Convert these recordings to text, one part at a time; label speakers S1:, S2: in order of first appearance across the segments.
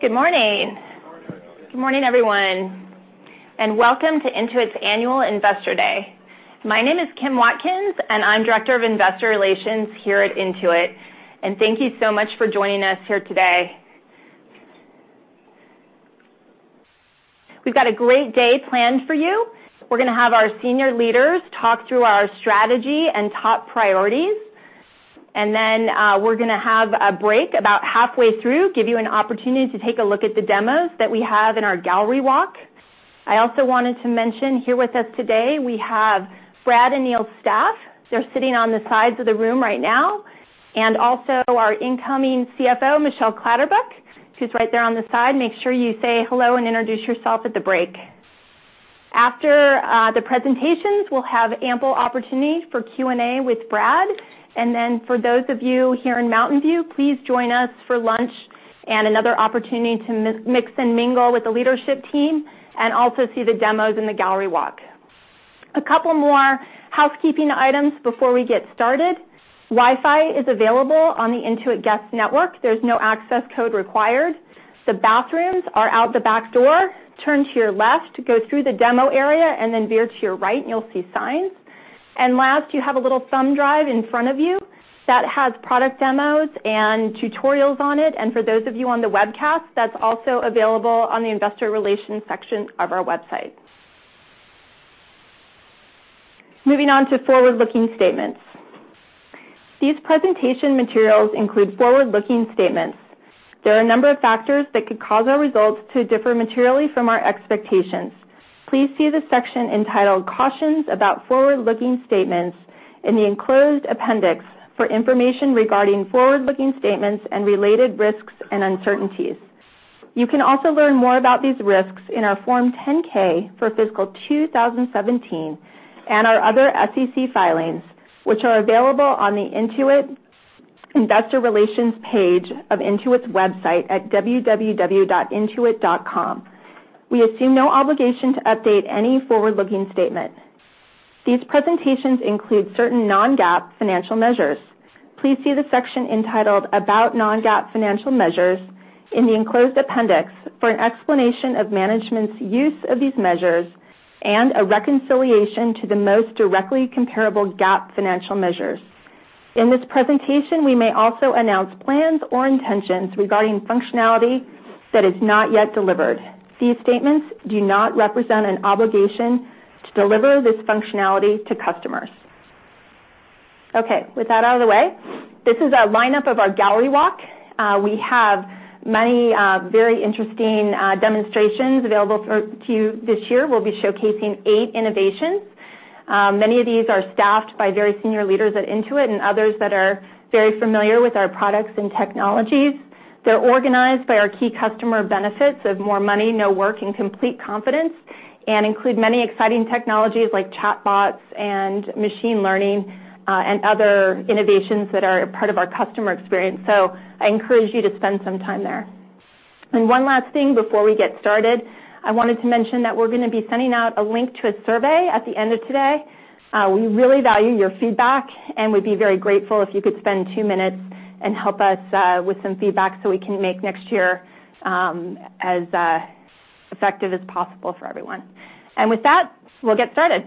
S1: Good morning.
S2: Good morning.
S1: Good morning, everyone, and welcome to Intuit's Annual Investor Day. My name is Kim Watkins, and I'm Director of Investor Relations here at Intuit. Thank you so much for joining us here today. We've got a great day planned for you. We're going to have our senior leaders talk through our strategy and top priorities, then we're going to have a break about halfway through, give you an opportunity to take a look at the demos that we have in our gallery walk. I also wanted to mention, here with us today, we have Brad Smith's staff. They're sitting on the sides of the room right now. Also, our incoming CFO, Michelle Clatterbuck, she's right there on the side. Make sure you say hello and introduce yourself at the break. After the presentations, we'll have ample opportunity for Q&A with Brad. For those of you here in Mountain View, please join us for lunch and another opportunity to mix and mingle with the leadership team, and also see the demos in the gallery walk. A couple more housekeeping items before we get started. Wi-Fi is available on the Intuit guest network. There's no access code required. The bathrooms are out the back door, turn to your left, go through the demo area, then veer to your right, and you'll see signs. Last, you have a little thumb drive in front of you that has product demos and tutorials on it. For those of you on the webcast, that's also available on the investor relations section of our website. Moving on to forward-looking statements. These presentation materials include forward-looking statements. There are a number of factors that could cause our results to differ materially from our expectations. Please see the section entitled "Cautions about Forward-Looking Statements" in the enclosed appendix for information regarding forward-looking statements and related risks and uncertainties. You can also learn more about these risks in our Form 10-K for fiscal 2017 and our other SEC filings, which are available on the Intuit investor relations page of Intuit's website at www.intuit.com. We assume no obligation to update any forward-looking statement. These presentations include certain non-GAAP financial measures. Please see the section entitled "About Non-GAAP Financial Measures" in the enclosed appendix for an explanation of management's use of these measures and a reconciliation to the most directly comparable GAAP financial measures. In this presentation, we may also announce plans or intentions regarding functionality that is not yet delivered. These statements do not represent an obligation to deliver this functionality to customers. With that out of the way, this is a lineup of our gallery walk. We have many very interesting demonstrations available to you this year. We'll be showcasing eight innovations. Many of these are staffed by very senior leaders at Intuit and others that are very familiar with our products and technologies. They're organized by our key customer benefits of more money, no work and complete confidence, and include many exciting technologies like chatbots and machine learning, and other innovations that are a part of our customer experience. I encourage you to spend some time there. One last thing before we get started, I wanted to mention that we're going to be sending out a link to a survey at the end of today. We really value your feedback, and we'd be very grateful if you could spend two minutes and help us with some feedback so we can make next year as effective as possible for everyone. With that, we'll get started.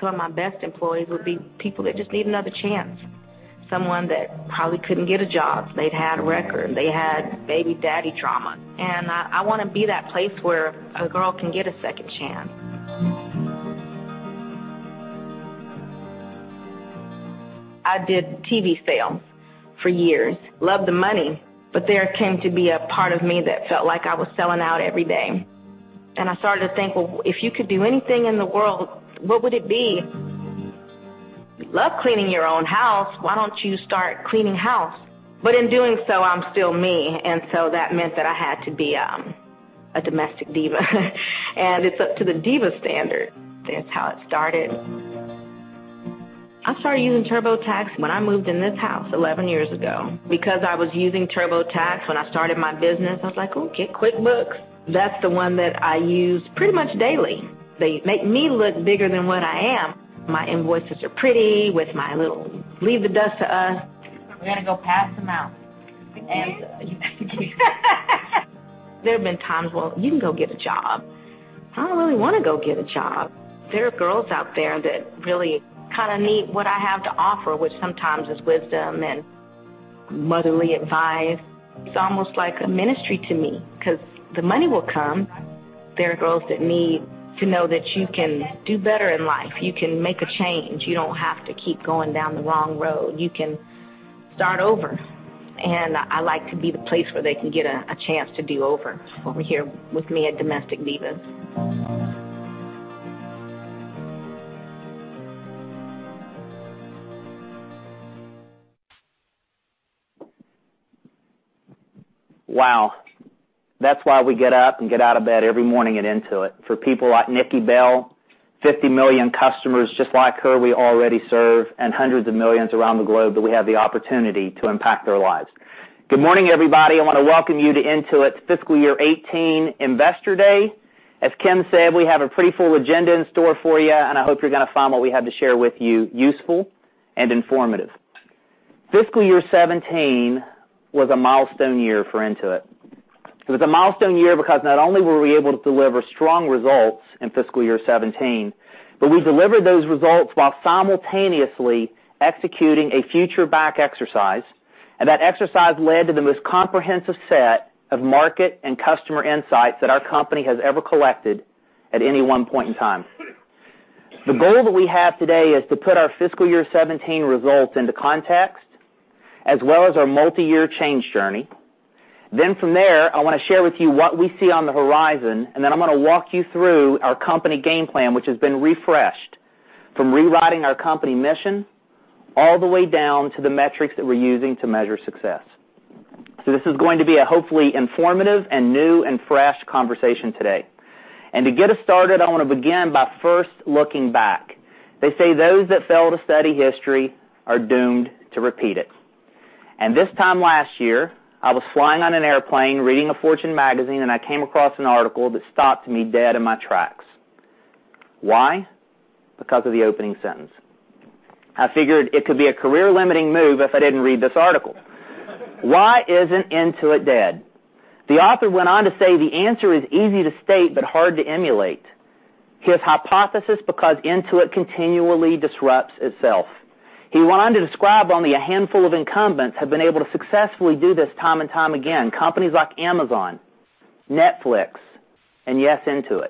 S1: Some of my best employees will be people that just need another chance. Someone that probably couldn't get a job. They'd had a record. They had baby daddy trauma, I want to be that place where a girl can get a second chance. I did TV sales for years. Loved the money, there came to be a part of me that felt like I was selling out every day, I started to think, "Well, if you could do anything in the world, what would it be?" You love cleaning your own house, why don't you start cleaning house? In doing so, I'm still me, that meant that I had to be a domestic diva, it's up to the diva standard. That's how it started. I started using TurboTax when I moved in this house 11 years ago. Because I was using TurboTax when I started my business, I was like, "Okay, QuickBooks." That's the one that I use pretty much daily. They make me look bigger than what I am. My invoices are pretty with my little "Leave the dust to us." We're going to go pass them out. Thank you. There have been times, "Well, you can go get a job." I don't really want to go get a job. There are girls out there that really kind of need what I have to offer, which sometimes is wisdom and motherly advice. It's almost like a ministry to me because the money will come. There are girls that need to know that you can do better in life. You can make a change. You don't have to keep going down the wrong road. You can start over, and I like to be the place where they can get a chance to do over here with me at Domestic Divas. Wow. That's why we get up and get out of bed every morning at Intuit for people like Nikki Bell.
S3: 50 million customers just like her we already serve, and hundreds of millions around the globe that we have the opportunity to impact their lives. Good morning, everybody. I want to welcome you to Intuit's Fiscal Year 2018 Investor Day. As Kim said, we have a pretty full agenda in store for you, and I hope you're going to find what we have to share with you useful and informative. Fiscal Year 2017 was a milestone year for Intuit. It was a milestone year because not only were we able to deliver strong results in Fiscal Year 2017, but we delivered those results while simultaneously executing a future back exercise. That exercise led to the most comprehensive set of market and customer insights that our company has ever collected at any one point in time. I figured it could be a career-limiting move if I didn't read this article. "Why isn't Intuit dead?" The author went on to say, "The answer is easy to state, but hard to emulate." His hypothesis, because Intuit continually disrupts itself. He went on to describe only a handful of incumbents have been able to successfully do this time and time again, companies like Amazon, Netflix, and yes, Intuit.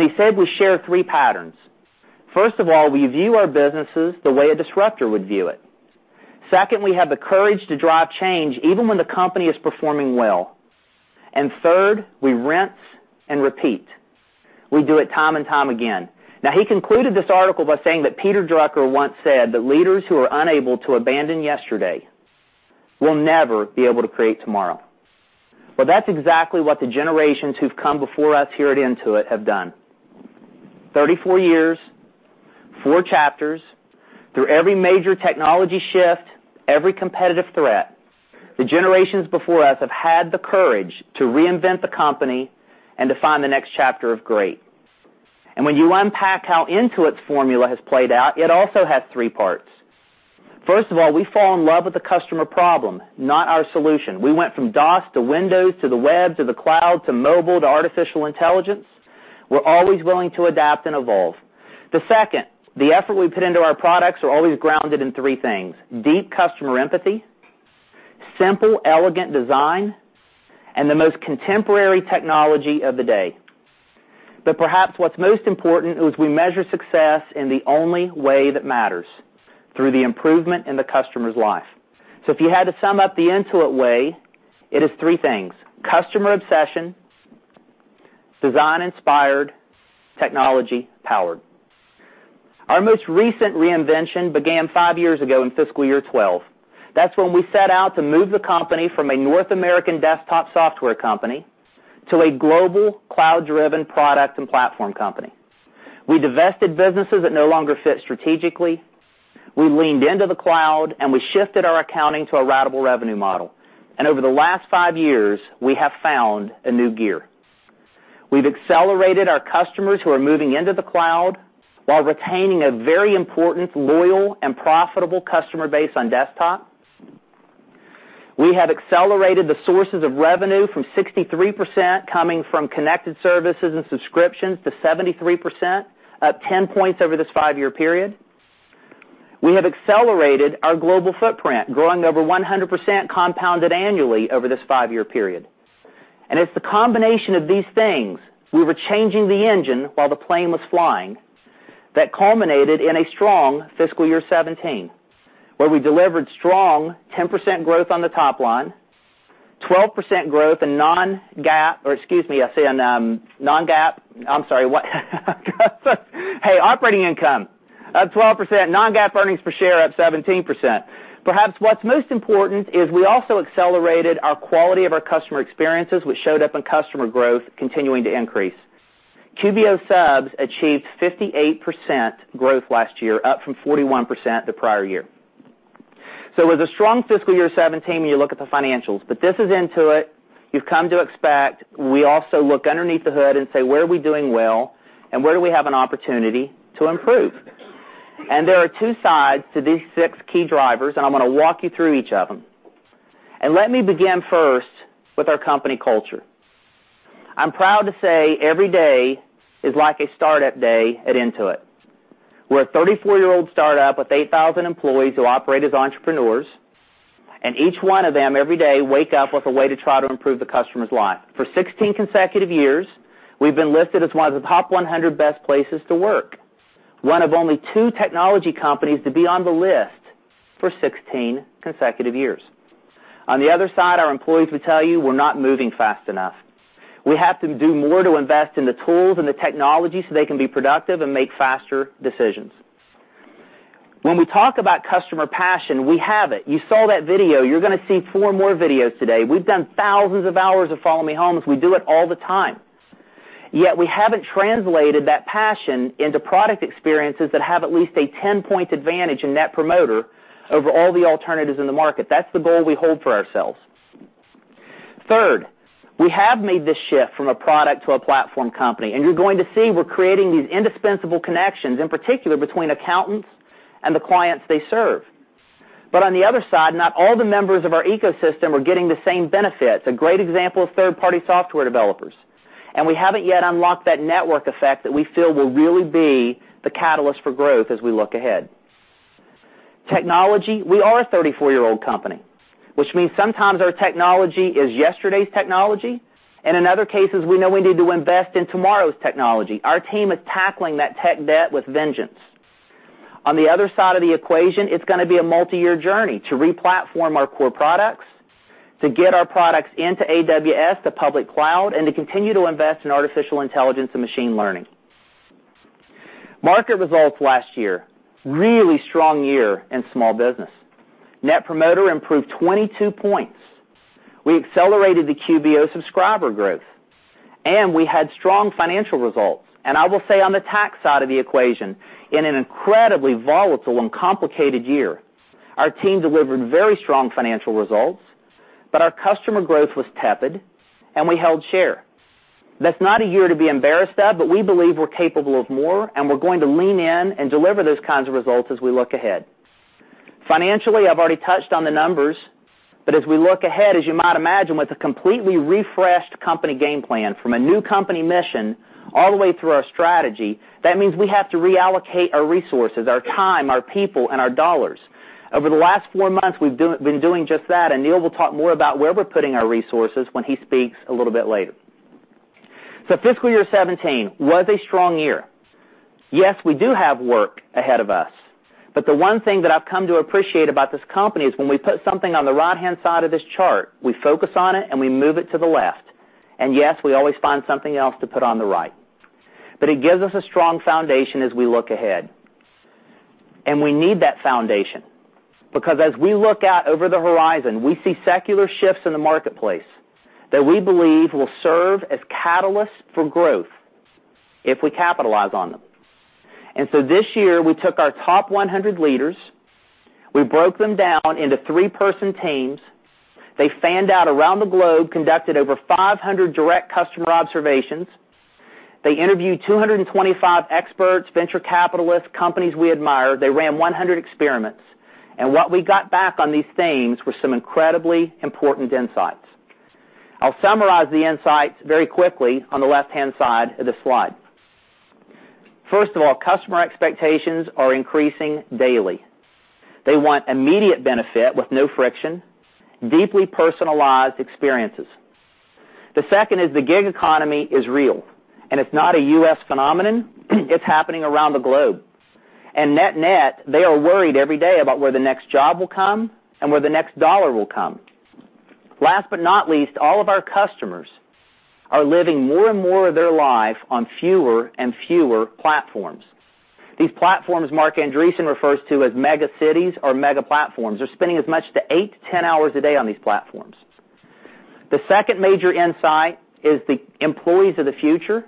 S3: He said we share three patterns. First of all, we view our businesses the way a disruptor would view it. Second, we have the courage to drive change even when the company is performing well. Third, we rinse and repeat. We do it time and time again. When you unpack how Intuit's formula has played out, it also has three parts. First of all, we fall in love with the customer problem, not our solution. We went from DOS to Windows to the web to the cloud to mobile to artificial intelligence. We're always willing to adapt and evolve. The second, the effort we put into our products are always grounded in three things, deep customer empathy, simple, elegant design, and the most contemporary technology of the day. Perhaps what's most important is we measure success in the only way that matters, through the improvement in the customer's life. If you had to sum up the Intuit way, it is three things, customer obsession, design inspired, technology powered. Our most recent reinvention began five years ago in fiscal year 2012. That's when we set out to move the company from a North American desktop software company to a global cloud-driven product and platform company. We divested businesses that no longer fit strategically, we leaned into the cloud, and we shifted our accounting to a ratable revenue model. Over the last five years, we have found a new gear. We've accelerated our customers who are moving into the cloud while retaining a very important, loyal, and profitable customer base on desktop. We have accelerated the sources of revenue from 63% coming from connected services and subscriptions to 73%, up 10 points over this five-year period. We have accelerated our global footprint, growing over 100% compounded annually over this five-year period. It's the combination of these things, we were changing the engine while the plane was flying, that culminated in a strong fiscal year 2017, where we delivered strong 10% growth on the top line, operating income up 12%, non-GAAP earnings per share up 17%. Perhaps what's most important is we also accelerated our quality of our customer experiences, which showed up in customer growth continuing to increase. QBO subs achieved 58% growth last year, up from 41% the prior year. It was a strong fiscal year 2017 when you look at the financials, but this is Intuit. You've come to expect, we also look underneath the hood and say, where are we doing well, and where do we have an opportunity to improve? There are two sides to these six key drivers, and I'm going to walk you through each of them. Let me begin first with our company culture. I'm proud to say every day is like a startup day at Intuit. We're a 34-year-old startup with 8,000 employees who operate as entrepreneurs, and each one of them, every day, wake up with a way to try to improve the customer's life. For 16 consecutive years, we've been listed as one of the top 100 best places to work, one of only two technology companies to be on the list for 16 consecutive years. On the other side, our employees will tell you we're not moving fast enough. We have to do more to invest in the tools and the technology so they can be productive and make faster decisions. When we talk about customer passion, we have it. You saw that video. You're going to see four more videos today. We've done thousands of hours of Follow Me Homes. We do it all the time. Yet we haven't translated that passion into product experiences that have at least a 10-point advantage in Net Promoter over all the alternatives in the market. That's the goal we hold for ourselves. Third, we have made this shift from a product to a platform company. You're going to see we're creating these indispensable connections, in particular, between accountants and the clients they serve. On the other side, not all the members of our ecosystem are getting the same benefits. A great example is third-party software developers. We haven't yet unlocked that network effect that we feel will really be the catalyst for growth as we look ahead. Technology, we are a 34-year-old company, which means sometimes our technology is yesterday's technology, and in other cases, we know we need to invest in tomorrow's technology. Our team is tackling that tech debt with vengeance. On the other side of the equation, it's going to be a multi-year journey to re-platform our core products, to get our products into AWS, to public cloud, and to continue to invest in artificial intelligence and machine learning. Market results last year, really strong year in small business. Net Promoter improved 22 points. We accelerated the QBO subscriber growth. We had strong financial results. I will say on the tax side of the equation, in an incredibly volatile and complicated year, our team delivered very strong financial results. Our customer growth was tepid. We held share. That's not a year to be embarrassed of. We believe we're capable of more. We're going to lean in and deliver those kinds of results as we look ahead. Financially, I've already touched on the numbers. As we look ahead, as you might imagine, with a completely refreshed company game plan from a new company mission all the way through our strategy, that means we have to reallocate our resources, our time, our people, and our dollars. Over the last four months, we've been doing just that. Neil will talk more about where we're putting our resources when he speaks a little bit later. Fiscal year 2017 was a strong year. Yes, we do have work ahead of us, but the one thing that I've come to appreciate about this company is when we put something on the right-hand side of this chart, we focus on it. We move it to the left. Yes, we always find something else to put on the right. It gives us a strong foundation as we look ahead. We need that foundation because as we look out over the horizon, we see secular shifts in the marketplace that we believe will serve as catalysts for growth if we capitalize on them. This year, we took our top 100 leaders, we broke them down into three-person teams. They fanned out around the globe, conducted over 500 direct customer observations. They interviewed 225 experts, venture capitalists, companies we admire. They ran 100 experiments. What we got back on these themes were some incredibly important insights. I'll summarize the insights very quickly on the left-hand side of the slide. First of all, customer expectations are increasing daily. They want immediate benefit with no friction, deeply personalized experiences. The second is the gig economy is real, and it's not a U.S. phenomenon. It's happening around the globe. Net net, they are worried every day about where the next job will come and where the next dollar will come. Last but not least, all of our customers are living more and more of their life on fewer and fewer platforms. These platforms Marc Andreessen refers to as mega cities or mega platforms. They're spending as much as 8 to 10 hours a day on these platforms. The second major insight is the employees of the future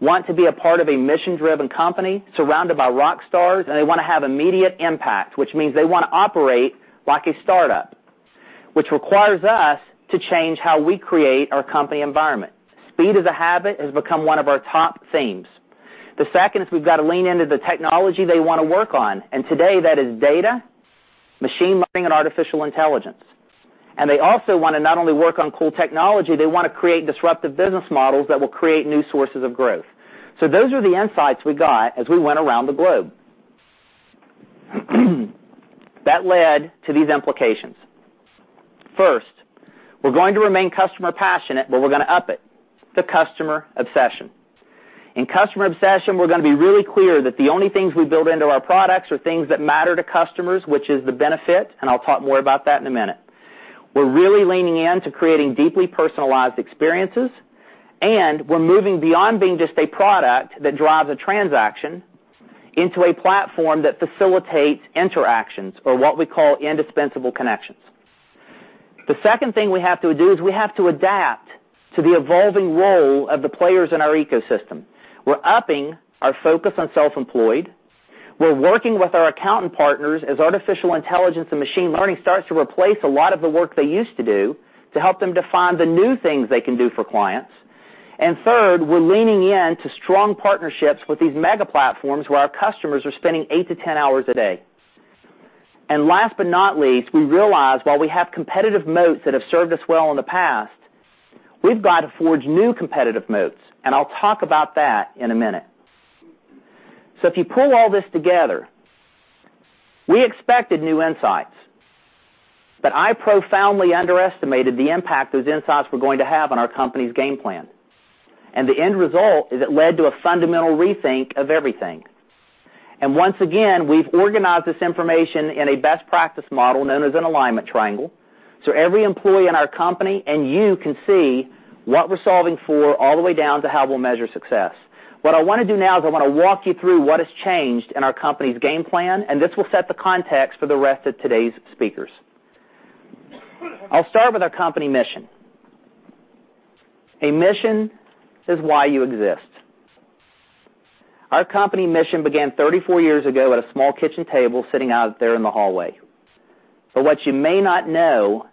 S3: want to be a part of a mission-driven company surrounded by rock stars, and they want to have immediate impact, which means they want to operate like a startup, which requires us to change how we create our company environment. Speed is a habit has become one of our top themes. The second is we've got to lean into the technology they want to work on. Today, that is data, machine learning, and artificial intelligence. They also want to not only work on cool technology, they want to create disruptive business models that will create new sources of growth. Those are the insights we got as we went around the globe. That led to these implications. First, we're going to remain customer passionate, but we're going to up it to customer obsession. In customer obsession, we're going to be really clear that the only things we build into our products are things that matter to customers, which is the benefit, and I'll talk more about that in a minute. We're really leaning in to creating deeply personalized experiences, and we're moving beyond being just a product that drives a transaction into a platform that facilitates interactions or what we call indispensable connections. The second thing we have to do is we have to adapt to the evolving role of the players in our ecosystem. We're upping our focus on self-employed. We're working with our accountant partners as artificial intelligence and machine learning starts to replace a lot of the work they used to do to help them define the new things they can do for clients. Third, we're leaning in to strong partnerships with these mega platforms where our customers are spending 8 to 10 hours a day. Last but not least, we realize while we have competitive moats that have served us well in the past, we've got to forge new competitive moats, and I'll talk about that in a minute. If you pull all this together, we expected new insights, but I profoundly underestimated the impact those insights were going to have on our company's game plan. The end result is it led to a fundamental rethink of everything. Once again, we've organized this information in a best practice model known as an alignment triangle. Every employee in our company and you can see what we're solving for all the way down to how we'll measure success. What I want to do now is I want to walk you through what has changed in our company's game plan, and this will set the context for the rest of today's speakers. I'll start with our company mission. A mission is why you exist. Our company mission began 34 years ago at a small kitchen table sitting out there in the hallway. What you may not know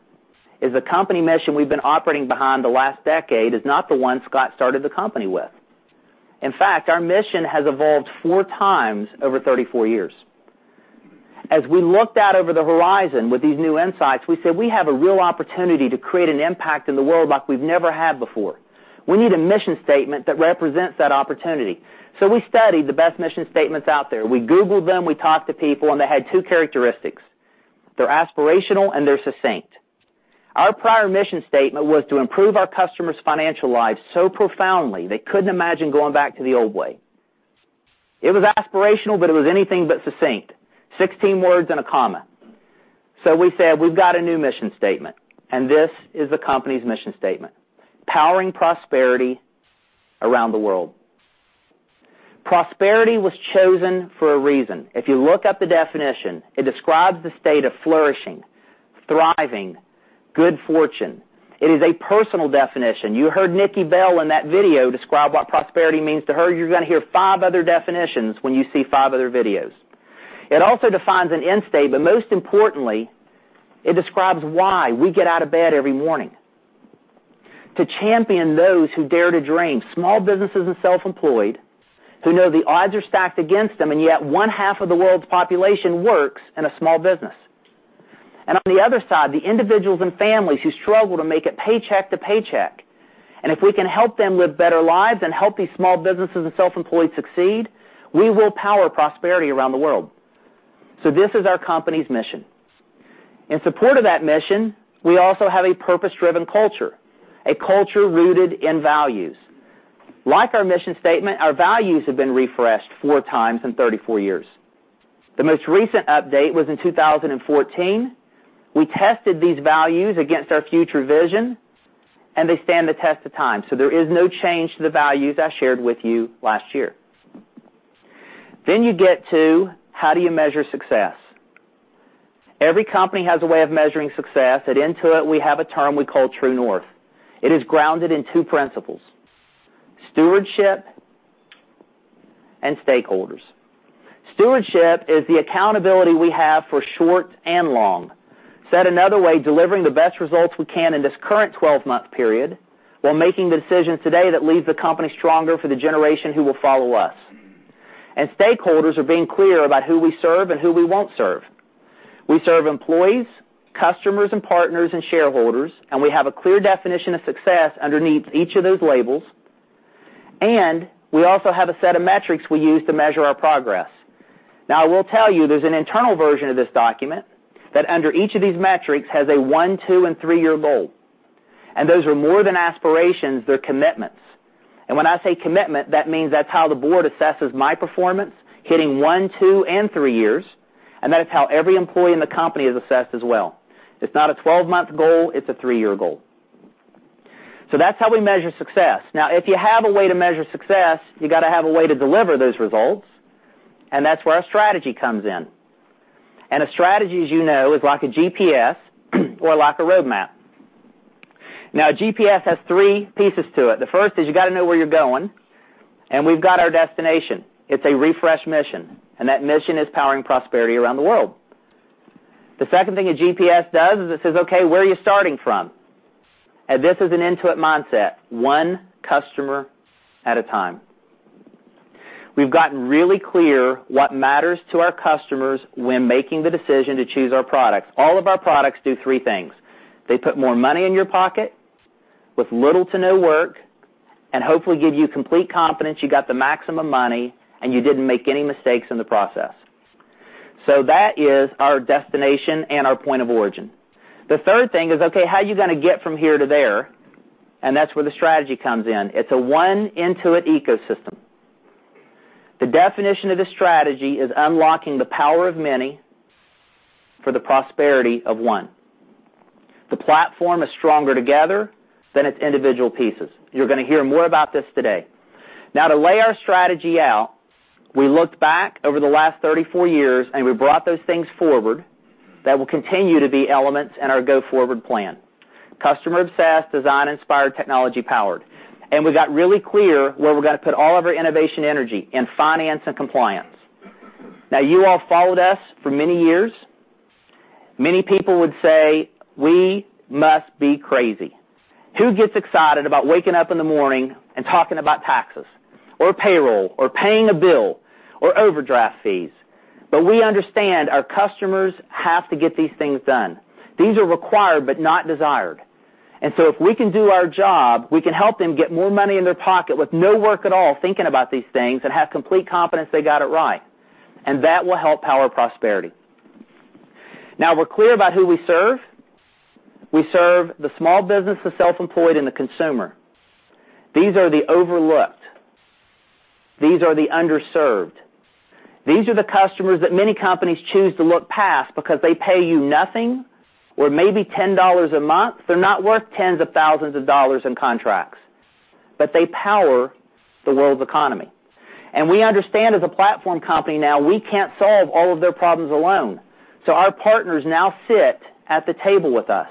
S3: is the company mission we've been operating behind the last decade is not the one Scott started the company with. In fact, our mission has evolved four times over 34 years. As we looked out over the horizon with these new insights, we said, "We have a real opportunity to create an impact in the world like we've never had before. We need a mission statement that represents that opportunity." We studied the best mission statements out there. We googled them, we talked to people, they had two characteristics. They're aspirational, and they're succinct. Our prior mission statement was to improve our customers' financial lives so profoundly they couldn't imagine going back to the old way. It was aspirational, but it was anything but succinct. 16 words. A comma. We said, "We've got a new mission statement," and this is the company's mission statement, Powering Prosperity Around the World. Prosperity was chosen for a reason. If you look up the definition, it describes the state of flourishing, thriving, good fortune. It is a personal definition. You heard Nikki Bell in that video describe what prosperity means to her. You're going to hear five other definitions when you see five other videos. It also defines an end state, most importantly, it describes why we get out of bed every morning. To champion those who dare to dream, small businesses and self-employed, who know the odds are stacked against them, yet one half of the world's population works in a small business. On the other side, the individuals and families who struggle to make it paycheck to paycheck. If we can help them live better lives and help these small businesses and self-employed succeed, we will Power Prosperity Around the World. This is our company's mission. In support of that mission, we also have a purpose-driven culture, a culture rooted in values. Like our mission statement, our values have been refreshed four times in 34 years. The most recent update was in 2014. We tested these values against our future vision, they stand the test of time. There is no change to the values I shared with you last year. You get to how do you measure success? Every company has a way of measuring success. At Intuit, we have a term we call True North. It is grounded in two principles, stewardship and stakeholders. Stewardship is the accountability we have for short and long. Said another way, delivering the best results we can in this current 12-month period while making the decisions today that leave the company stronger for the generation who will follow us. Stakeholders are being clear about who we serve and who we won't serve. We serve employees, customers and partners, and shareholders. We have a clear definition of success underneath each of those labels. We also have a set of metrics we use to measure our progress. Now, I will tell you, there's an internal version of this document that under each of these metrics has a one, two, and three-year goal. Those are more than aspirations, they're commitments. When I say commitment, that means that's how the board assesses my performance, hitting one, two, and three years. That is how every employee in the company is assessed as well. It's not a 12-month goal, it's a three-year goal. That's how we measure success. If you have a way to measure success, you have to have a way to deliver those results, and that's where our strategy comes in. A strategy, as you know, is like a GPS or like a roadmap. A GPS has three pieces to it. The first is you have to know where you're going, and we've got our destination. It's a refreshed mission, and that mission is powering prosperity around the world. The second thing a GPS does is it says, okay, where are you starting from? This is an Intuit mindset, one customer at a time. We've gotten really clear what matters to our customers when making the decision to choose our products. All of our products do three things. They put more money in your pocket with little to no work, and hopefully give you complete confidence you have the maximum money and you didn't make any mistakes in the process. That is our destination and our point of origin. The third thing is, okay, how are you going to get from here to there? That's where the strategy comes in. It's a one Intuit ecosystem. The definition of this strategy is unlocking the power of many for the prosperity of one. The platform is stronger together than its individual pieces. You're going to hear more about this today. To lay our strategy out, we looked back over the last 34 years, we brought those things forward that will continue to be elements in our go-forward plan. Customer obsessed, design inspired, technology powered. We have gotten really clear where we're going to put all of our innovation energy, in finance and compliance. You all followed us for many years. Many people would say we must be crazy. Who gets excited about waking up in the morning and talking about taxes or payroll or paying a bill or overdraft fees? We understand our customers have to get these things done. These are required but not desired. If we can do our job, we can help them get more money in their pocket with no work at all, thinking about these things and have complete confidence they have it right. That will help power prosperity. We're clear about who we serve. We serve the small business, the self-employed, and the consumer. These are the overlooked. These are the underserved. These are the customers that many companies choose to look past because they pay you nothing or maybe $10 a month. They're not worth tens of thousands of dollars in contracts, they power the world's economy. We understand as a platform company now, we can't solve all of their problems alone. Our partners now sit at the table with us,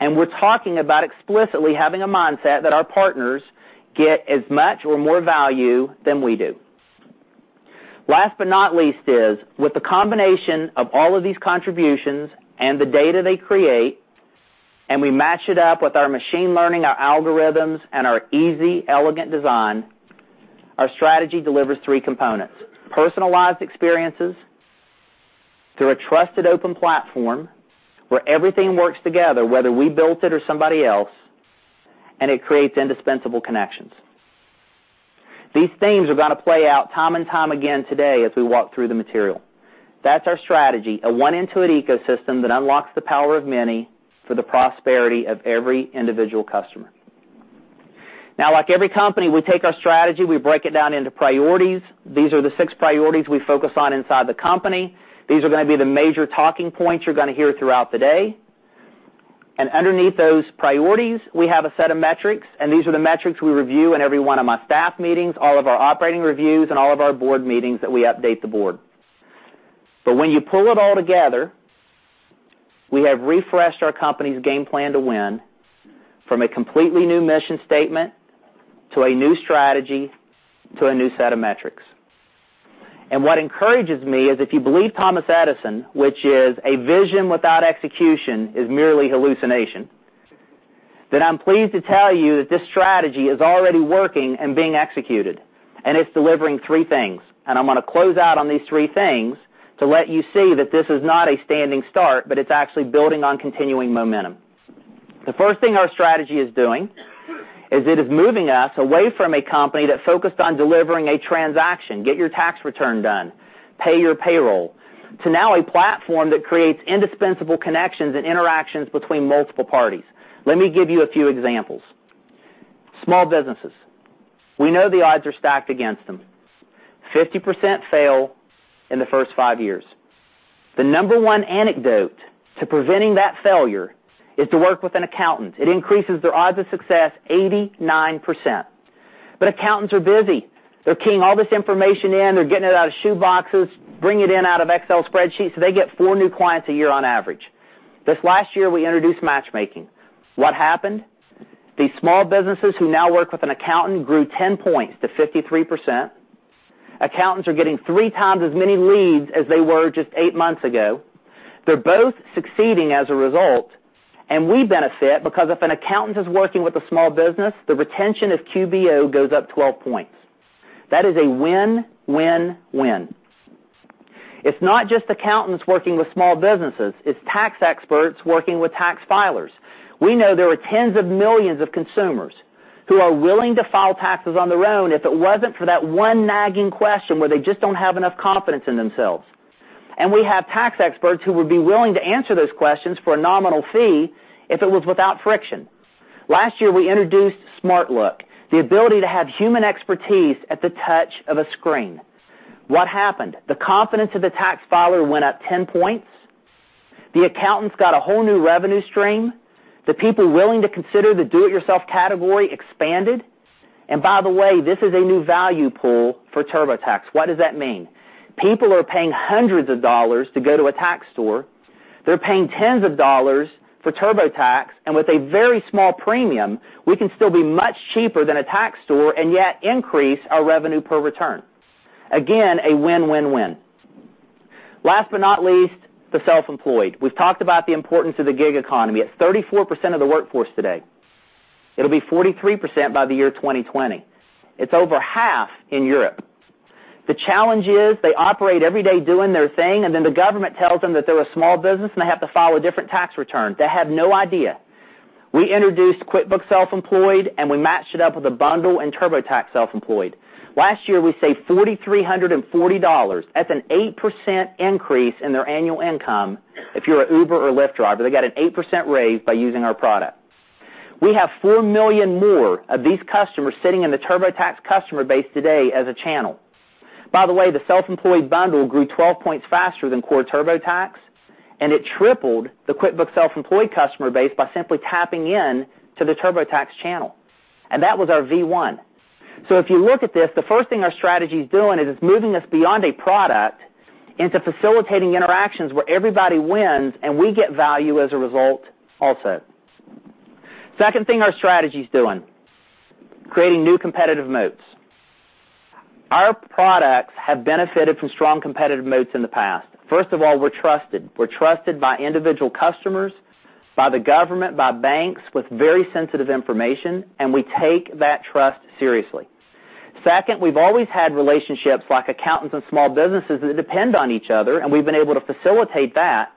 S3: we're talking about explicitly having a mindset that our partners get as much or more value than we do. Last but not least is, with the combination of all of these contributions and the data they create, we match it up with our machine learning, our algorithms, and our easy, elegant design, our strategy delivers three components. Personalized experiences through a trusted open platform where everything works together, whether we built it or somebody else, and it creates indispensable connections. These themes are going to play out time and time again today as we walk through the material. That's our strategy, a one Intuit ecosystem that unlocks the power of many for the prosperity of every individual customer. Like every company, we take our strategy, we break it down into priorities. These are the six priorities we focus on inside the company. These are going to be the major talking points you're going to hear throughout the day. Underneath those priorities, we have a set of metrics. These are the metrics we review in every one of my staff meetings, all of our operating reviews, of all of our board meetings that we update the board. When you pull it all together, we have refreshed our company's game plan to win from a completely new mission statement to a new strategy, to a new set of metrics. What encourages me is, if you believe Thomas Edison, which is, "A vision without execution is merely hallucination," then I'm pleased to tell you that this strategy is already working and being executed, it's delivering three things. I'm going to close out on these three things to let you see that this is not a standing start, but it's actually building on continuing momentum. The first thing our strategy is doing is it is moving us away from a company that focused on delivering a transaction, get your tax return done, pay your payroll, to now a platform that creates indispensable connections and interactions between multiple parties. Let me give you a few examples. Small businesses. We know the odds are stacked against them. 50% fail in the first five years. The number one antidote to preventing that failure is to work with an accountant. It increases their odds of success 89%. Accountants are busy. They're keying all this information in. They're getting it out of shoe boxes, bring it in out of Excel spreadsheets. They get four new clients a year on average. This last year, we introduced matchmaking. What happened? These small businesses who now work with an accountant grew 10 points to 53%. Accountants are getting three times as many leads as they were just eight months ago. They're both succeeding as a result, we benefit because if an accountant is working with a small business, the retention of QuickBooks Online goes up 12 points. That is a win-win-win. It's not just accountants working with small businesses, it's tax experts working with tax filers. We know there are tens of millions of consumers who are willing to file taxes on their own if it wasn't for that one nagging question where they just don't have enough confidence in themselves. We have tax experts who would be willing to answer those questions for a nominal fee if it was without friction. Last year, we introduced SmartLook, the ability to have human expertise at the touch of a screen. What happened? The confidence of the tax filer went up 10 points. The accountants got a whole new revenue stream. The people willing to consider the do-it-yourself category expanded. By the way, this is a new value pool for TurboTax. What does that mean? People are paying hundreds of dollars to go to a tax store. They're paying tens of dollars for TurboTax, with a very small premium, we can still be much cheaper than a tax store and yet increase our revenue per return. Again, a win-win-win. Last but not least, the self-employed. We've talked about the importance of the gig economy. It's 34% of the workforce today. It'll be 43% by the year 2020. It's over half in Europe. The challenge is they operate every day doing their thing, then the government tells them that they're a small business, and they have to file a different tax return. They have no idea. We introduced QuickBooks Self-Employed, we matched it up with a bundle and TurboTax Self-Employed. Last year, we saved $4,340. That's an 8% increase in their annual income if you're a Uber or Lyft driver. They got an 8% raise by using our product. We have 4 million more of these customers sitting in the TurboTax customer base today as a channel. By the way, the self-employed bundle grew 12 points faster than core TurboTax, it tripled the QuickBooks Self-Employed customer base by simply tapping in to the TurboTax channel. That was our V1. If you look at this, the first thing our strategy is doing is it's moving us beyond a product into facilitating interactions where everybody wins and we get value as a result also. Second thing our strategy is doing, creating new competitive moats. Our products have benefited from strong competitive moats in the past. First of all, we're trusted. We're trusted by individual customers, by the government, by banks with very sensitive information, and we take that trust seriously. Second, we've always had relationships like accountants and small businesses that depend on each other, and we've been able to facilitate that.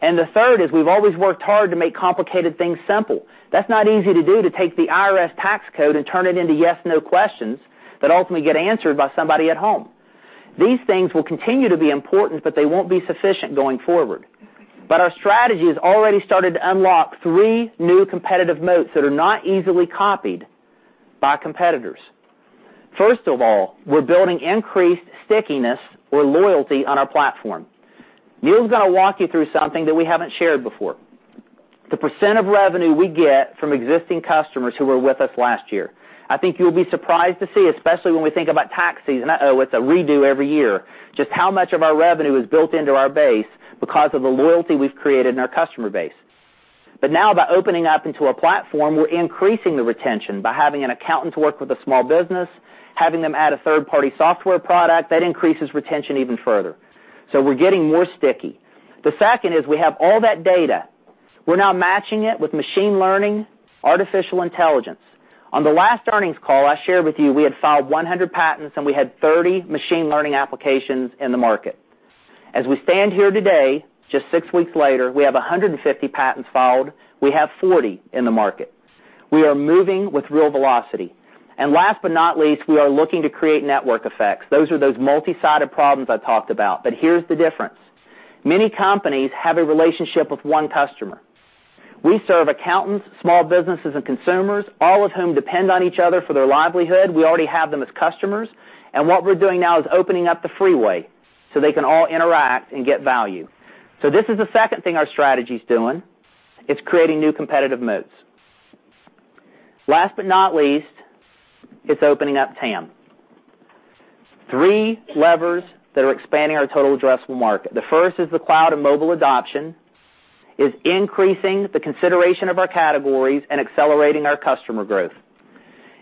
S3: The third is we've always worked hard to make complicated things simple. That's not easy to do, to take the IRS tax code and turn it into yes/no questions that ultimately get answered by somebody at home. These things will continue to be important, they won't be sufficient going forward. Our strategy has already started to unlock three new competitive moats that are not easily copied by competitors. First of all, we're building increased stickiness or loyalty on our platform. Neil's going to walk you through something that we haven't shared before. The percent of revenue we get from existing customers who were with us last year. I think you'll be surprised to see, especially when we think about tax season, it's a redo every year, just how much of our revenue is built into our base because of the loyalty we've created in our customer base. Now by opening up into a platform, we're increasing the retention by having an accountant work with a small business, having them add a third-party software product, that increases retention even further. We're getting more sticky. The second is we have all that data. We're now matching it with machine learning, artificial intelligence. On the last earnings call, I shared with you we had filed 100 patents and we had 30 machine learning applications in the market. As we stand here today, just six weeks later, we have 150 patents filed. We have 40 in the market. We are moving with real velocity. Last but not least, we are looking to create network effects. Those are those multi-sided problems I talked about. Here's the difference. Many companies have a relationship with one customer. We serve accountants, small businesses, and consumers, all of whom depend on each other for their livelihood. We already have them as customers. What we're doing now is opening up the freeway so they can all interact and get value. This is the second thing our strategy's doing. It's creating new competitive moats. Last but not least, it's opening up TAM. Three levers that are expanding our total addressable market. The first is the cloud and mobile adoption, is increasing the consideration of our categories and accelerating our customer growth.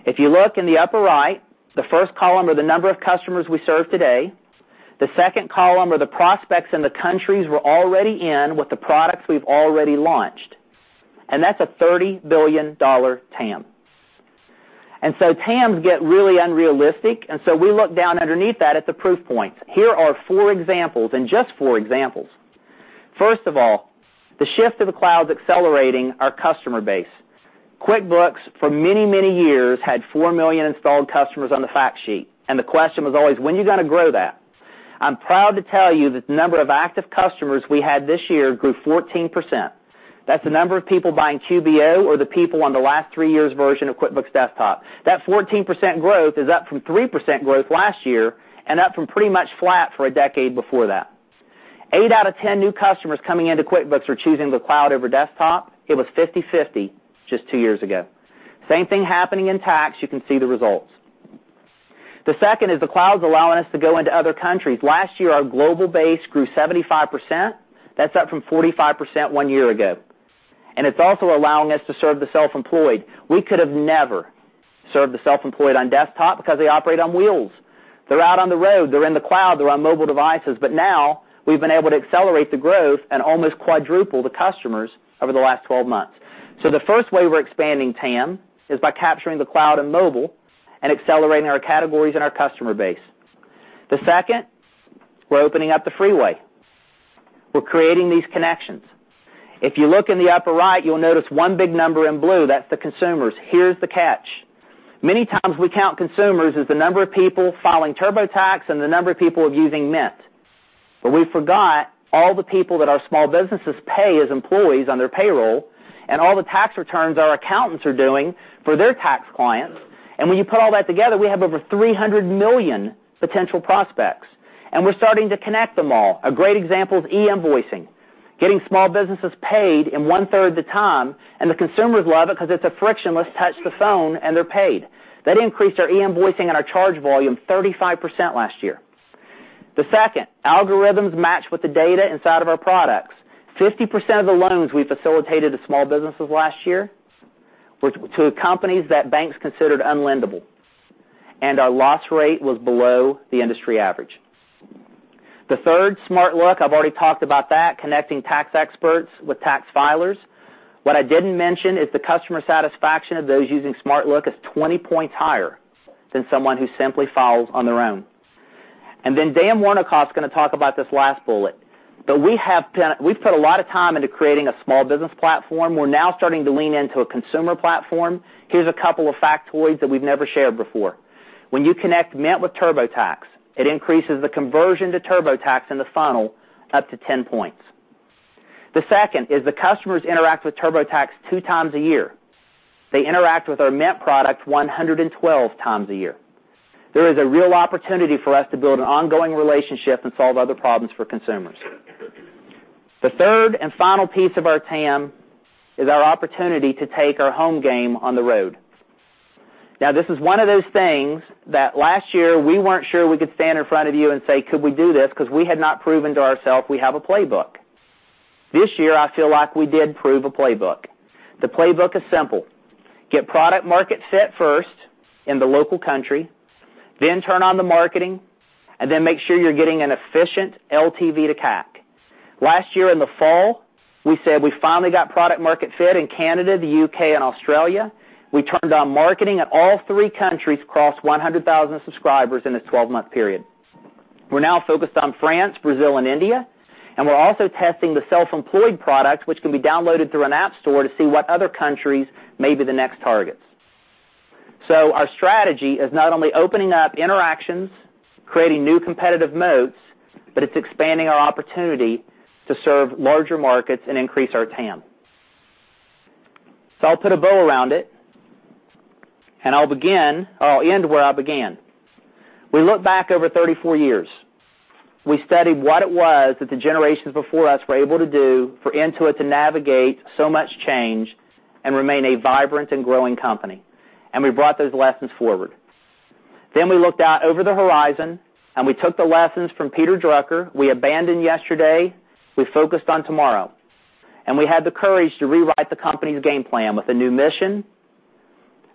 S3: If you look in the upper right, the first column are the number of customers we serve today, the second column are the prospects in the countries we're already in with the products we've already launched. That's a $30 billion TAM. TAMs get really unrealistic, so we look down underneath that at the proof points. Here are four examples, just four examples. First of all, the shift to the cloud's accelerating our customer base. QuickBooks, for many, many years, had 4 million installed customers on the fact sheet. The question was always, when are you going to grow that? I'm proud to tell you that the number of active customers we had this year grew 14%. That's the number of people buying QBO or the people on the last 3 years' version of QuickBooks Desktop. That 14% growth is up from 3% growth last year and up from pretty much flat for a decade before that. Eight out of 10 new customers coming into QuickBooks are choosing the cloud over desktop. It was 50/50 just two years ago. Same thing happening in tax, you can see the results. The second is the cloud's allowing us to go into other countries. Last year, our global base grew 75%. That's up from 45% one year ago. It's also allowing us to serve the self-employed. We could have never served the self-employed on desktop because they operate on wheels. They're out on the road, they're in the cloud, they're on mobile devices, but now we've been able to accelerate the growth and almost quadruple the customers over the last 12 months. The first way we're expanding TAM is by capturing the cloud and mobile and accelerating our categories and our customer base. The second, we're opening up the freeway. We're creating these connections. If you look in the upper right, you'll notice one big number in blue. That's the consumers. Here's the catch. Many times we count consumers as the number of people filing TurboTax and the number of people using Mint. We forgot all the people that our small businesses pay as employees on their payroll and all the tax returns our accountants are doing for their tax clients. When you put all that together, we have over 300 million potential prospects, and we're starting to connect them all. A great example is e-invoicing, getting small businesses paid in one-third the time. The consumers love it because it's a frictionless touch the phone and they're paid. That increased our e-invoicing and our charge volume 35% last year. The second, algorithms match with the data inside of our products. 50% of the loans we facilitated to small businesses last year were to companies that banks considered unlendable. Our loss rate was below the industry average. The third, SmartLook, I've already talked about that, connecting tax experts with tax filers. What I didn't mention is the customer satisfaction of those using SmartLook is 20 points higher than someone who simply files on their own. Dan Wernikoff is going to talk about this last bullet, we've put a lot of time into creating a small business platform. We're now starting to lean into a consumer platform. Here's a couple of factoids that we've never shared before. When you connect Mint with TurboTax, it increases the conversion to TurboTax in the funnel up to 10 points. The second is the customers interact with TurboTax two times a year. They interact with our Mint product 112 times a year. There is a real opportunity for us to build an ongoing relationship and solve other problems for consumers. The third and final piece of our TAM is our opportunity to take our home game on the road. This is one of those things that last year we weren't sure we could stand in front of you and say, "Could we do this?" We had not proven to ourself we have a playbook. This year, I feel like we did prove a playbook. The playbook is simple. Get product-market fit first in the local country, turn on the marketing, make sure you're getting an efficient LTV to CAC. Last year in the fall, we said we finally got product-market fit in Canada, the U.K., and Australia. We turned on marketing at all three countries, crossed 100,000 subscribers in a 12-month period. We're now focused on France, Brazil, and India, we're also testing the Self-Employed product, which can be downloaded through an app store to see what other countries may be the next targets. Our strategy is not only opening up interactions, creating new competitive moats, it's expanding our opportunity to serve larger markets and increase our TAM. I'll put a bow around it, I'll end where I began. We look back over 34 years. We studied what it was that the generations before us were able to do for Intuit to navigate so much change and remain a vibrant and growing company, we brought those lessons forward. We looked out over the horizon, we took the lessons from Peter Drucker. We abandoned yesterday, we focused on tomorrow, we had the courage to rewrite the company's game plan with a new mission,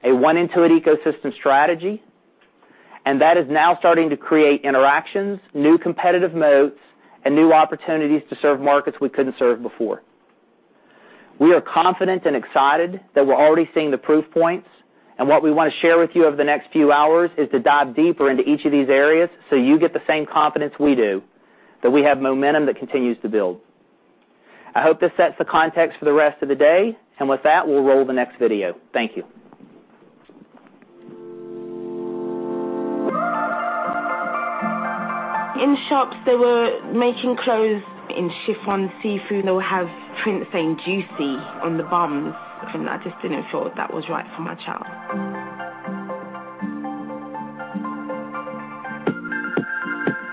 S3: a one Intuit ecosystem strategy, that is now starting to create interactions, new competitive moats, new opportunities to serve markets we couldn't serve before. We are confident and excited that we're already seeing the proof points. What we want to share with you over the next few hours is to dive deeper into each of these areas so you get the same confidence we do that we have momentum that continues to build. I hope this sets the context for the rest of the day. With that, we'll roll the next video. Thank you. In shops, they were making clothes in chiffon, seersucker. They would have prints saying "Juicy" on the bums, and I just didn't feel that was right for my child.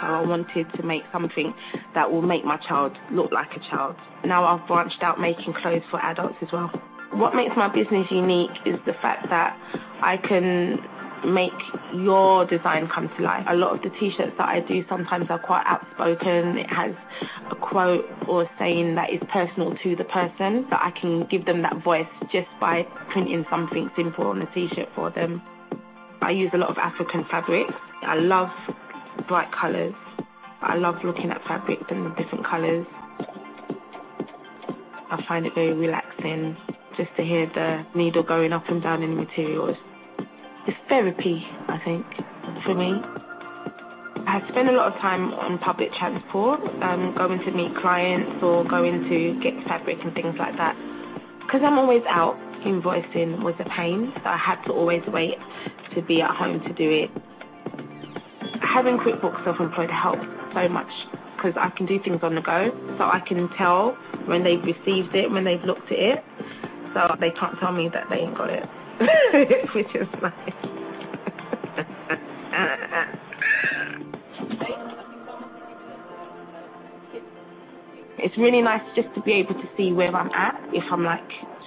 S3: I wanted to make something that will make my child look like a child. Now I've branched out, making clothes for adults as well. What makes my business unique is the fact that I can make your design come to life. A lot of the T-shirts that I do sometimes are quite outspoken. It has a quote or saying that is personal to the person, but I can give them that voice just by printing something simple on a T-shirt for them. I use a lot of African fabrics. I love bright colors. I love looking at fabrics and the different colors. I find it very relaxing just to hear the needle going up and down in materials. It's therapy, I think, for me. I have spent a lot of time on public transport, going to meet clients or going to get fabrics and things like that. Because I'm always out, invoicing was a pain, so I had to always wait to be at home to do it. Having QuickBooks Self-Employed helped so much because I can do things on the go, so I can tell when they've received it, when they've looked at it, so they can't tell me that they ain't got it, which is nice. It's really nice just to be able to see where I'm at, if I'm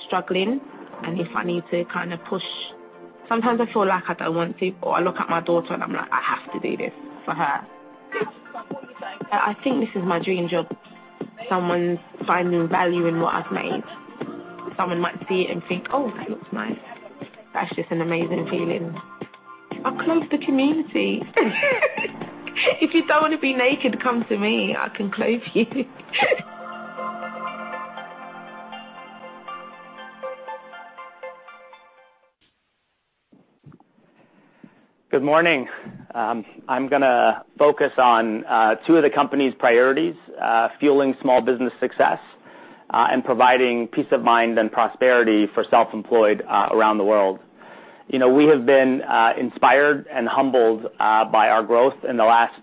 S3: struggling, and if I need to kind of push. Sometimes I feel like I don't want to, but I look at my daughter, and I'm like, "I have to do this for her." I think this is my dream job. Someone's finding value in what I've made. Someone might see it and think, "Oh, that looks nice." That's just an amazing feeling. I'll clothe the community. If you don't want to be naked, come to me. I can clothe you.
S4: Good morning. I'm going to focus on two of the company's priorities, fueling small business success, and providing peace of mind and prosperity for self-employed around the world. We have been inspired and humbled by our growth in the last,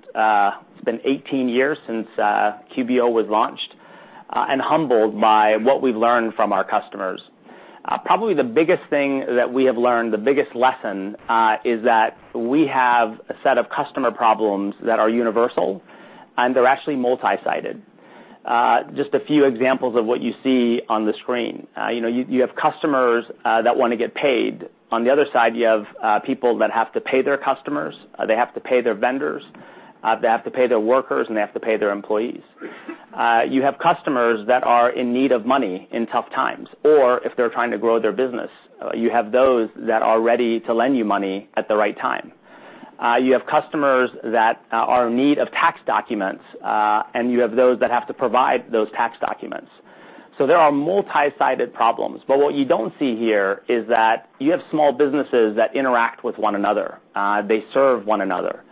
S4: it's been 18 years since QBO was launched, and humbled by what we've learned from our customers. Probably the biggest thing that we have learned, the biggest lesson, is that we have a set of customer problems that are universal, and they're actually multi-sided. Just a few examples of what you see on the screen. You have customers that want to get paid. On the other side, you have people that have to pay their customers, they have to pay their vendors, they have to pay their workers, and they have to pay their employees. You have customers that are in need of money in tough times, or if they're trying to grow their business. You have those that are ready to lend you money at the right time. You have customers that are in need of tax documents, and you have those that have to provide those tax documents. There are multi-sided problems. What you don't see here is that you have small businesses that interact with one another. They serve one another.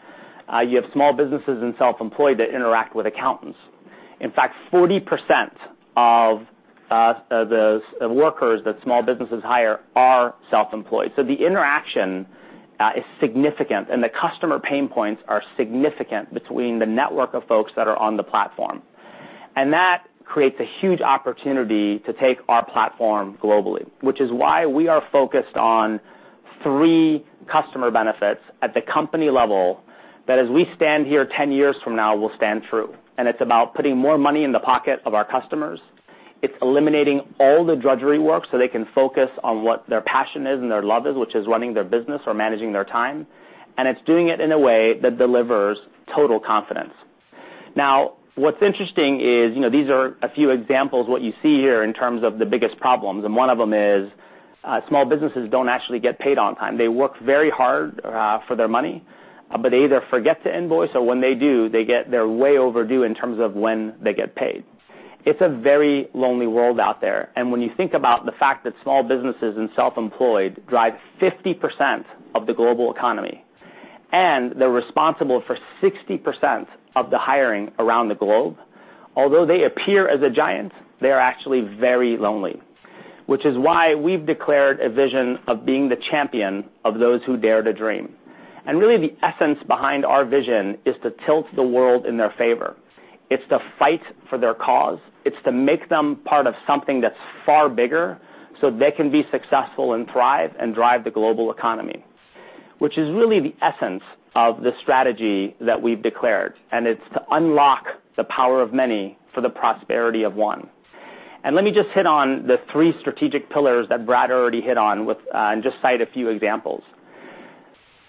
S4: You have small businesses and self-employed that interact with accountants. In fact, 40% of the workers that small businesses hire are self-employed. The interaction is significant, and the customer pain points are significant between the network of folks that are on the platform.
S3: That creates a huge opportunity to take our platform globally, which is why we are focused on three customer benefits at the company level, that as we stand here 10 years from now, will stand true. It's about putting more money in the pocket of our customers. It's eliminating all the drudgery work so they can focus on what their passion is and their love is, which is running their business or managing their time. It's doing it in a way that delivers total confidence. What's interesting is, these are a few examples, what you see here in terms of the biggest problems, and one of them is small businesses don't actually get paid on time. They work very hard for their money, but they either forget to invoice, or when they do, they're way overdue in terms of when they get paid.
S4: It's a very lonely world out there. When you think about the fact that small businesses and self-employed drive 50% of the global economy. They're responsible for 60% of the hiring around the globe. Although they appear as a giant, they are actually very lonely. Which is why we've declared a vision of being the champion of those who dare to dream. Really the essence behind our vision is to tilt the world in their favor. It's to fight for their cause. It's to make them part of something that's far bigger, so they can be successful and thrive and drive the global economy. Which is really the essence of the strategy that we've declared, and it's to unlock the power of many for the prosperity of one. Let me just hit on the three strategic pillars that Brad already hit on, and just cite a few examples.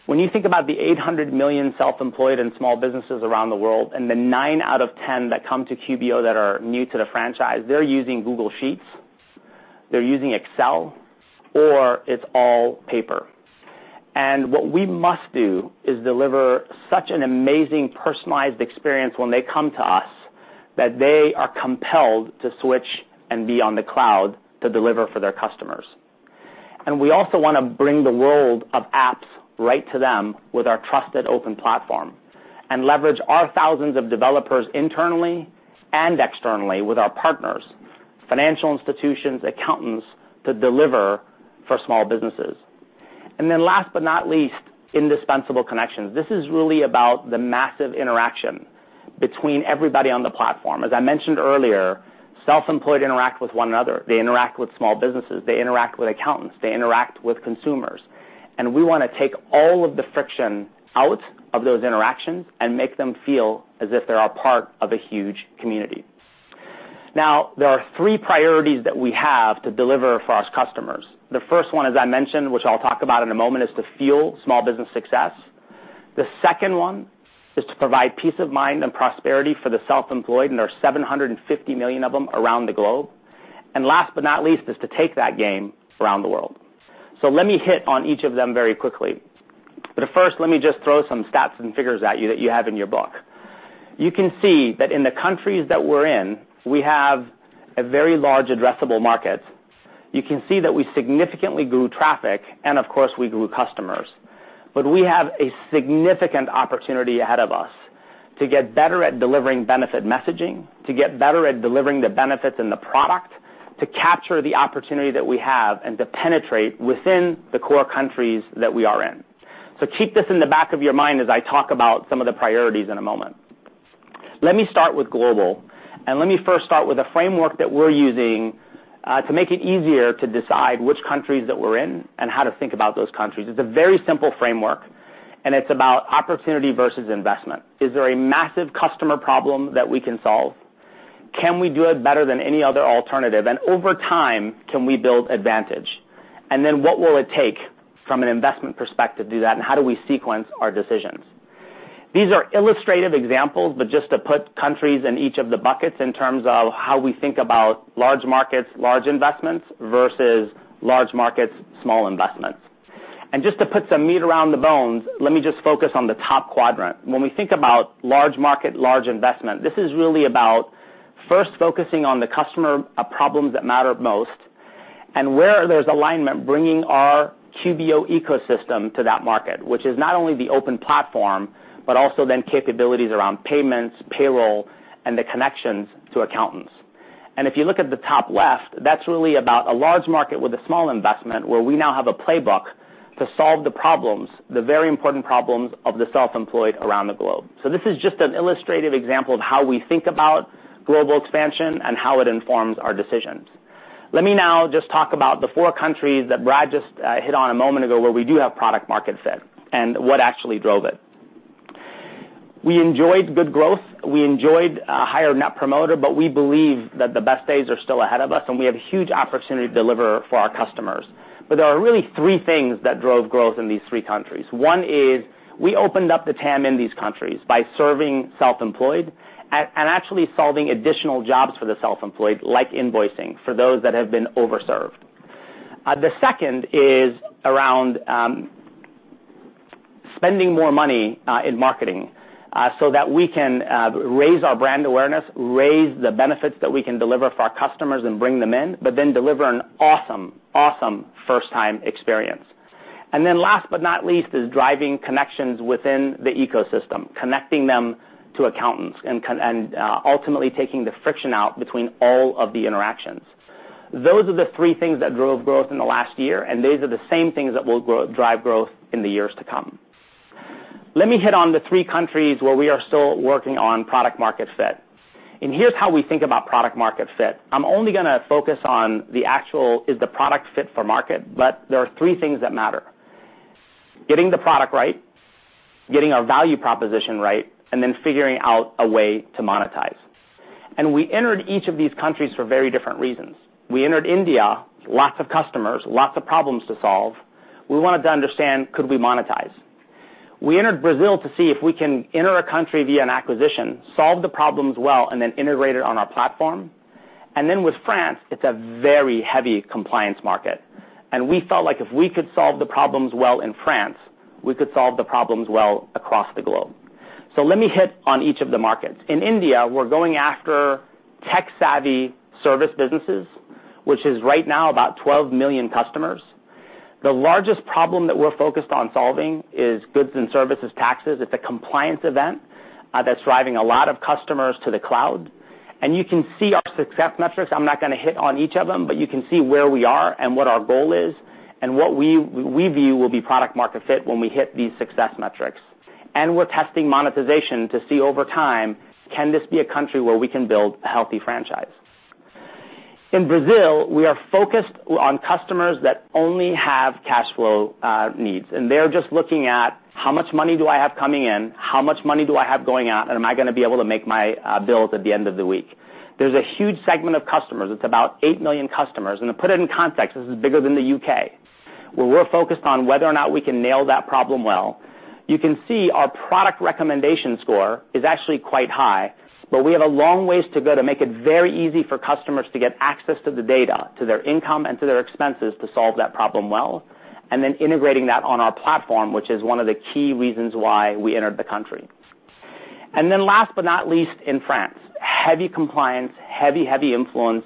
S4: When you think about the 800 million self-employed and small businesses around the world, and the nine out of 10 that come to QBO that are new to the franchise, they're using Google Sheets, they're using Excel, or it's all paper. What we must do is deliver such an amazing personalized experience when they come to us that they are compelled to switch and be on the cloud to deliver for their customers. We also want to bring the world of apps right to them with our trusted open platform, and leverage our thousands of developers internally and externally with our partners, financial institutions, accountants, to deliver for small businesses. Last but not least, indispensable connections. This is really about the massive interaction between everybody on the platform. As I mentioned earlier, self-employed interact with one another. They interact with small businesses. They interact with accountants. They interact with consumers. We want to take all of the friction out of those interactions and make them feel as if they're a part of a huge community. Now, there are three priorities that we have to deliver for our customers. The first one, as I mentioned, which I'll talk about in a moment, is to fuel small business success. The second one is to provide peace of mind and prosperity for the self-employed, and there are 750 million of them around the globe. Last but not least is to take that game around the world. Let me hit on each of them very quickly. First, let me just throw some stats and figures at you that you have in your book. You can see that in the countries that we're in, we have a very large addressable market. You can see that we significantly grew traffic, and of course, we grew customers. We have a significant opportunity ahead of us to get better at delivering benefit messaging, to get better at delivering the benefits and the product, to capture the opportunity that we have, and to penetrate within the core countries that we are in. Keep this in the back of your mind as I talk about some of the priorities in a moment. Let me start with global, let me first start with a framework that we're using, to make it easier to decide which countries that we're in and how to think about those countries. It's a very simple framework, it's about opportunity versus investment. Is there a massive customer problem that we can solve? Can we do it better than any other alternative? Over time, can we build advantage? What will it take from an investment perspective to do that, and how do we sequence our decisions? These are illustrative examples, just to put countries in each of the buckets in terms of how we think about large markets, large investments, versus large markets, small investments. Just to put some meat around the bones, let me just focus on the top quadrant. When we think about large market, large investment, this is really about first focusing on the customer problems that matter most, and where there's alignment, bringing our QBO ecosystem to that market, which is not only the open platform, also then capabilities around payments, payroll, and the connections to accountants. If you look at the top left, that's really about a large market with a small investment where we now have a playbook to solve the problems, the very important problems of the self-employed around the globe. This is just an illustrative example of how we think about global expansion and how it informs our decisions. Let me now just talk about the four countries that Brad just hit on a moment ago, where we do have product market fit and what actually drove it. We enjoyed good growth, we enjoyed a higher Net Promoter, but we believe that the best days are still ahead of us, and we have a huge opportunity to deliver for our customers. There are really three things that drove growth in these three countries. One is we opened up the TAM in these countries by serving self-employed and actually solving additional jobs for the self-employed, like Invoicing, for those that have been over-served. The second is around spending more money in marketing, that we can raise our brand awareness, raise the benefits that we can deliver for our customers and bring them in, then deliver an awesome first-time experience. Last but not least is driving connections within the ecosystem, connecting them to accountants, and ultimately taking the friction out between all of the interactions. Those are the three things that drove growth in the last year, and these are the same things that will drive growth in the years to come. Let me hit on the three countries where we are still working on product market fit. Here's how we think about product market fit. I'm only going to focus on the actual is the product fit for market, there are three things that matter: getting the product right, getting our value proposition right, figuring out a way to monetize. We entered each of these countries for very different reasons. We entered India, lots of customers, lots of problems to solve. We wanted to understand, could we monetize? We entered Brazil to see if we can enter a country via an acquisition, solve the problems well, and then integrate it on our platform. With France, it's a very heavy compliance market. We felt like if we could solve the problems well in France, we could solve the problems well across the globe. Let me hit on each of the markets. In India, we're going after tech-savvy service businesses, which is right now about 12 million customers. The largest problem that we're focused on solving is Goods and Services taxes. It's a compliance event that's driving a lot of customers to the cloud. You can see our success metrics. I'm not going to hit on each of them, you can see where we are and what our goal is and what we view will be product market fit when we hit these success metrics. We're testing monetization to see over time, can this be a country where we can build a healthy franchise? In Brazil, we are focused on customers that only have cash flow needs, they're just looking at how much money do I have coming in, how much money do I have going out, am I going to be able to make my bills at the end of the week? There's a huge segment of customers. It's about 8 million customers. To put it in context, this is bigger than the U.K., where we're focused on whether or not we can nail that problem well. You can see our product recommendation score is actually quite high, but we have a long ways to go to make it very easy for customers to get access to the data, to their income, and to their expenses to solve that problem well, and then integrating that on our platform, which is one of the key reasons why we entered the country. Last but not least, in France, heavy compliance, heavy influence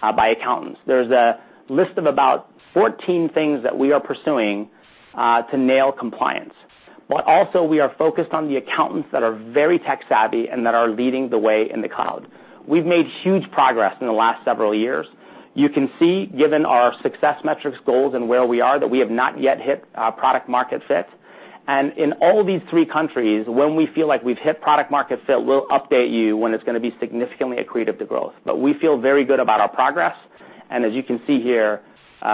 S4: by accountants. There's a list of about 14 things that we are pursuing to nail compliance. Also we are focused on the accountants that are very tech-savvy and that are leading the way in the cloud. We've made huge progress in the last several years. You can see, given our success metrics goals and where we are, that we have not yet hit product market fit. In all these three countries, when we feel like we've hit product market fit, we'll update you when it's going to be significantly accretive to growth. We feel very good about our progress, and as you can see here,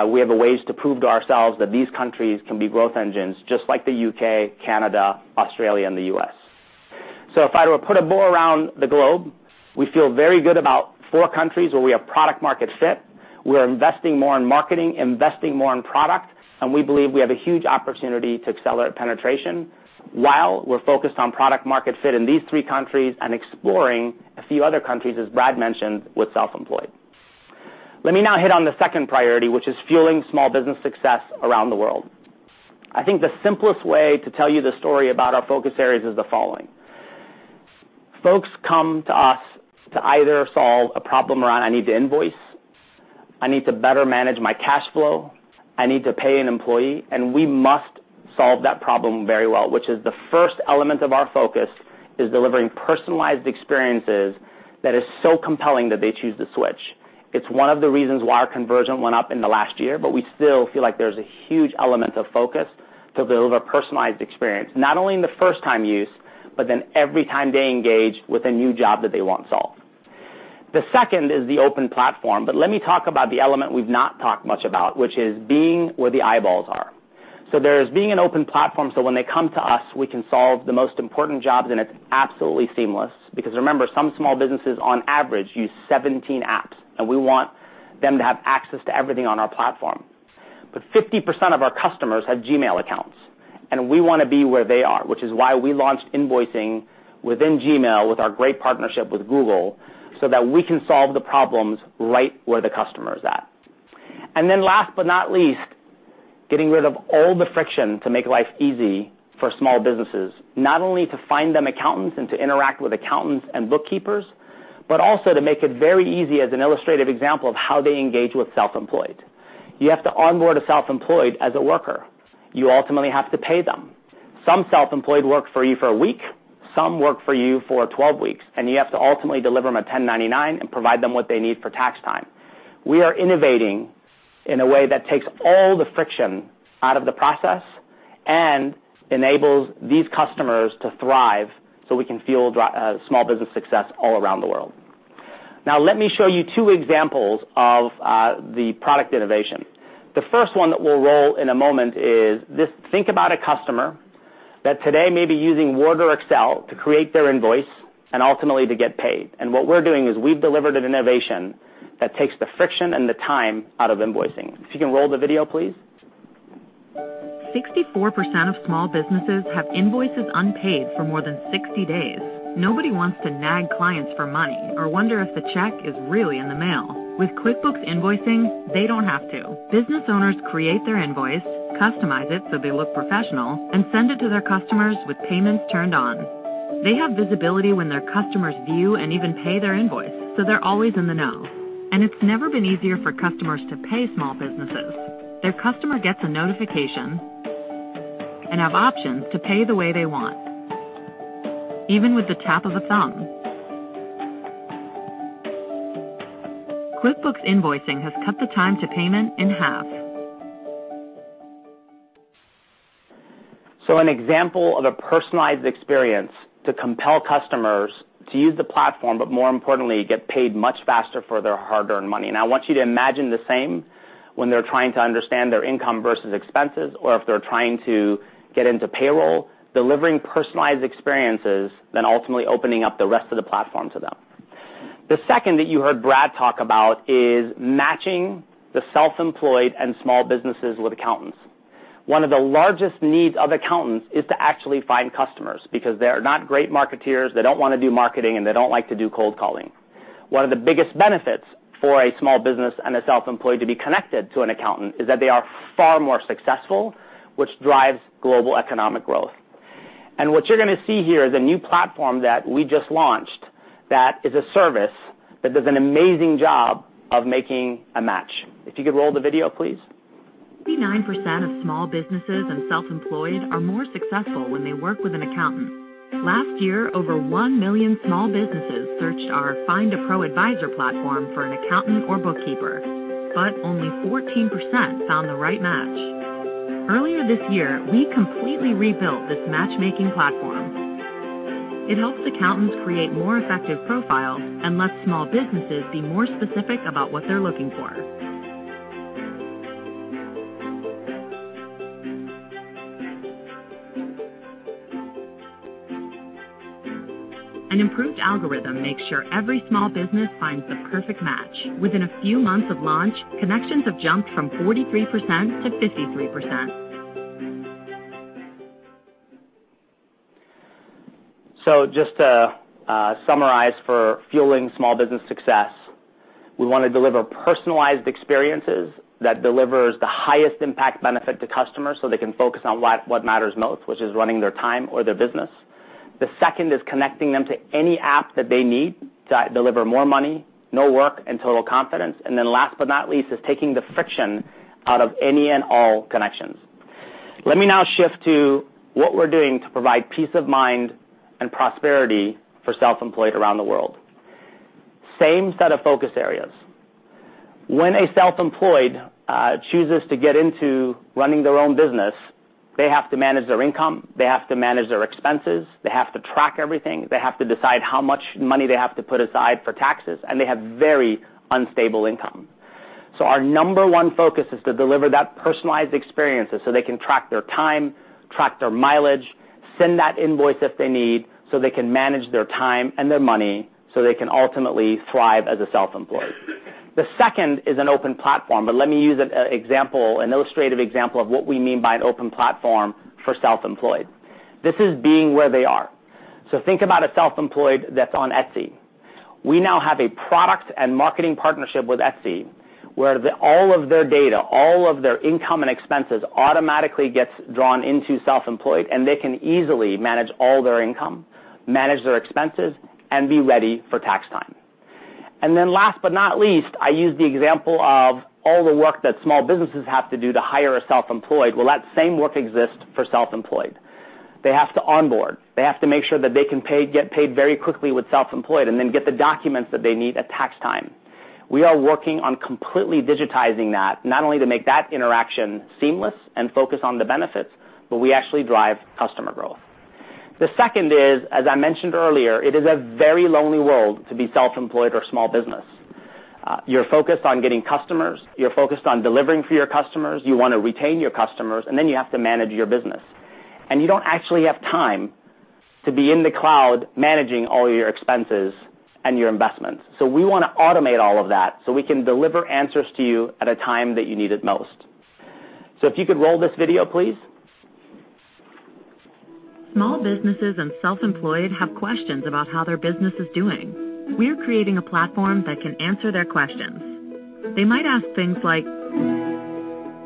S4: we have a ways to prove to ourselves that these countries can be growth engines just like the U.K., Canada, Australia, and the U.S. If I were to put a bow around the globe, we feel very good about four countries where we have product market fit. We're investing more in marketing, investing more in product, and we believe we have a huge opportunity to accelerate penetration while we're focused on product market fit in these three countries and exploring a few other countries, as Brad mentioned, with Self-Employed. Let me now hit on the second priority, which is fueling small business success around the world. I think the simplest way to tell you the story about our focus areas is the following. Folks come to us to either solve a problem around I need to invoice, I need to better manage my cash flow, I need to pay an employee, and we must solve that problem very well, which is the first element of our focus is delivering personalized experiences that is so compelling that they choose to switch. It's one of the reasons why our conversion went up in the last year, but we still feel like there's a huge element of focus to deliver personalized experience, not only in the first time use, but then every time they engage with a new job that they want solved. The second is the open platform, but let me talk about the element we've not talked much about, which is being where the eyeballs are. There's being an open platform, so when they come to us, we can solve the most important jobs, and it's absolutely seamless. Remember, some small businesses, on average, use 17 apps, and we want them to have access to everything on our platform. 50% of our customers have Gmail accounts, and we want to be where they are, which is why we launched invoicing within Gmail with our great partnership with Google so that we can solve the problems right where the customer is at. Last but not least, getting rid of all the friction to make life easy for small businesses, not only to find them accountants and to interact with accountants and bookkeepers, but also to make it very easy as an illustrative example of how they engage with self-employed. You have to onboard a self-employed as a worker. You ultimately have to pay them. Some self-employed work for you for a week, some work for you for 12 weeks, and you have to ultimately deliver them a 1099 and provide them what they need for tax time. We are innovating in a way that takes all the friction out of the process and enables these customers to thrive so we can fuel small business success all around the world. Let me show you two examples of the product innovation. The first one that we'll roll in a moment is just think about a customer that today may be using Word or Excel to create their invoice and ultimately to get paid. What we're doing is we've delivered an innovation that takes the friction and the time out of invoicing. If you can roll the video, please.
S5: 64% of small businesses have invoices unpaid for more than 60 days. Nobody wants to nag clients for money or wonder if the check is really in the mail. With QuickBooks Invoicing, they don't have to. Business owners create their invoice, customize it, so they look professional, and send it to their customers with payments turned on. They have visibility when their customers view and even pay their invoice, so they're always in the know. It's never been easier for customers to pay small businesses. Their customer gets a notification and have options to pay the way they want, even with the tap of a thumb. QuickBooks Invoicing has cut the time to payment in half.
S4: An example of a personalized experience to compel customers to use the platform, but more importantly, get paid much faster for their hard-earned money. I want you to imagine the same when they're trying to understand their income versus expenses, or if they're trying to get into payroll, delivering personalized experiences, then ultimately opening up the rest of the platform to them. The second that you heard Brad talk about is matching the self-employed and small businesses with accountants. One of the largest needs of accountants is to actually find customers because they are not great marketeers, they don't want to do marketing, and they don't like to do cold calling. One of the biggest benefits for a small business and a self-employed to be connected to an accountant is that they are far more successful, which drives global economic growth. What you're going to see here is a new platform that we just launched that is a service that does an amazing job of making a match. If you could roll the video, please.
S5: 89% of small businesses and self-employed are more successful when they work with an accountant. Last year, over 1 million small businesses searched our Find a ProAdvisor platform for an accountant or bookkeeper, but only 14% found the right match. Earlier this year, we completely rebuilt this matchmaking platform. It helps accountants create more effective profiles and lets small businesses be more specific about what they're looking for. An improved algorithm makes sure every small business finds the perfect match. Within a few months of launch, connections have jumped from 43%-53%.
S4: Just to summarize for fueling small business success, we want to deliver personalized experiences that delivers the highest impact benefit to customers so they can focus on what matters most, which is running their time or their business. The second is connecting them to any app that they need to deliver more money, no work, and total confidence. Last but not least, is taking the friction out of any and all connections. Let me now shift to what we're doing to provide peace of mind and prosperity for self-employed around the world. Same set of focus areas. When a self-employed chooses to get into running their own business, they have to manage their income, they have to manage their expenses, they have to track everything, they have to decide how much money they have to put aside for taxes, and they have very unstable income. Our number one focus is to deliver that personalized experiences so they can track their time, track their mileage, send that invoice if they need, so they can manage their time and their money, so they can ultimately thrive as a self-employed. The second is an open platform, but let me use an illustrative example of what we mean by an open platform for self-employed. This is being where they are. Think about a self-employed that's on Etsy. We now have a product and marketing partnership with Etsy, where all of their data, all of their income and expenses, automagically gets drawn into self-employed, and they can easily manage all their income, manage their expenses, and be ready for tax time. Last but not least, I use the example of all the work that small businesses have to do to hire a self-employed. That same work exists for self-employed. They have to onboard. They have to make sure that they can get paid very quickly with self-employed and then get the documents that they need at tax time. We are working on completely digitizing that, not only to make that interaction seamless and focus on the benefits, but we actually drive customer growth. The second is, as I mentioned earlier, it is a very lonely world to be self-employed or a small business. You're focused on getting customers. You're focused on delivering for your customers. You want to retain your customers. Then you have to manage your business. You don't actually have time to be in the cloud managing all your expenses and your investments. We want to automate all of that so we can deliver answers to you at a time that you need it most. If you could roll this video, please.
S5: Small businesses and self-employed have questions about how their business is doing. We're creating a platform that can answer their questions. They might ask things like,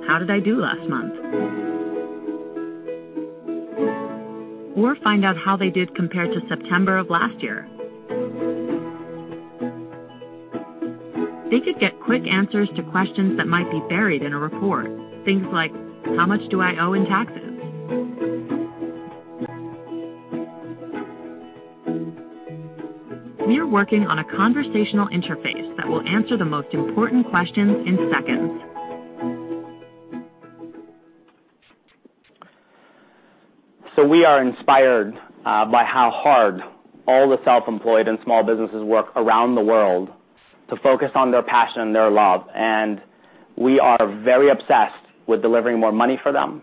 S5: "How did I do last month?" Find out how they did compared to September of last year. They could get quick answers to questions that might be buried in a report. Things like, "How much do I owe in taxes?" We are working on a conversational interface that will answer the most important questions in seconds.
S4: We are inspired by how hard all the self-employed and small businesses work around the world to focus on their passion and their love. We are very obsessed with delivering more money for them,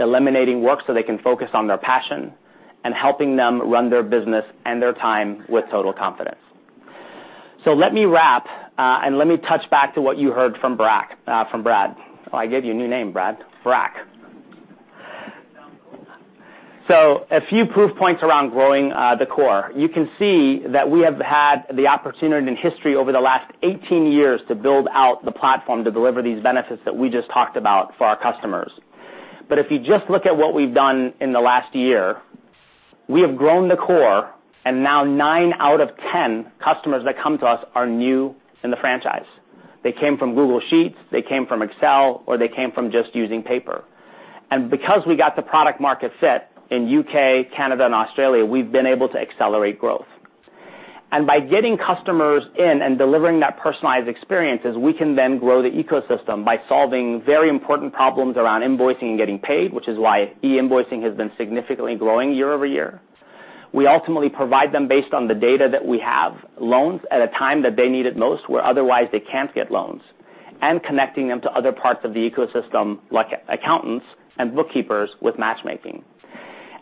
S4: eliminating work so they can focus on their passion, and helping them run their business and their time with total confidence. Let me wrap, let me touch back to what you heard from Brad. Sounds cool. A few proof points around growing the core. You can see that we have had the opportunity in history over the last 18 years to build out the platform to deliver these benefits that we just talked about for our customers. If you just look at what we've done in the last year, we have grown the core, and now nine out of 10 customers that come to us are new in the franchise. They came from Google Sheets, they came from Excel, or they came from just using paper. Because we got the product market fit in the U.K., Canada, and Australia, we've been able to accelerate growth. By getting customers in and delivering that personalized experiences, we can then grow the ecosystem by solving very important problems around invoicing and getting paid, which is why e-invoicing has been significantly growing year-over-year. We ultimately provide them, based on the data that we have, loans at a time that they need it most, where otherwise they can't get loans, and connecting them to other parts of the ecosystem, like accountants and bookkeepers, with matchmaking.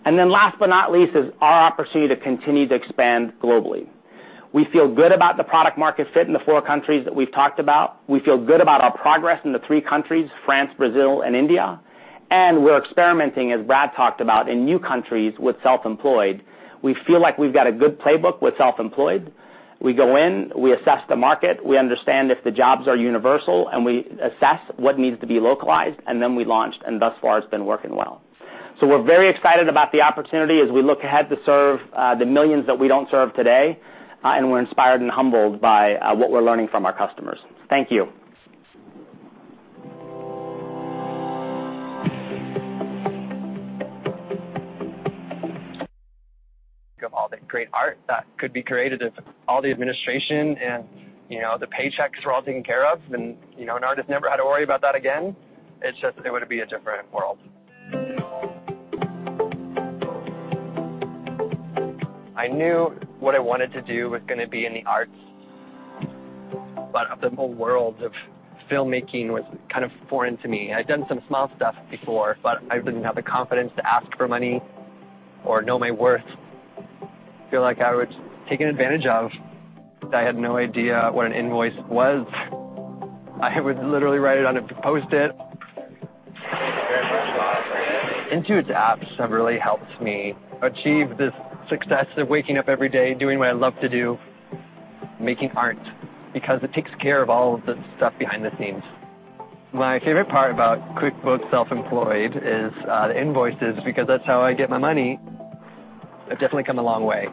S4: Last but not least, is our opportunity to continue to expand globally. We feel good about the product market fit in the four countries that we've talked about. We feel good about our progress in the three countries, France, Brazil, and India. We're experimenting, as Brad talked about, in new countries with QuickBooks Self-Employed. We feel like we've got a good playbook with QuickBooks Self-Employed. We go in, we assess the market, we understand if the jobs are universal, and we assess what needs to be localized, and then we launch. Thus far, it's been working well. We're very excited about the opportunity as we look ahead to serve the millions that we don't serve today, and we're inspired and humbled by what we're learning from our customers. Thank you. Think of all the great art that could be created if all the administration and the paychecks were all taken care of, and an artist never had to worry about that again. It's just, it would be a different world. I knew what I wanted to do was going to be in the arts, but the whole world of filmmaking was kind of foreign to me. I'd done some small stuff before, but I didn't have the confidence to ask for money or know my worth. I feel like I was taken advantage of. I had no idea what an invoice was. I would literally write it on a Post-it. Thank you very much. Intuit's apps have really helped me achieve this success of waking up every day, doing what I love to do, making art, because it takes care of all of the stuff behind the scenes. My favorite part about QuickBooks Self-Employed is the invoices because that's how I get my money. I've definitely come a long way.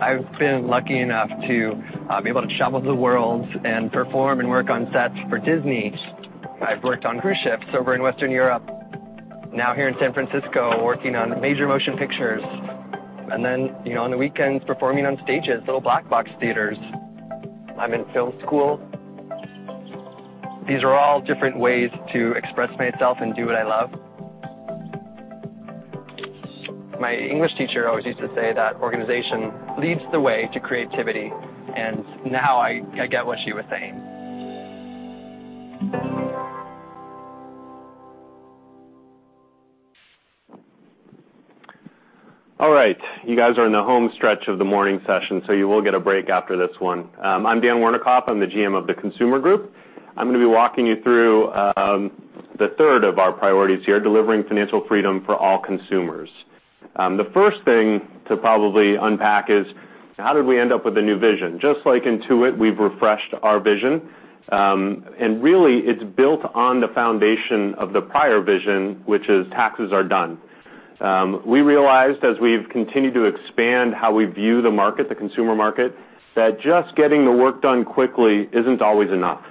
S4: I've been lucky enough to be able to travel the world and perform and work on sets for Disney. I've worked on cruise ships over in Western Europe, now here in San Francisco, working on major motion pictures, and then on the weekends, performing on stages, little black box theaters. I'm in film school. These are all different ways to express myself and do what I love. My English teacher always used to say that organization leads the way to creativity, and now I get what she was saying.
S6: All right. You guys are in the home stretch of the morning session, so you will get a break after this one. I'm Dan Wernikoff. I'm the GM of the Consumer Group. I'm going to be walking you through the third of our priorities here, delivering financial freedom for all consumers. The first thing to probably unpack is how did we end up with a new vision? Just like Intuit, we've refreshed our vision. Really, it's built on the foundation of the prior vision, which is taxes are done. We realized as we've continued to expand how we view the market, the consumer market, that just getting the work done quickly isn't always enough.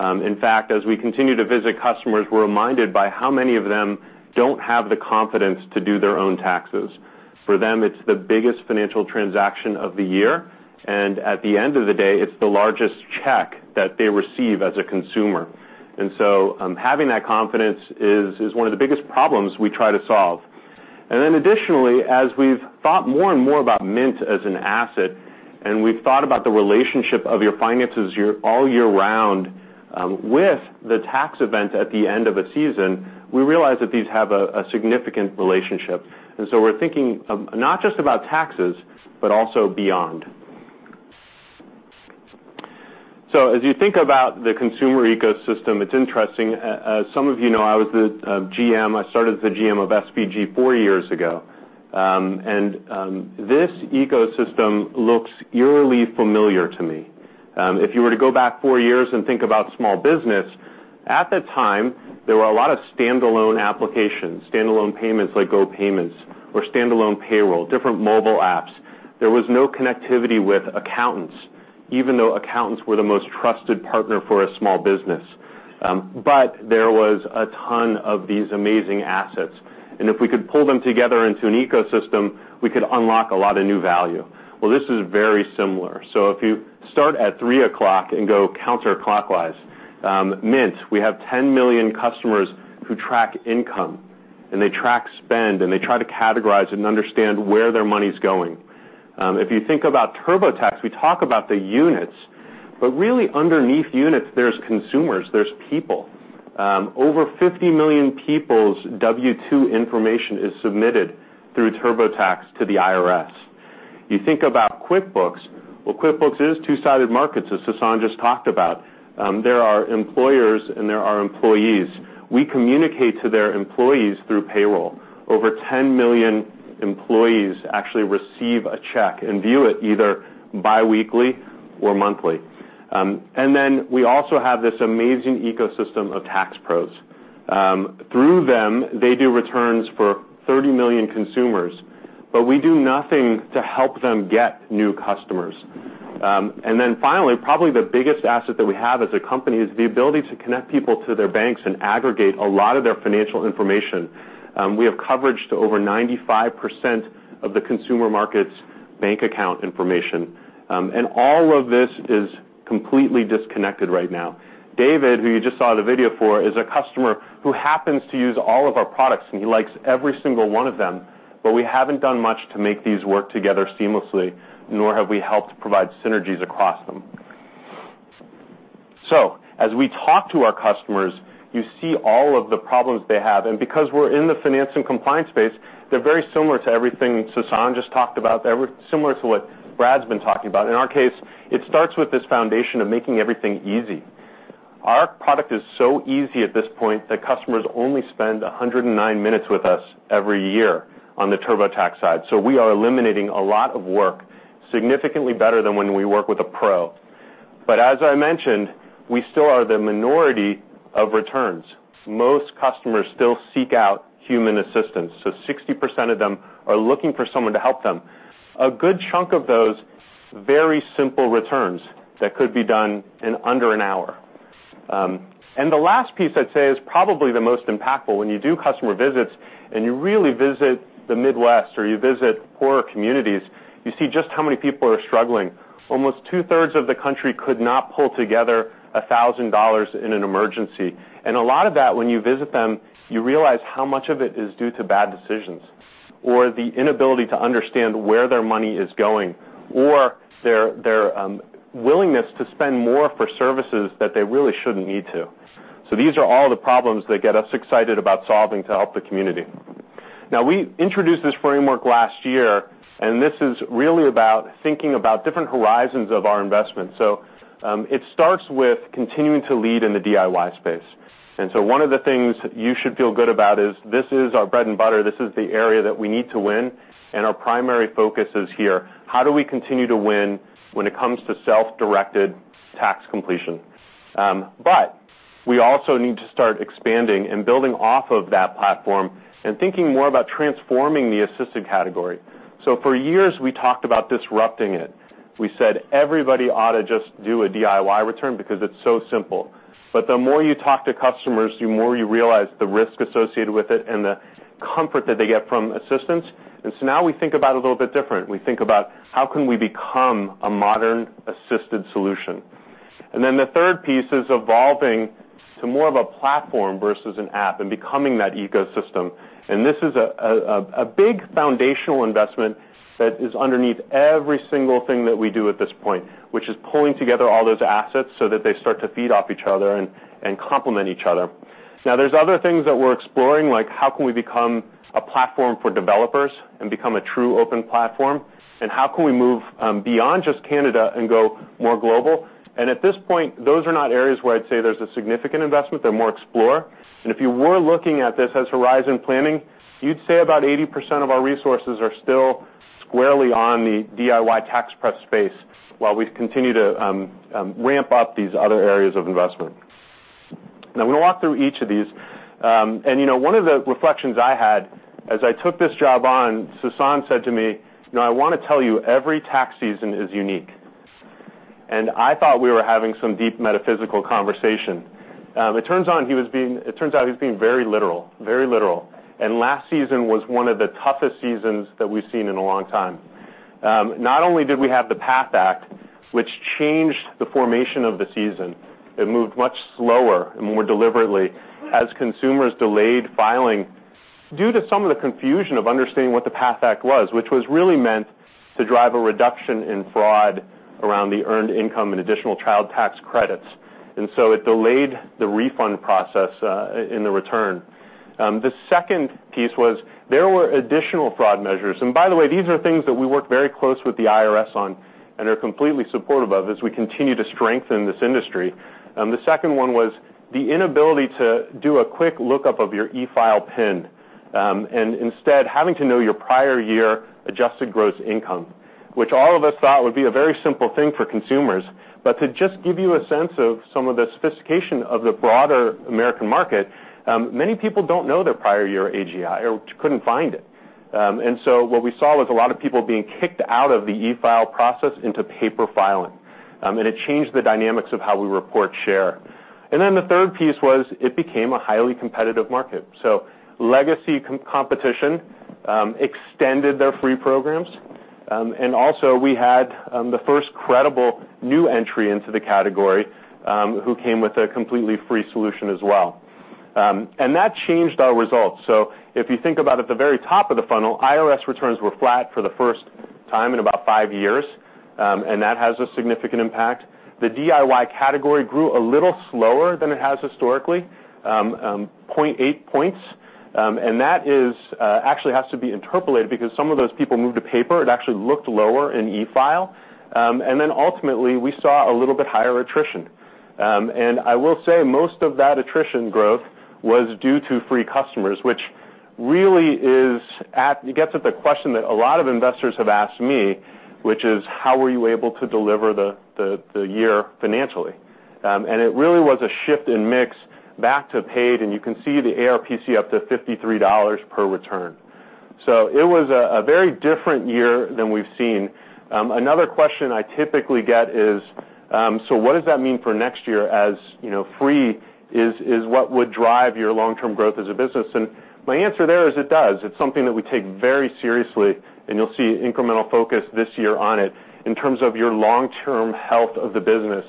S6: In fact, as we continue to visit customers, we're reminded by how many of them don't have the confidence to do their own taxes. For them, it's the biggest financial transaction of the year, and at the end of the day, it's the largest check that they receive as a consumer. Having that confidence is one of the biggest problems we try to solve. Additionally, as we've thought more and more about Mint as an asset, and we've thought about the relationship of your finances all year round with the tax event at the end of a season, we realize that these have a significant relationship. We're thinking not just about taxes, but also beyond. As you think about the consumer ecosystem, it's interesting. As some of you know, I was the GM, I started as the GM of SBG four years ago. This ecosystem looks eerily familiar to me. If you were to go back 4 years and think about small business, at that time, there were a lot of standalone applications, standalone payments like GoPayment or standalone payroll, different mobile apps. There was no connectivity with accountants, even though accountants were the most trusted partner for a small business. If we could pull them together into an ecosystem, we could unlock a lot of new value. This is very similar. If you start at 3 o'clock and go counterclockwise, Mint, we have 10 million customers who track income, and they track spend, and they try to categorize and understand where their money's going. If you think about TurboTax, we talk about the units, but really underneath units, there's consumers, there's people. Over 50 million people's W-2 information is submitted through TurboTax to the IRS. You think about QuickBooks. QuickBooks is two-sided markets, as Sasan just talked about. There are employers and there are employees. We communicate to their employees through payroll. Over 10 million employees actually receive a check and view it either biweekly or monthly. Then we also have this amazing ecosystem of tax pros. Through them, they do returns for 30 million consumers, but we do nothing to help them get new customers. Finally, probably the biggest asset that we have as a company is the ability to connect people to their banks and aggregate a lot of their financial information. We have coverage to over 95% of the consumer market's bank account information. All of this is completely disconnected right now. David, who you just saw the video for, is a customer who happens to use all of our products, and he likes every single one of them. But we haven't done much to make these work together seamlessly, nor have we helped provide synergies across them. As we talk to our customers, you see all of the problems they have. And because we're in the finance and compliance space, they're very similar to everything Sasan just talked about. They're similar to what Brad's been talking about. In our case, it starts with this foundation of making everything easy. Our product is so easy at this point that customers only spend 109 minutes with us every year on the TurboTax side. We are eliminating a lot of work, significantly better than when we work with a pro. As I mentioned, we still are the minority of returns. Most customers still seek out human assistance, so 60% of them are looking for someone to help them. A good chunk of those very simple returns that could be done in under an hour. The last piece I'd say is probably the most impactful. When you do customer visits and you really visit the Midwest or you visit poorer communities, you see just how many people are struggling. Almost two-thirds of the country could not pull together $1,000 in an emergency. A lot of that, when you visit them, you realize how much of it is due to bad decisions, or the inability to understand where their money is going, or their willingness to spend more for services that they really shouldn't need to. These are all the problems that get us excited about solving to help the community. We introduced this framework last year, this is really about thinking about different horizons of our investment. It starts with continuing to lead in the DIY space. One of the things you should feel good about is this is our bread and butter. This is the area that we need to win, and our primary focus is here. How do we continue to win when it comes to self-directed tax completion? We also need to start expanding and building off of that platform and thinking more about transforming the assisted category. For years, we talked about disrupting it. We said everybody ought to just do a DIY return because it is so simple. The more you talk to customers, the more you realize the risk associated with it and the comfort that they get from assistance. We think about it a little bit different. We think about how can we become a modern assisted solution. The third piece is evolving to more of a platform versus an app and becoming that ecosystem. This is a big foundational investment that is underneath every single thing that we do at this point, which is pulling together all those assets so that they start to feed off each other and complement each other. There is other things that we are exploring, like how can we become a platform for developers and become a true open platform, how can we move beyond just Canada and go more global. At this point, those are not areas where I would say there is a significant investment. They are more explore. If you were looking at this as horizon planning, you would say about 80% of our resources are still squarely on the DIY tax prep space, while we continue to ramp up these other areas of investment. I am going to walk through each of these. One of the reflections I had as I took this job on, Sasan said to me, "I want to tell you, every tax season is unique." I thought we were having some deep metaphysical conversation. It turns out he was being very literal. Last season was one of the toughest seasons that we have seen in a long time. Not only did we have the PATH Act, which changed the formation of the season, it moved much slower and more deliberately as consumers delayed filing due to some of the confusion of understanding what the PATH Act was, which was really meant to drive a reduction in fraud around the Earned Income and Additional Child Tax Credits. It delayed the refund process in the return. The second piece was there were additional fraud measures. By the way, these are things that we work very close with the IRS on and are completely supportive of as we continue to strengthen this industry. The second one was the inability to do a quick lookup of your e-file PIN, instead having to know your prior year adjusted gross income, which all of us thought would be a very simple thing for consumers. To just give you a sense of some of the sophistication of the broader American market, many people don't know their prior year AGI, or couldn't find it. What we saw was a lot of people being kicked out of the e-file process into paper filing. It changed the dynamics of how we report share. The third piece was it became a highly competitive market. Legacy competition extended their free programs. We had the first credible new entry into the category, who came with a completely free solution as well. That changed our results. If you think about at the very top of the funnel, IRS returns were flat for the first time in about 5 years, and that has a significant impact. The DIY category grew a little slower than it has historically, 0.8 points, and that actually has to be interpolated because some of those people moved to paper. It actually looked lower in e-file. Ultimately, we saw a little bit higher attrition. I will say most of that attrition growth was due to free customers, which really gets at the question that a lot of investors have asked me, which is, how were you able to deliver the year financially? It really was a shift in mix back to paid, and you can see the ARPC up to $53 per return. It was a very different year than we've seen. Another question I typically get is, what does that mean for next year as free is what would drive your long-term growth as a business? My answer there is it does. It's something that we take very seriously, and you'll see incremental focus this year on it in terms of your long-term health of the business.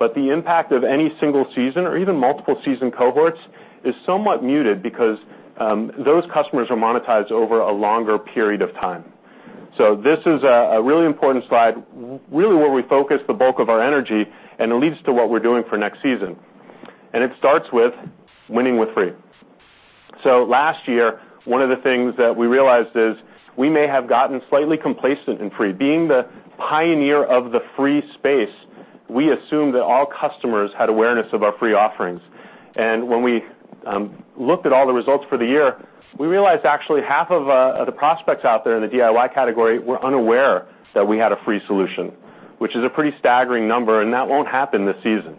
S6: The impact of any single season or even multiple season cohorts is somewhat muted because those customers are monetized over a longer period of time. This is a really important slide, really where we focus the bulk of our energy, and it leads to what we're doing for next season. It starts with winning with free. Last year, one of the things that we realized is we may have gotten slightly complacent in free. Being the pioneer of the free space, we assumed that all customers had awareness of our free offerings. When we looked at all the results for the year, we realized actually half of the prospects out there in the DIY category were unaware that we had a free solution, which is a pretty staggering number, and that won't happen this season.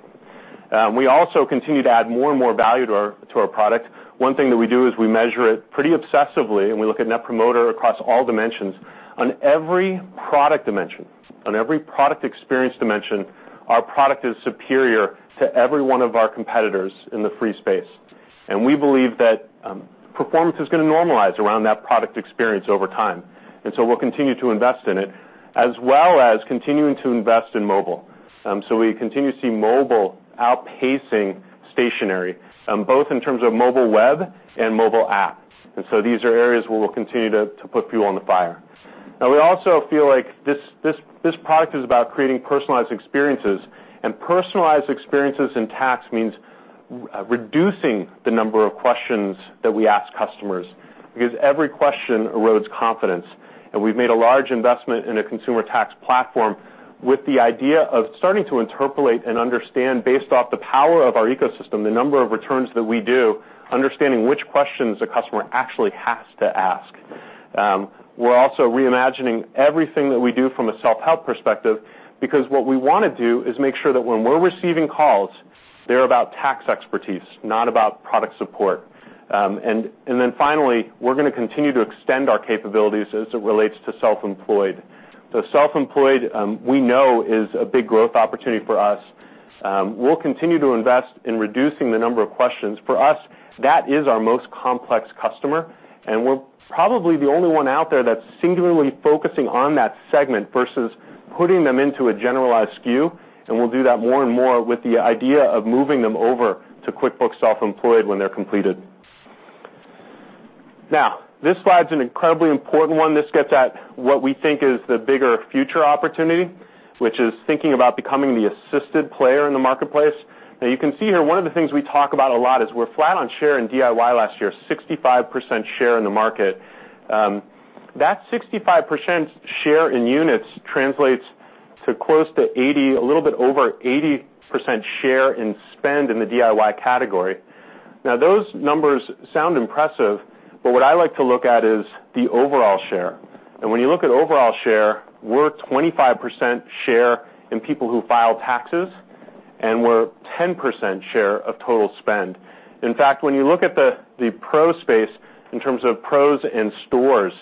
S6: We also continue to add more and more value to our product. One thing that we do is we measure it pretty obsessively, and we look at Net Promoter across all dimensions. On every product dimension, on every product experience dimension, our product is superior to every one of our competitors in the free space. We believe that performance is going to normalize around that product experience over time. We'll continue to invest in it, as well as continuing to invest in mobile. We continue to see mobile outpacing stationary, both in terms of mobile web and mobile apps. These are areas where we'll continue to put fuel on the fire. We also feel like this product is about creating personalized experiences. Personalized experiences in tax means reducing the number of questions that we ask customers, because every question erodes confidence. We've made a large investment in a consumer tax platform with the idea of starting to interpolate and understand, based off the power of our ecosystem, the number of returns that we do, understanding which questions a customer actually has to ask. We're also reimagining everything that we do from a self-help perspective, because what we want to do is make sure that when we're receiving calls, they're about tax expertise, not about product support. Finally, we're going to continue to extend our capabilities as it relates to self-employed. Self-employed, we know is a big growth opportunity for us. We'll continue to invest in reducing the number of questions. For us, that is our most complex customer, and we're probably the only one out there that's singularly focusing on that segment versus putting them into a generalized SKU, and we'll do that more and more with the idea of moving them over to QuickBooks Self-Employed when they're completed. This slide's an incredibly important one. This gets at what we think is the bigger future opportunity, which is thinking about becoming the assisted player in the marketplace. You can see here, one of the things we talk about a lot is we're flat on share in DIY last year, 65% share in the market. That 65% share in units translates to close to 80, a little bit over 80% share in spend in the DIY category. Those numbers sound impressive, but what I like to look at is the overall share. When you look at overall share, we're 25% share in people who file taxes, and we're 10% share of total spend. In fact, when you look at the pro space in terms of pros in stores,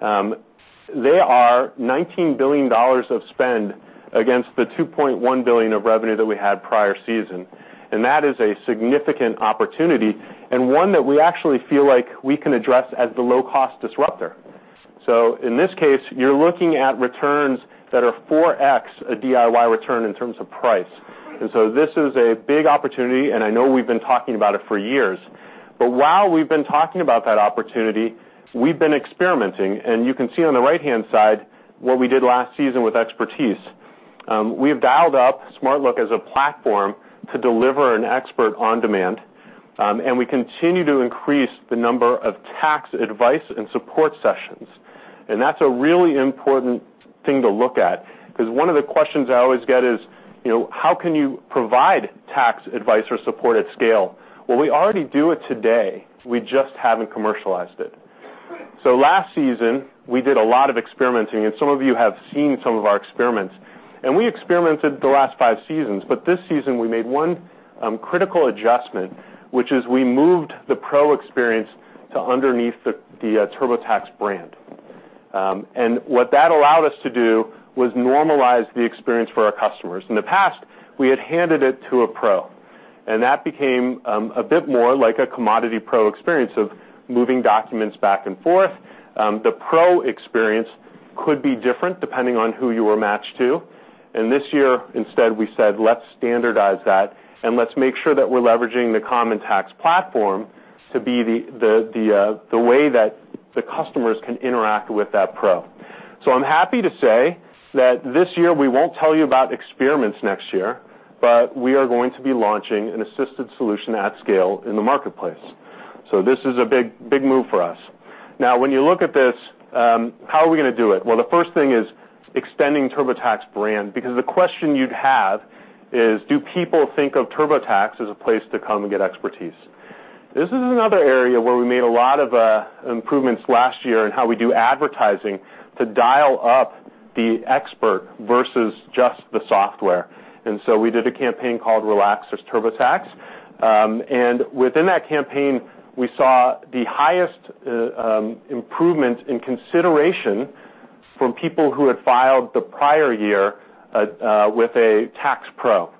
S6: they are $19 billion of spend against the $2.1 billion of revenue that we had prior season. That is a significant opportunity and one that we actually feel like we can address as the low-cost disruptor. In this case, you're looking at returns that are 4X a DIY return in terms of price. This is a big opportunity, and I know we've been talking about it for years. While we've been talking about that opportunity, we've been experimenting, and you can see on the right-hand side what we did last season with expertise. We have dialed up SmartLook as a platform to deliver an expert on demand, and we continue to increase the number of tax advice and support sessions. That's a really important thing to look at, because one of the questions I always get is, how can you provide tax advice or support at scale? Well, we already do it today. We just haven't commercialized it. Last season, we did a lot of experimenting, and some of you have seen some of our experiments. We experimented the last five seasons, but this season we made one critical adjustment, which is we moved the pro experience to underneath the TurboTax brand. What that allowed us to do was normalize the experience for our customers. In the past, we had handed it to a pro, and that became a bit more like a commodity pro experience of moving documents back and forth. The pro experience could be different depending on who you were matched to. This year, instead, we said, "Let's standardize that, and let's make sure that we're leveraging the common tax platform to be the way that the customers can interact with that pro." I'm happy to say that this year, we won't tell you about experiments next year, but we are going to be launching an assisted solution at scale in the marketplace. This is a big move for us. Now, when you look at this, how are we going to do it? Well, the first thing is extending TurboTax brand, because the question you'd have is, do people think of TurboTax as a place to come and get expertise? This is another area where we made a lot of improvements last year in how we do advertising to dial up the expert versus just the software. We did a campaign called Relax, It's TurboTax. Within that campaign, we saw the highest improvement in consideration from people who had filed the prior year with a tax pro.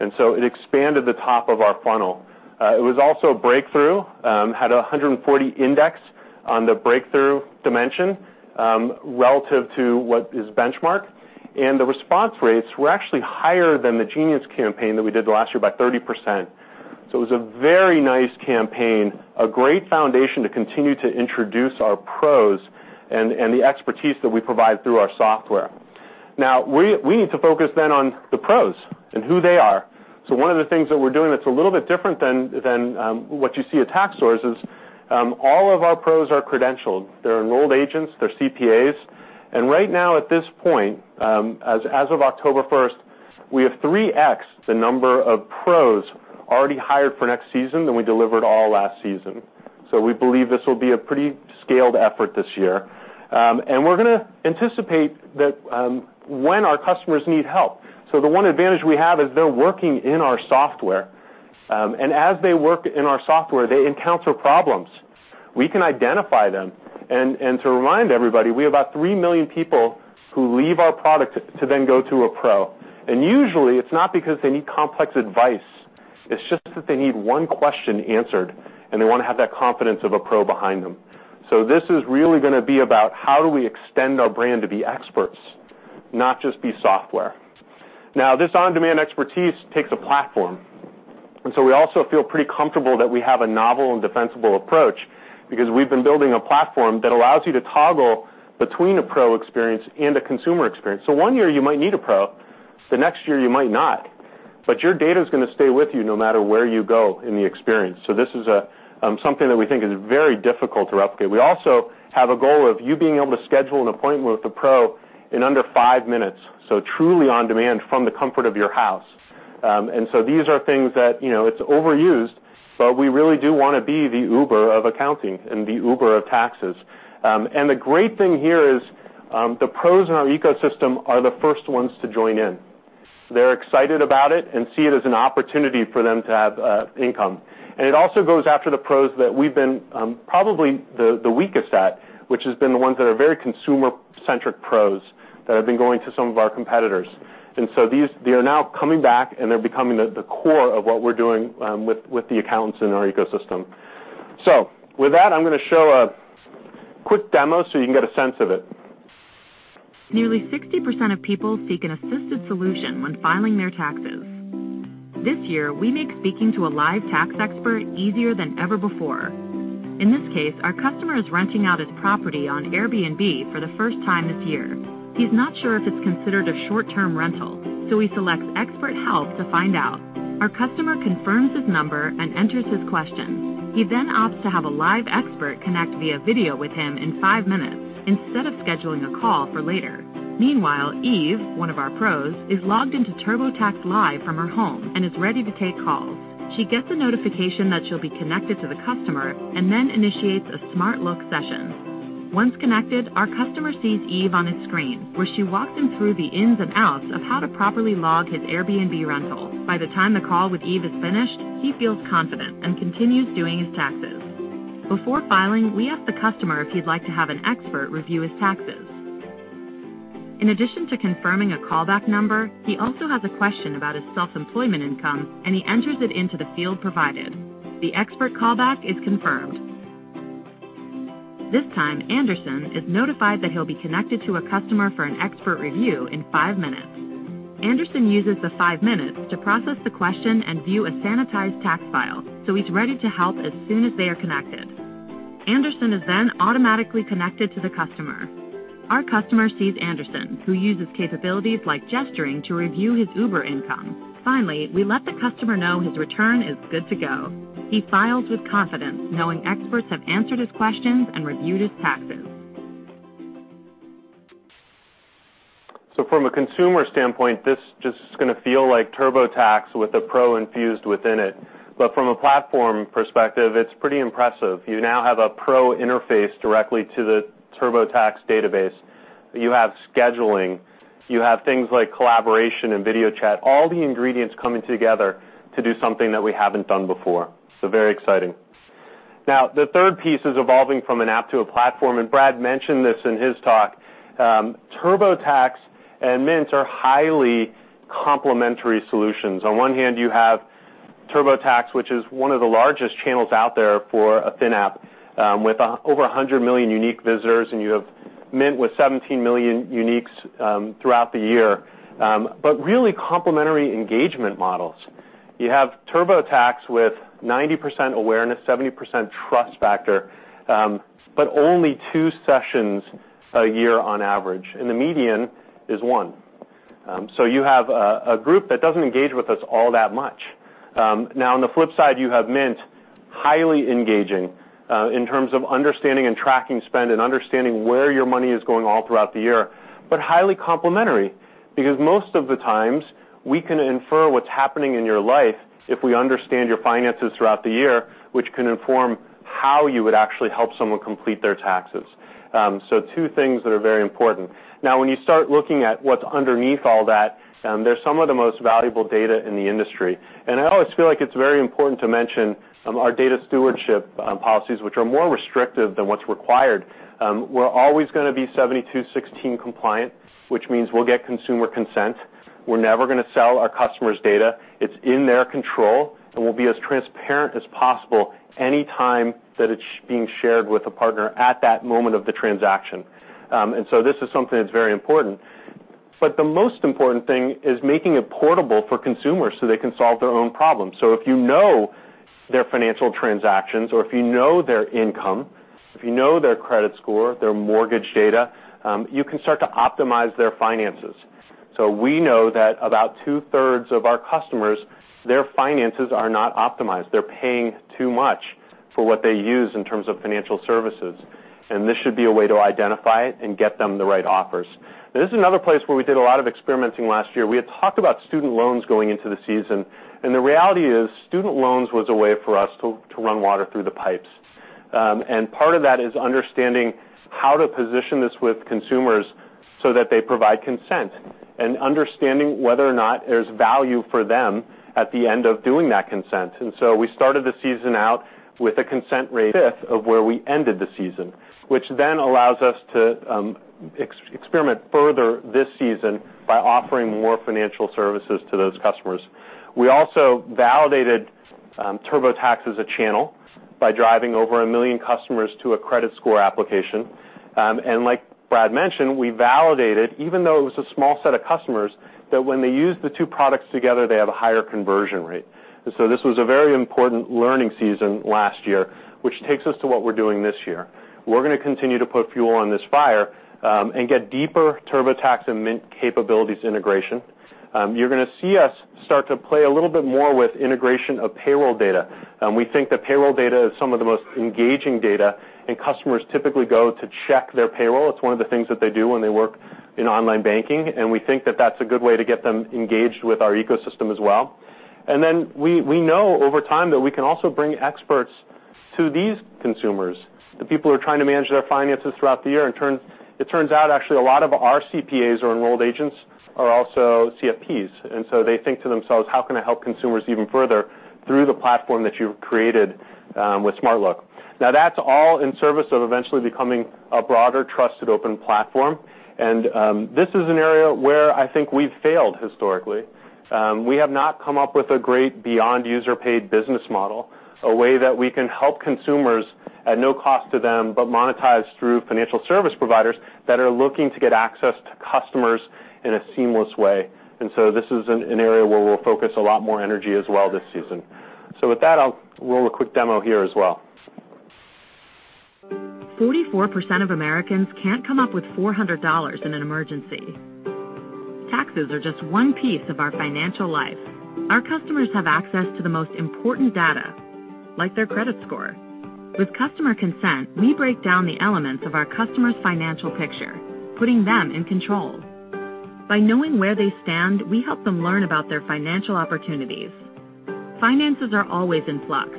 S6: It expanded the top of our funnel. It was also a breakthrough, had 140 index on the breakthrough dimension, relative to what is benchmark. The response rates were actually higher than the Genius campaign that we did last year by 30%. It was a very nice campaign, a great foundation to continue to introduce our pros and the expertise that we provide through our software. Now, we need to focus then on the pros and who they are. One of the things that we're doing that's a little bit different than what you see at tax source is all of our pros are credentialed. They're enrolled agents, they're CPAs. Right now at this point, as of October 1st, we have 3x the number of pros already hired for next season than we delivered all last season. We believe this will be a pretty scaled effort this year. We're going to anticipate when our customers need help. The one advantage we have is they're working in our software. As they work in our software, they encounter problems. We can identify them, to remind everybody, we have about 3 million people who leave our product to then go to a pro. Usually it's not because they need complex advice, it's just that they need one question answered, and they want to have that confidence of a pro behind them. This is really going to be about how do we extend our brand to be experts, not just be software. Now, this on-demand expertise takes a platform. We also feel pretty comfortable that we have a novel and defensible approach because we've been building a platform that allows you to toggle between a pro experience and a consumer experience. One year you might need a pro, the next year you might not, but your data's going to stay with you no matter where you go in the experience. This is something that we think is very difficult to replicate. We also have a goal of you being able to schedule an appointment with a pro in under five minutes, truly on demand from the comfort of your house. These are things that, it's overused, but we really do want to be the Uber of accounting and the Uber of taxes. The great thing here is the pros in our ecosystem are the first ones to join in. They're excited about it and see it as an opportunity for them to have income. It also goes after the pros that we've been probably the weakest at, which has been the ones that are very consumer-centric pros that have been going to some of our competitors. They are now coming back, and they're becoming the core of what we're doing with the accountants in our ecosystem. With that, I'm going to show a quick demo so you can get a sense of it.
S5: Nearly 60% of people seek an assisted solution when filing their taxes. This year, we make speaking to a live tax expert easier than ever before. In this case, our customer is renting out his property on Airbnb for the first time this year. He's not sure if it's considered a short-term rental, so he selects expert help to find out. Our customer confirms his number and enters his questions. He then opts to have a live expert connect via video with him in five minutes instead of scheduling a call for later. Meanwhile, Eve, one of our pros, is logged into TurboTax Live from her home and is ready to take calls. She gets a notification that she'll be connected to the customer and then initiates a SmartLook session. Once connected, our customer sees Eve on his screen, where she walks him through the ins and outs of how to properly log his Airbnb rental. By the time the call with Eve is finished, he feels confident and continues doing his taxes. Before filing, we ask the customer if he'd like to have an expert review his taxes. In addition to confirming a callback number, he also has a question about his self-employment income, and he enters it into the field provided. The expert callback is confirmed. This time, Anderson is notified that he'll be connected to a customer for an expert review in five minutes. Anderson uses the five minutes to process the question and view a sanitized tax file, so he's ready to help as soon as they are connected. Anderson is automatically connected to the customer. Our customer sees Anderson, who uses capabilities like gesturing to review his Uber income. Finally, we let the customer know his return is good to go. He files with confidence knowing experts have answered his questions and reviewed his taxes.
S6: From a consumer standpoint, this just is going to feel like TurboTax with a pro infused within it. From a platform perspective, it is pretty impressive. You now have a pro interface directly to the TurboTax database. You have scheduling, you have things like collaboration and video chat, all the ingredients coming together to do something that we haven't done before. Very exciting. The third piece is evolving from an app to a platform, and Brad mentioned this in his talk. TurboTax and Mint are highly complementary solutions. On one hand, you have TurboTax, which is one of the largest channels out there for a thin app, with over 100 million unique visitors, and you have Mint with 17 million uniques throughout the year. Really complementary engagement models. You have TurboTax with 90% awareness, 70% trust factor, but only two sessions a year on average, and the median is one. You have a group that doesn't engage with us all that much. On the flip side, you have Mint, highly engaging in terms of understanding and tracking spend and understanding where your money is going all throughout the year. Highly complementary, because most of the times, we can infer what's happening in your life if we understand your finances throughout the year, which can inform how you would actually help someone complete their taxes. Two things that are very important. When you start looking at what's underneath all that, there's some of the most valuable data in the industry. I always feel like it is very important to mention our data stewardship policies, which are more restrictive than what's required. We're always going to be Section 7216 compliant, which means we'll get consumer consent. We're never going to sell our customer's data. It's in their control, and we'll be as transparent as possible anytime that it's being shared with a partner at that moment of the transaction. This is something that's very important. The most important thing is making it portable for consumers so they can solve their own problems. If you know their financial transactions or if you know their income If you know their credit score, their mortgage data, you can start to optimize their finances. We know that about two-thirds of our customers, their finances are not optimized. They're paying too much for what they use in terms of financial services, and this should be a way to identify it and get them the right offers. This is another place where we did a lot of experimenting last year. We had talked about student loans going into the season. The reality is student loans was a way for us to run water through the pipes. Part of that is understanding how to position this with consumers so that they provide consent and understanding whether or not there's value for them at the end of doing that consent. We started the season out with a consent rate fifth of where we ended the season, which then allows us to experiment further this season by offering more financial services to those customers. We also validated TurboTax as a channel by driving over 1 million customers to a credit score application. Like Brad mentioned, we validated, even though it was a small set of customers, that when they use the two products together, they have a higher conversion rate. This was a very important learning season last year, which takes us to what we're doing this year. We're going to continue to put fuel on this fire and get deeper TurboTax and Mint capabilities integration. You're going to see us start to play a little bit more with integration of payroll data. We think that payroll data is some of the most engaging data, and customers typically go to check their payroll. It's one of the things that they do when they work in online banking, and we think that that's a good way to get them engaged with our ecosystem as well. We know over time that we can also bring experts to these consumers, the people who are trying to manage their finances throughout the year. It turns out actually a lot of our CPAs or enrolled agents are also CFPs, and so they think to themselves, "How can I help consumers even further through the platform that you've created with SmartLook?" Now that's all in service of eventually becoming a broader, trusted, open platform. This is an area where I think we've failed historically. We have not come up with a great beyond user-paid business model, a way that we can help consumers at no cost to them, but monetized through financial service providers that are looking to get access to customers in a seamless way. This is an area where we'll focus a lot more energy as well this season. With that, I'll roll a quick demo here as well.
S5: 44% of Americans can't come up with $400 in an emergency. Taxes are just one piece of our financial life. Our customers have access to the most important data, like their credit score. With customer consent, we break down the elements of our customers' financial picture, putting them in control. By knowing where they stand, we help them learn about their financial opportunities. Finances are always in flux.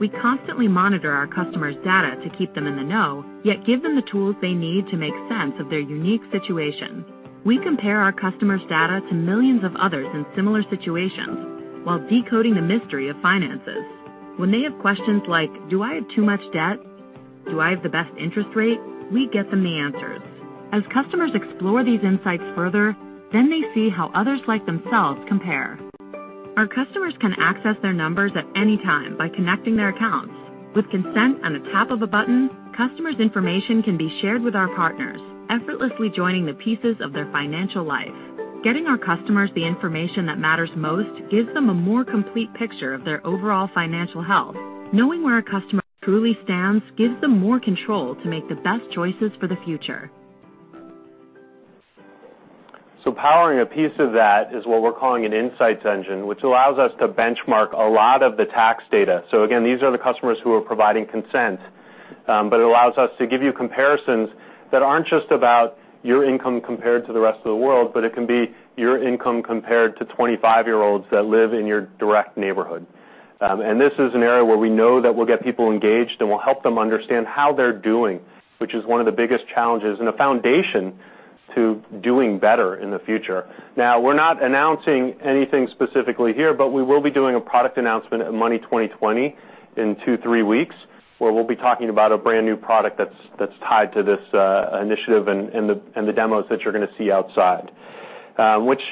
S5: We constantly monitor our customers' data to keep them in the know, yet give them the tools they need to make sense of their unique situation. We compare our customers' data to millions of others in similar situations while decoding the mystery of finances. When they have questions like, "Do I have too much debt? Do I have the best interest rate?" We get them the answers. As customers explore these insights further, they see how others like themselves compare. Our customers can access their numbers at any time by connecting their accounts. With consent and the tap of a button, customers' information can be shared with our partners, effortlessly joining the pieces of their financial life. Getting our customers the information that matters most gives them a more complete picture of their overall financial health. Knowing where a customer truly stands gives them more control to make the best choices for the future.
S6: Powering a piece of that is what we're calling an insights engine, which allows us to benchmark a lot of the tax data. Again, these are the customers who are providing consent, but it allows us to give you comparisons that aren't just about your income compared to the rest of the world, but it can be your income compared to 25-year-olds that live in your direct neighborhood. This is an area where we know that we'll get people engaged, and we'll help them understand how they're doing, which is one of the biggest challenges and a foundation to doing better in the future. We're not announcing anything specifically here, but we will be doing a product announcement at Money20/20 in two, three weeks, where we'll be talking about a brand-new product that's tied to this initiative and the demos that you're going to see outside. Which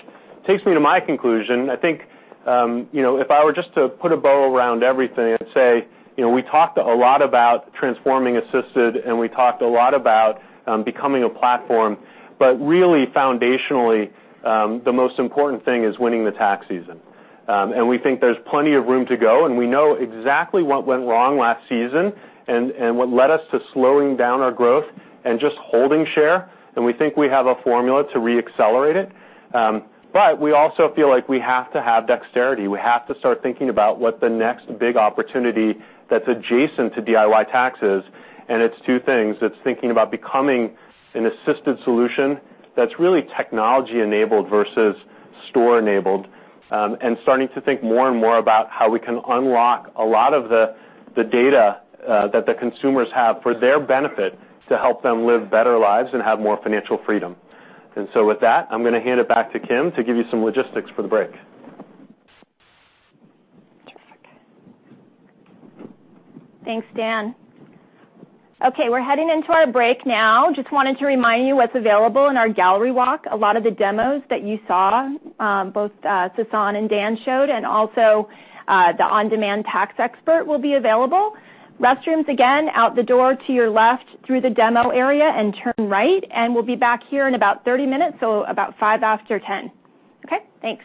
S6: takes me to my conclusion. I think, if I were just to put a bow around everything and say, we talked a lot about transforming Assisted, and we talked a lot about becoming a platform. Really foundationally, the most important thing is winning the tax season. We think there's plenty of room to go, and we know exactly what went wrong last season and what led us to slowing down our growth and just holding share, and we think we have a formula to re-accelerate it. We also feel like we have to have dexterity. We have to start thinking about what the next big opportunity that's adjacent to DIY taxes, it's two things. It's thinking about becoming an assisted solution that's really technology-enabled versus store-enabled, starting to think more and more about how we can unlock a lot of the data that the consumers have for their benefit to help them live better lives and have more financial freedom. With that, I'm going to hand it back to Kim to give you some logistics for the break.
S1: Terrific. Thanks, Dan. Okay, we're heading into our break now. Just wanted to remind you what's available in our gallery walk. A lot of the demos that you saw, both Sasan and Dan showed, the on-demand tax expert will be available. Restrooms, again, out the door to your left through the demo area and turn right, and we'll be back here in about 30 minutes, so about five after 10. Okay, thanks.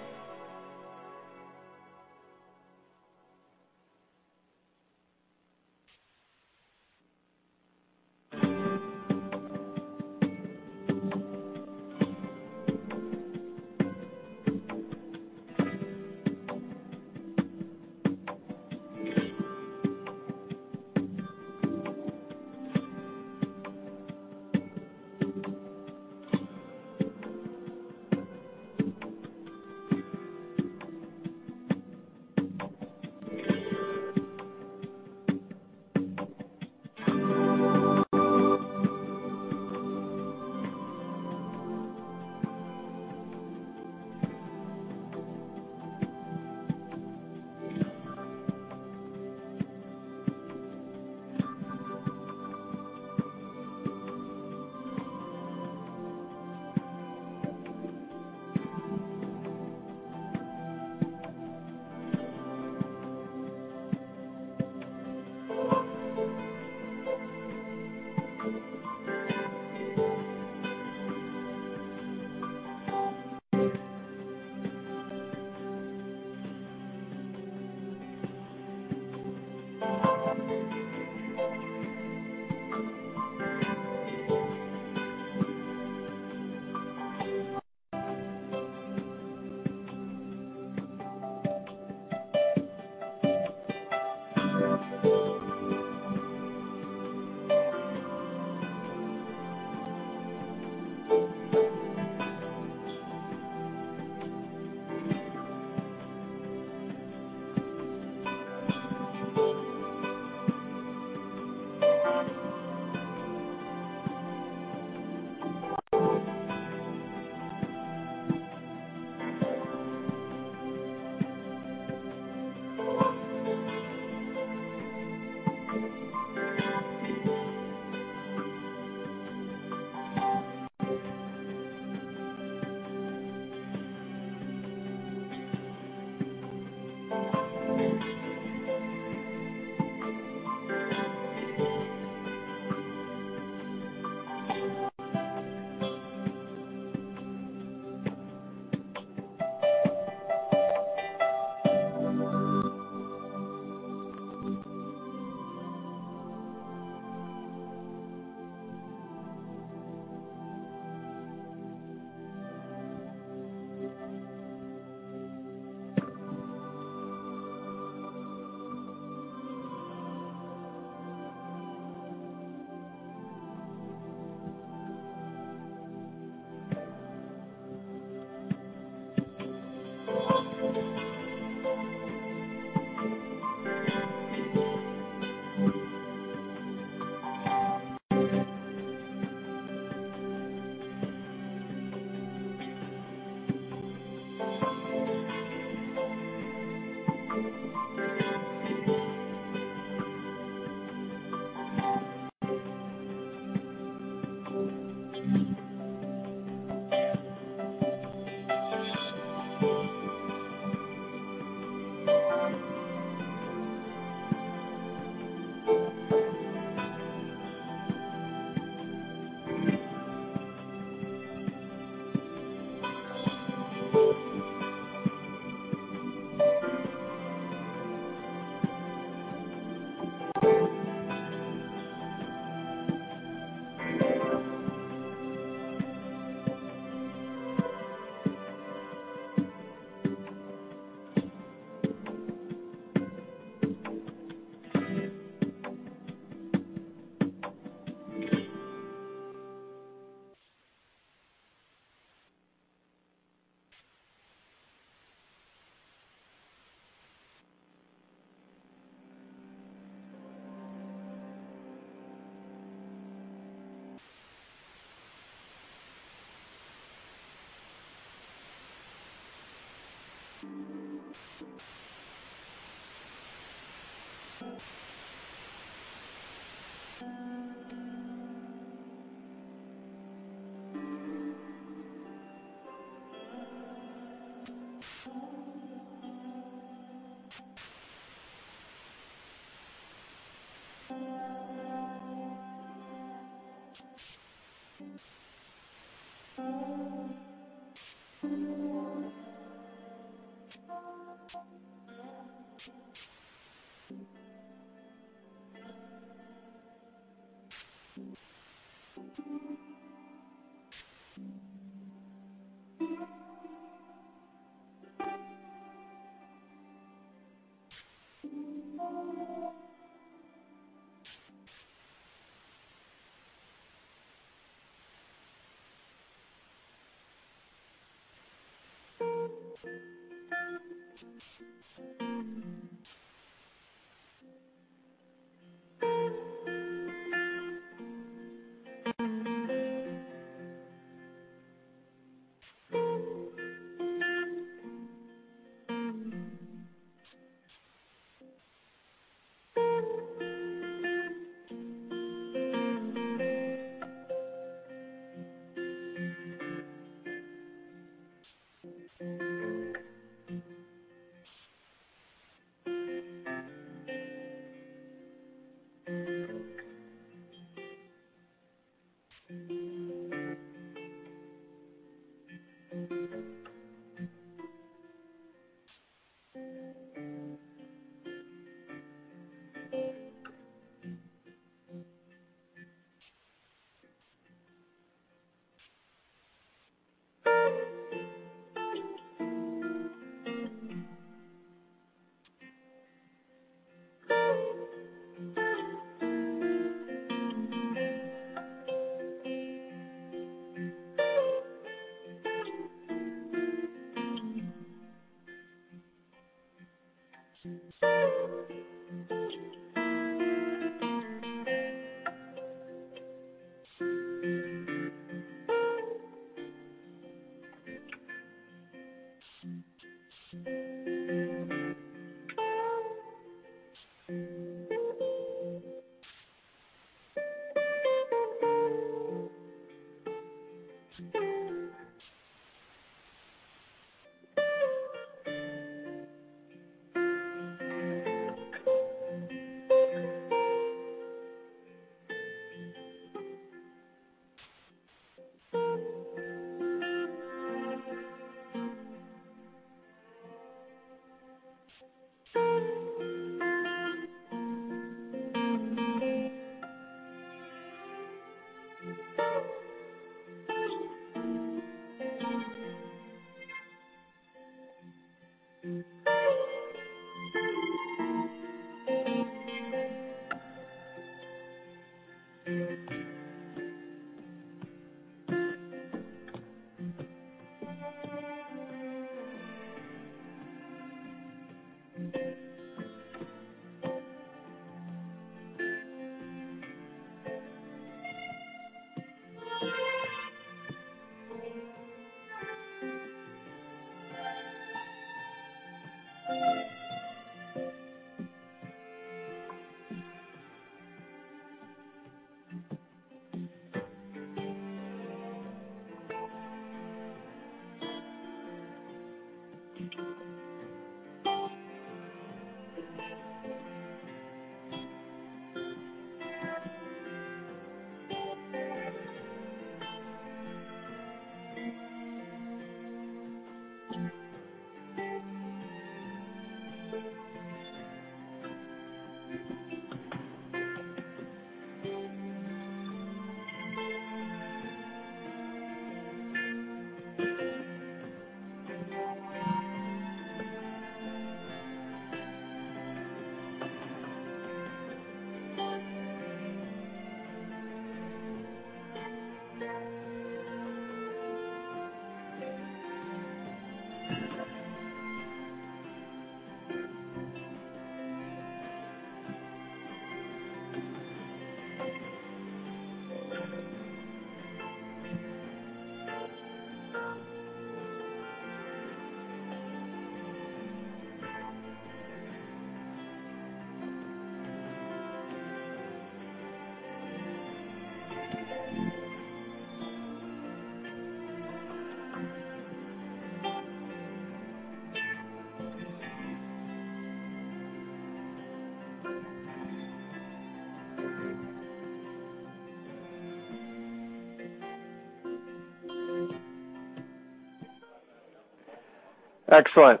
S7: Excellent.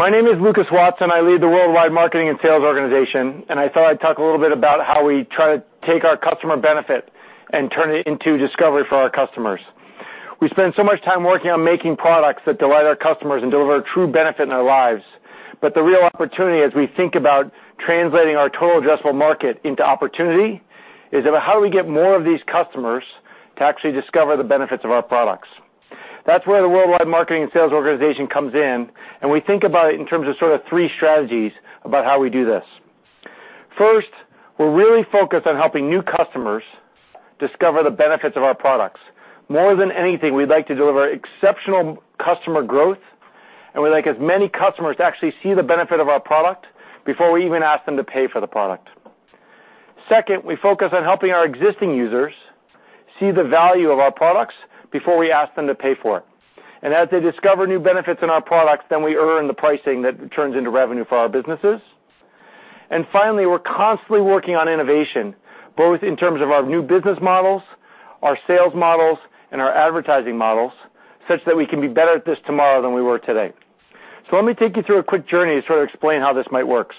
S7: My name is Lucas Watson. I lead the worldwide marketing and sales organization. I thought I'd talk a little bit about how we try to take our customer benefit and turn it into discovery for our customers. We spend so much time working on making products that delight our customers and deliver true benefit in our lives. The real opportunity as we think about translating our total addressable market into opportunity is about how we get more of these customers to actually discover the benefits of our products. That's where the worldwide marketing and sales organization comes in. We think about it in terms of sort of three strategies about how we do this. First, we're really focused on helping new customers discover the benefits of our products. More than anything, we'd like to deliver exceptional customer growth. We'd like as many customers to actually see the benefit of our product before we even ask them to pay for the product. Second, we focus on helping our existing users see the value of our products before we ask them to pay for it. As they discover new benefits in our products, then we earn the pricing that turns into revenue for our businesses. Finally, we're constantly working on innovation, both in terms of our new business models, our sales models, and our advertising models, such that we can be better at this tomorrow than we were today. Let me take you through a quick journey to sort of explain how this might work.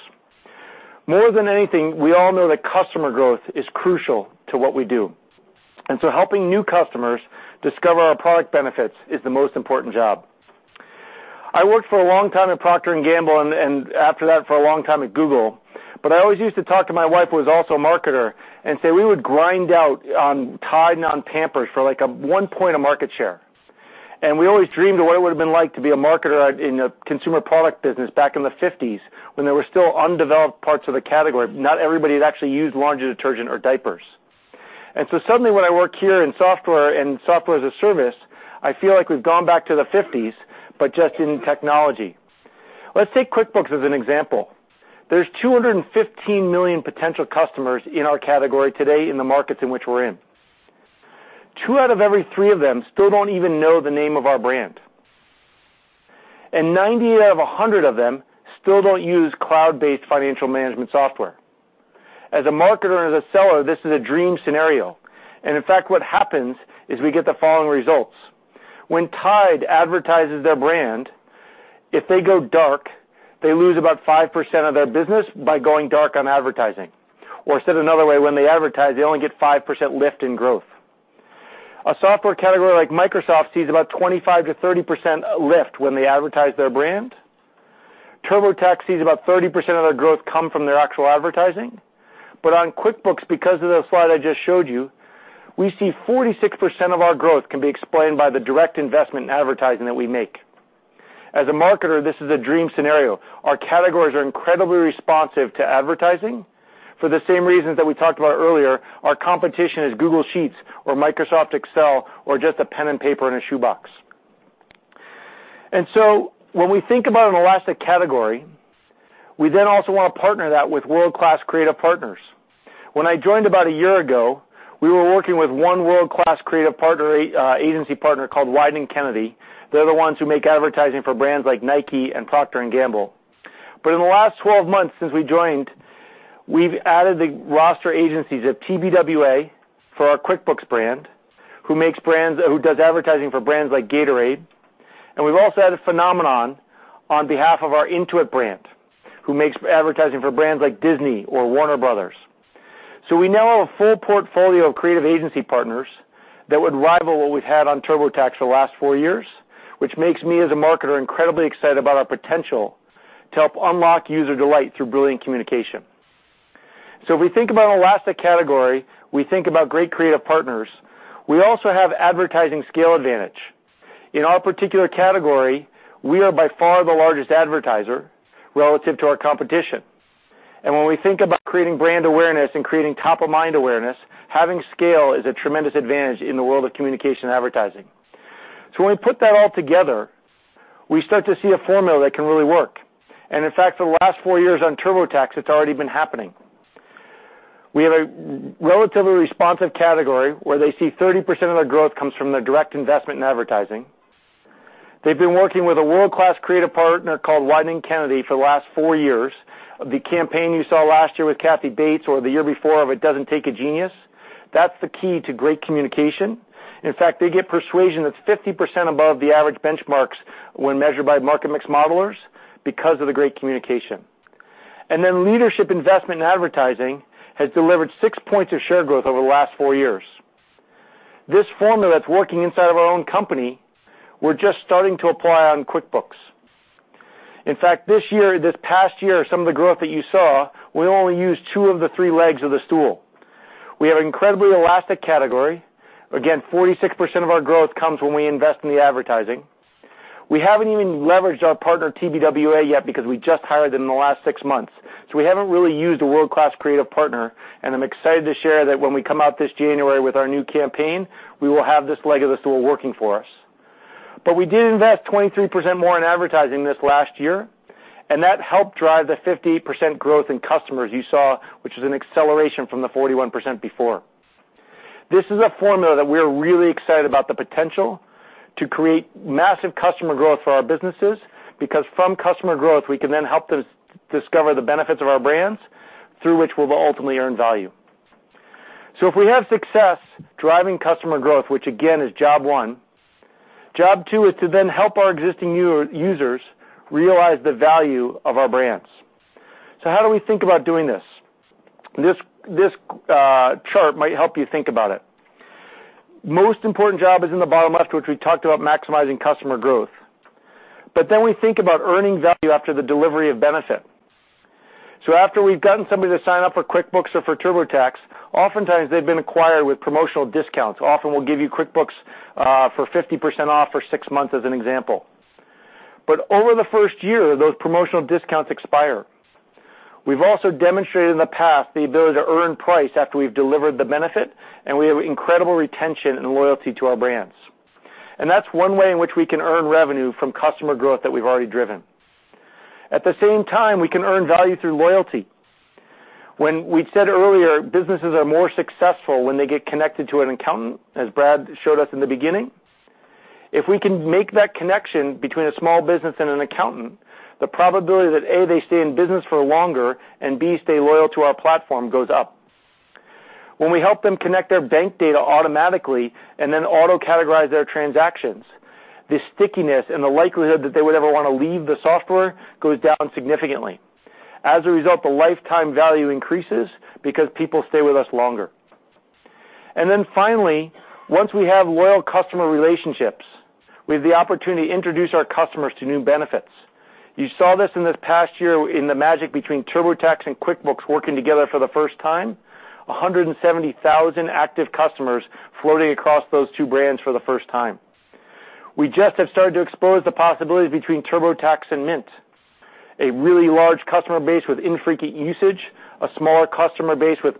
S7: More than anything, we all know that customer growth is crucial to what we do, helping new customers discover our product benefits is the most important job. I worked for a long time at Procter & Gamble, and after that, for a long time at Google. I always used to talk to my wife, who was also a marketer, and say we would grind out on Tide and on Pampers for a one point of market share. We always dreamed of what it would've been like to be a marketer in a consumer product business back in the '50s, when there were still undeveloped parts of the category. Not everybody had actually used laundry detergent or diapers. Suddenly, when I work here in software and software as a service, I feel like we've gone back to the '50s, but just in technology. Let's take QuickBooks as an example. There's 215 million potential customers in our category today in the markets in which we're in. Two out of every three of them still don't even know the name of our brand, 90 out of 100 of them still don't use cloud-based financial management software. As a marketer and as a seller, this is a dream scenario. In fact, what happens is we get the following results. When Tide advertises their brand, if they go dark, they lose about 5% of their business by going dark on advertising. Said another way, when they advertise, they only get 5% lift in growth. A software category like Microsoft sees about 25%-30% lift when they advertise their brand. TurboTax sees about 30% of their growth come from their actual advertising. On QuickBooks, because of the slide I just showed you, we see 46% of our growth can be explained by the direct investment in advertising that we make. As a marketer, this is a dream scenario. Our categories are incredibly responsive to advertising. For the same reasons that we talked about earlier, our competition is Google Sheets or Microsoft Excel or just a pen and paper and a shoebox. When we think about an elastic category, we then also want to partner that with world-class creative partners. When I joined about a year ago, we were working with one world-class creative agency partner called Wieden+Kennedy. They're the ones who make advertising for brands like Nike and Procter & Gamble. In the last 12 months since we joined, we've added the roster agencies of TBWA for our QuickBooks brand, who does advertising for brands like Gatorade, we've also added Phenomenon on behalf of our Intuit brand, who makes advertising for brands like Disney or Warner Bros. We now have a full portfolio of creative agency partners that would rival what we've had on TurboTax for the last four years, which makes me, as a marketer, incredibly excited about our potential to help unlock user delight through brilliant communication. If we think about elastic category, we think about great creative partners. We also have advertising scale advantage. In our particular category, we are by far the largest advertiser relative to our competition. When we think about creating brand awareness and creating top-of-mind awareness, having scale is a tremendous advantage in the world of communication advertising. When we put that all together, we start to see a formula that can really work. In fact, for the last four years on TurboTax, it's already been happening. We have a relatively responsive category where they see 30% of their growth comes from their direct investment in advertising. They've been working with a world-class creative partner called Wieden+Kennedy for the last four years. The campaign you saw last year with Kathy Bates or the year before of "It doesn't take a genius," that's the key to great communication. In fact, they get persuasion that's 50% above the average benchmarks when measured by market mix modelers because of the great communication. Leadership investment in advertising has delivered six points of share growth over the last four years. This formula that's working inside of our own company, we're just starting to apply on QuickBooks. In fact, this past year, some of the growth that you saw, we only used two of the three legs of the stool. We have an incredibly elastic category. Again, 46% of our growth comes when we invest in the advertising. We haven't even leveraged our partner TBWA yet because we just hired them in the last six months, we haven't really used a world-class creative partner, I'm excited to share that when we come out this January with our new campaign, we will have this leg of the stool working for us. We did invest 23% more in advertising this last year, and that helped drive the 58% growth in customers you saw, which is an acceleration from the 41% before. This is a formula that we are really excited about the potential to create massive customer growth for our businesses, because from customer growth, we can then help them discover the benefits of our brands through which we'll ultimately earn value. If we have success driving customer growth, which again is job 1, job 2 is to then help our existing users realize the value of our brands. How do we think about doing this? This chart might help you think about it. Most important job is in the bottom left, which we talked about maximizing customer growth. We think about earning value after the delivery of benefit. After we've gotten somebody to sign up for QuickBooks or for TurboTax, oftentimes they've been acquired with promotional discounts. Often, we'll give you QuickBooks for 50% off for six months, as an example. Over the first year, those promotional discounts expire. We've also demonstrated in the past the ability to earn price after we've delivered the benefit, we have incredible retention and loyalty to our brands. That's one way in which we can earn revenue from customer growth that we've already driven. At the same time, we can earn value through loyalty. When we said earlier, businesses are more successful when they get connected to an accountant, as Brad showed us in the beginning. If we can make that connection between a small business and an accountant, the probability that, A, they stay in business for longer, and B, stay loyal to our platform, goes up. When we help them connect their bank data automatically and then auto-categorize their transactions, the stickiness and the likelihood that they would ever want to leave the software goes down significantly. As a result, the lifetime value increases because people stay with us longer. Finally, once we have loyal customer relationships, we have the opportunity to introduce our customers to new benefits. You saw this in this past year in the magic between TurboTax and QuickBooks working together for the first time, 170,000 active customers floating across those two brands for the first time. We just have started to explore the possibilities between TurboTax and Mint. A really large customer base with infrequent usage, a smaller customer base with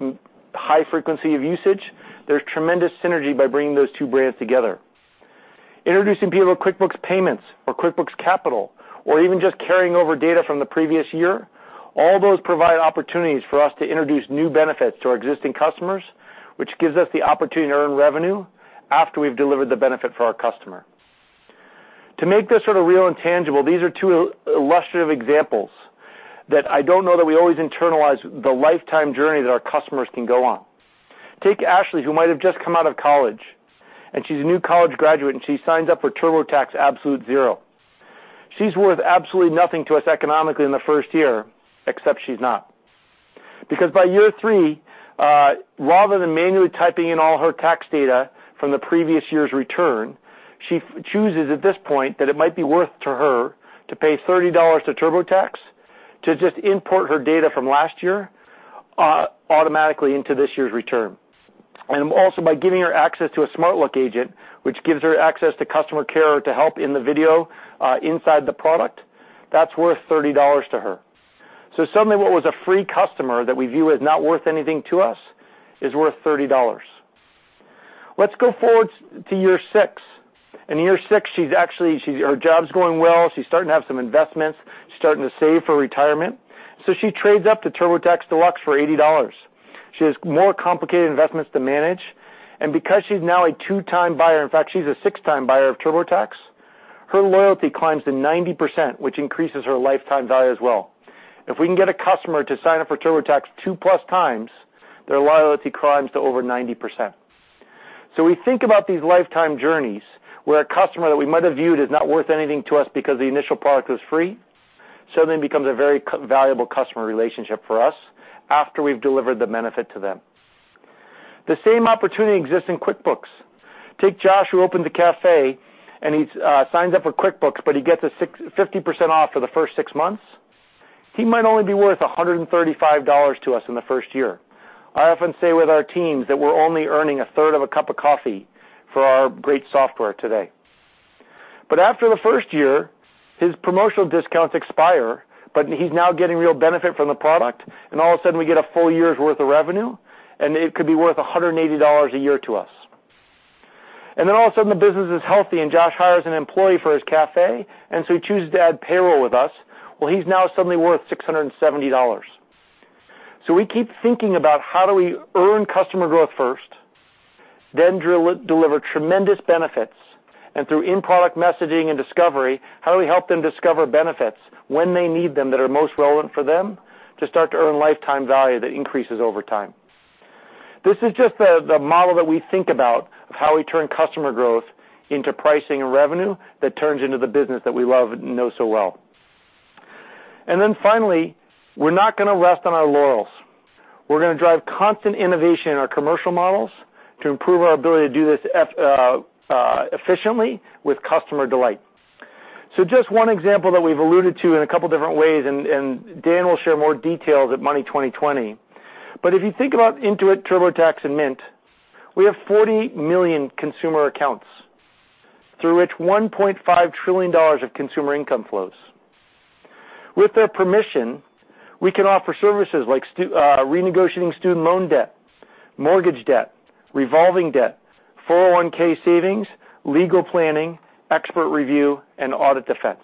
S7: high frequency of usage. There's tremendous synergy by bringing those two brands together. Introducing people to QuickBooks Payments or QuickBooks Capital or even just carrying over data from the previous year, all those provide opportunities for us to introduce new benefits to our existing customers, which gives us the opportunity to earn revenue after we've delivered the benefit for our customer. To make this real and tangible, these are two illustrative examples that I don't know that we always internalize the lifetime journey that our customers can go on. Take Ashley, who might have just come out of college, and she's a new college graduate, and she signs up for TurboTax Absolute Zero. She's worth absolutely nothing to us economically in the first year, except she's not. By year three, rather than manually typing in all her tax data from the previous year's return, she chooses at this point that it might be worth to her to pay $30 to TurboTax to just import her data from last year automatically into this year's return. Also by giving her access to a SmartLook agent, which gives her access to customer care to help in the video inside the product, that's worth $30 to her. Suddenly, what was a free customer that we view as not worth anything to us is worth $30. Let's go forward to year six. In year six, her job's going well. She's starting to have some investments. She's starting to save for retirement. She trades up to TurboTax Deluxe for $80. She has more complicated investments to manage, because she's now a two-time buyer, in fact, she's a six-time buyer of TurboTax, her loyalty climbs to 90%, which increases her lifetime value as well. If we can get a customer to sign up for TurboTax two-plus times, their loyalty climbs to over 90%. We think about these lifetime journeys where a customer that we might have viewed as not worth anything to us because the initial product was free suddenly becomes a very valuable customer relationship for us after we've delivered the benefit to them. The same opportunity exists in QuickBooks. Take Josh, who opened a cafe, and he signs up for QuickBooks, but he gets a 50% off for the first six months. He might only be worth $135 to us in the first year. I often say with our teams that we're only earning a third of a cup of coffee for our great software today. After the first year, his promotional discounts expire, but he's now getting real benefit from the product, and all of a sudden, we get a full year's worth of revenue, and it could be worth $180 a year to us. Then all of a sudden, the business is healthy, and Josh hires an employee for his cafe, and so he chooses to add payroll with us. Well, he's now suddenly worth $670. We keep thinking about how do we earn customer growth first, then deliver tremendous benefits, and through in-product messaging and discovery, how do we help them discover benefits when they need them that are most relevant for them to start to earn lifetime value that increases over time? This is just the model that we think about of how we turn customer growth into pricing and revenue that turns into the business that we love and know so well. Then finally, we're not going to rest on our laurels. We're going to drive constant innovation in our commercial models to improve our ability to do this efficiently with customer delight. Just one example that we've alluded to in a couple different ways, and Dan will share more details at Money20/20, but if you think about Intuit, TurboTax, and Mint, we have 40 million consumer accounts through which $1.5 trillion of consumer income flows. With their permission, we can offer services like renegotiating student loan debt, mortgage debt, revolving debt, 401 savings, legal planning, expert review, and audit defense.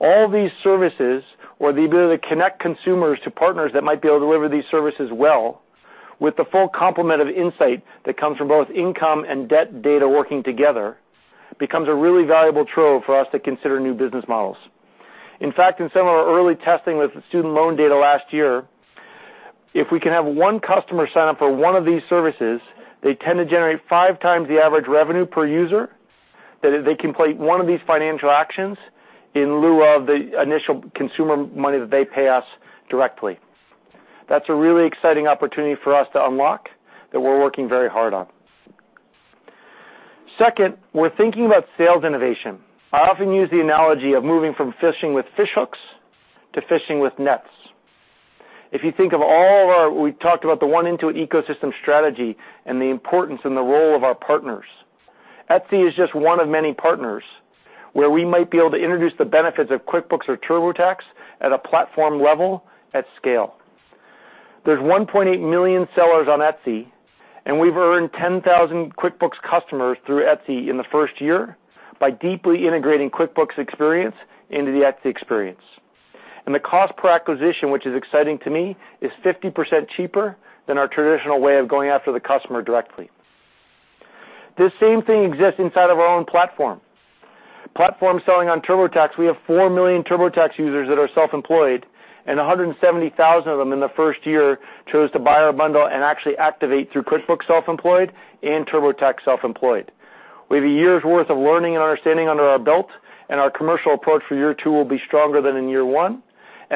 S7: All these services or the ability to connect consumers to partners that might be able to deliver these services well with the full complement of insight that comes from both income and debt data working together becomes a really valuable trove for us to consider new business models. In fact, in some of our early testing with student loan data last year, if we can have one customer sign up for one of these services, they tend to generate five times the average revenue per user, that if they complete one of these financial actions in lieu of the initial consumer money that they pay us directly. That's a really exciting opportunity for us to unlock that we're working very hard on. Second, we're thinking about sales innovation. I often use the analogy of moving from fishing with fish hooks to fishing with nets. We talked about the one Intuit ecosystem strategy and the importance and the role of our partners. Etsy is just one of many partners where we might be able to introduce the benefits of QuickBooks or TurboTax at a platform level at scale. There's 1.8 million sellers on Etsy, and we've earned 10,000 QuickBooks customers through Etsy in the first year by deeply integrating QuickBooks experience into the Etsy experience. The cost per acquisition, which is exciting to me, is 50% cheaper than our traditional way of going after the customer directly. This same thing exists inside of our own platform. Platform selling on TurboTax, we have 4 million TurboTax users that are self-employed, and 170,000 of them in the first year chose to buy our bundle and actually activate through QuickBooks Self-Employed and TurboTax Self-Employed. We have a year's worth of learning and understanding under our belt, our commercial approach for year two will be stronger than in year one.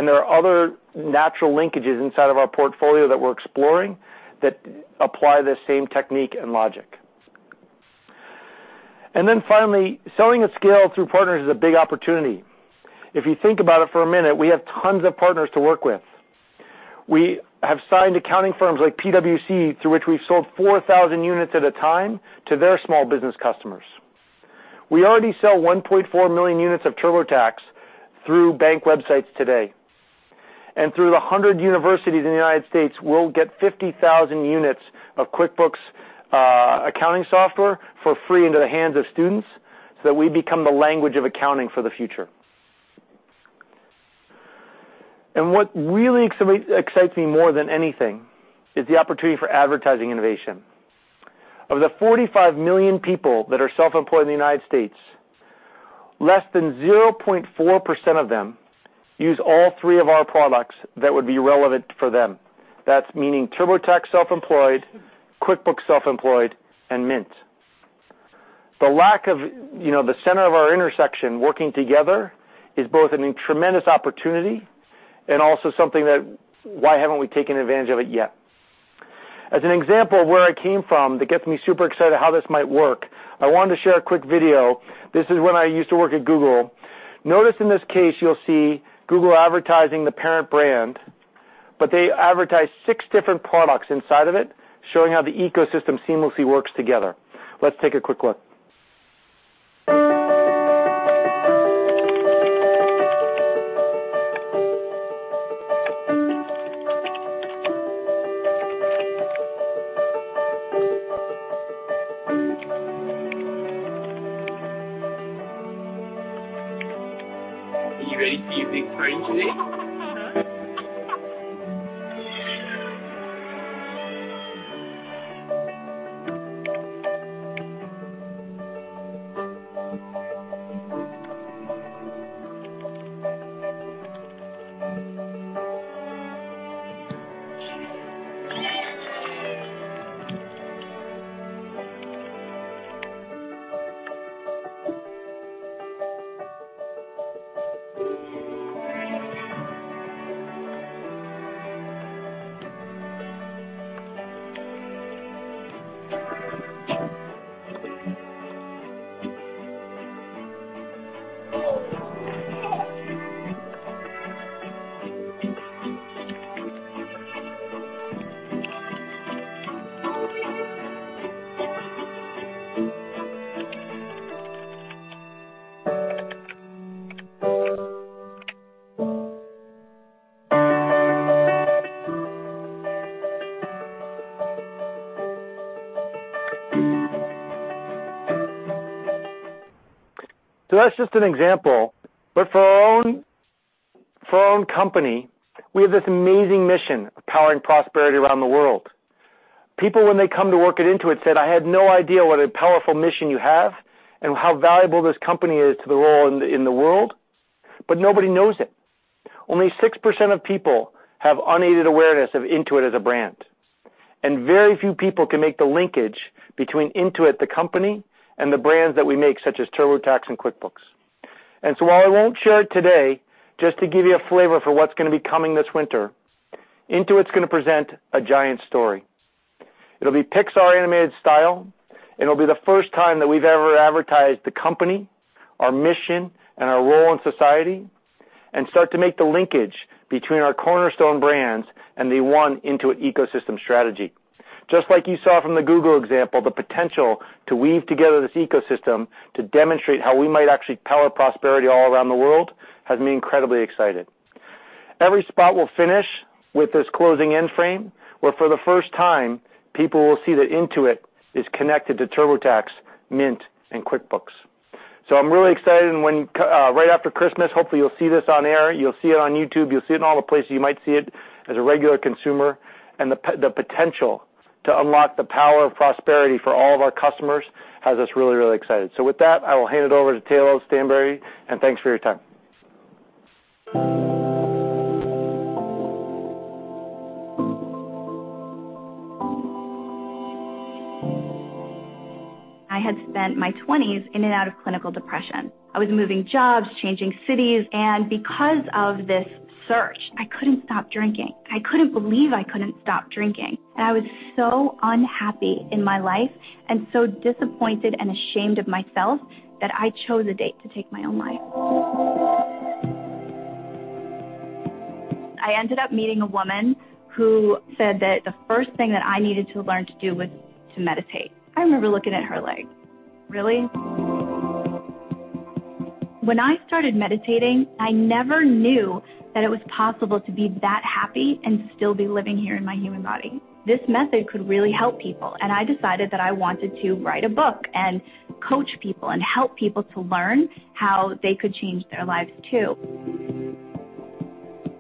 S7: There are other natural linkages inside of our portfolio that we're exploring that apply the same technique and logic. Finally, selling at scale through partners is a big opportunity. If you think about it for a minute, we have tons of partners to work with. We have signed accounting firms like PwC, through which we've sold 4,000 units at a time to their small business customers. We already sell 1.4 million units of TurboTax through bank websites today. Through the 100 universities in the U.S., we'll get 50,000 units of QuickBooks accounting software for free into the hands of students so that we become the language of accounting for the future. What really excites me more than anything is the opportunity for advertising innovation. Of the 45 million people that are self-employed in the U.S., less than 0.4% of them use all three of our products that would be relevant for them. That's meaning TurboTax Self-Employed, QuickBooks Self-Employed, and Mint. The lack of the center of our intersection working together is both a tremendous opportunity and also something that, why haven't we taken advantage of it yet? As an example of where I came from that gets me super excited how this might work, I wanted to share a quick video. This is when I used to work at Google. Notice in this case, you'll see Google advertising the parent brand, but they advertise six different products inside of it, showing how the ecosystem seamlessly works together. Let's take a quick look.
S5: Are you ready for your big party today?
S7: That's just an example, but for our own company, we have this amazing mission of powering prosperity around the world. People when they come to work at Intuit said, "I had no idea what a powerful mission you have and how valuable this company is to the role in the world," but nobody knows it. Only 6% of people have unaided awareness of Intuit as a brand, and very few people can make the linkage between Intuit the company, and the brands that we make, such as TurboTax and QuickBooks. While I won't share it today, just to give you a flavor for what's going to be coming this winter, Intuit's going to present A Giant Story. It'll be Pixar-animated style, and it'll be the first time that we've ever advertised the company, our mission, and our role in society, and start to make the linkage between our cornerstone brands and the one Intuit ecosystem strategy. Just like you saw from the Google example, the potential to weave together this ecosystem to demonstrate how we might actually power prosperity all around the world, has me incredibly excited. Every spot will finish with this closing end frame, where for the first time, people will see that Intuit is connected to TurboTax, Mint, and QuickBooks. I'm really excited, and right after Christmas, hopefully you'll see this on air, you'll see it on YouTube, you'll see it in all the places you might see it as a regular consumer. The potential to unlock the power of prosperity for all of our customers has us really, really excited. With that, I will hand it over to Tayloe Stansbury, and thanks for your time.
S5: I had spent my 20s in and out of clinical depression. I was moving jobs, changing cities, and because of this search, I couldn't stop drinking. I couldn't believe I couldn't stop drinking. I was so unhappy in my life and so disappointed and ashamed of myself that I chose a date to take my own life. I ended up meeting a woman who said that the first thing that I needed to learn to do was to meditate. I remember looking at her like, "Really?" When I started meditating, I never knew that it was possible to be that happy and still be living here in my human body. This method could really help people, and I decided that I wanted to write a book and coach people and help people to learn how they could change their lives too.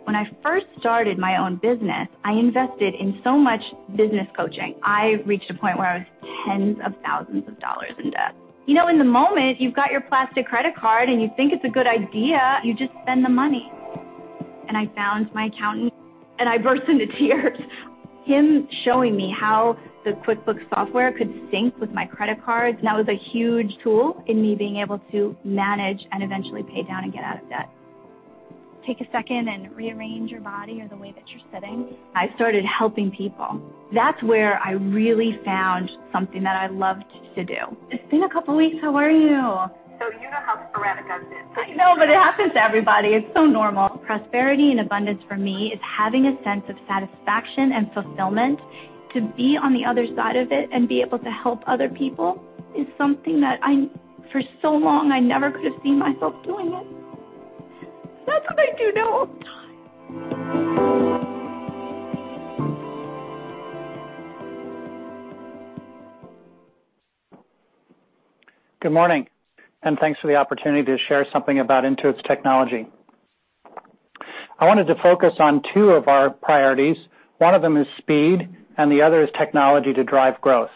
S5: When I first started my own business, I invested in so much business coaching. I reached a point where I was tens of thousands of dollars in debt. In the moment, you've got your plastic credit card, and you think it's a good idea, you just spend the money. I found my accountant, and I burst into tears. Him showing me how the QuickBooks software could sync with my credit cards, that was a huge tool in me being able to manage and eventually pay down and get out of debt. Take a second and rearrange your body or the way that you're sitting. I started helping people. That's where I really found something that I loved to do. It's been a couple of weeks. How are you? You know how sporadic I've been. I know, it happens to everybody. It's so normal. Prosperity and abundance for me is having a sense of satisfaction and fulfillment. To be on the other side of it and be able to help other people is something that for so long I never could have seen myself doing it. That's what I do now all the time.
S8: Good morning, and thanks for the opportunity to share something about Intuit's technology. I wanted to focus on two of our priorities. One of them is speed, and the other is technology to drive growth.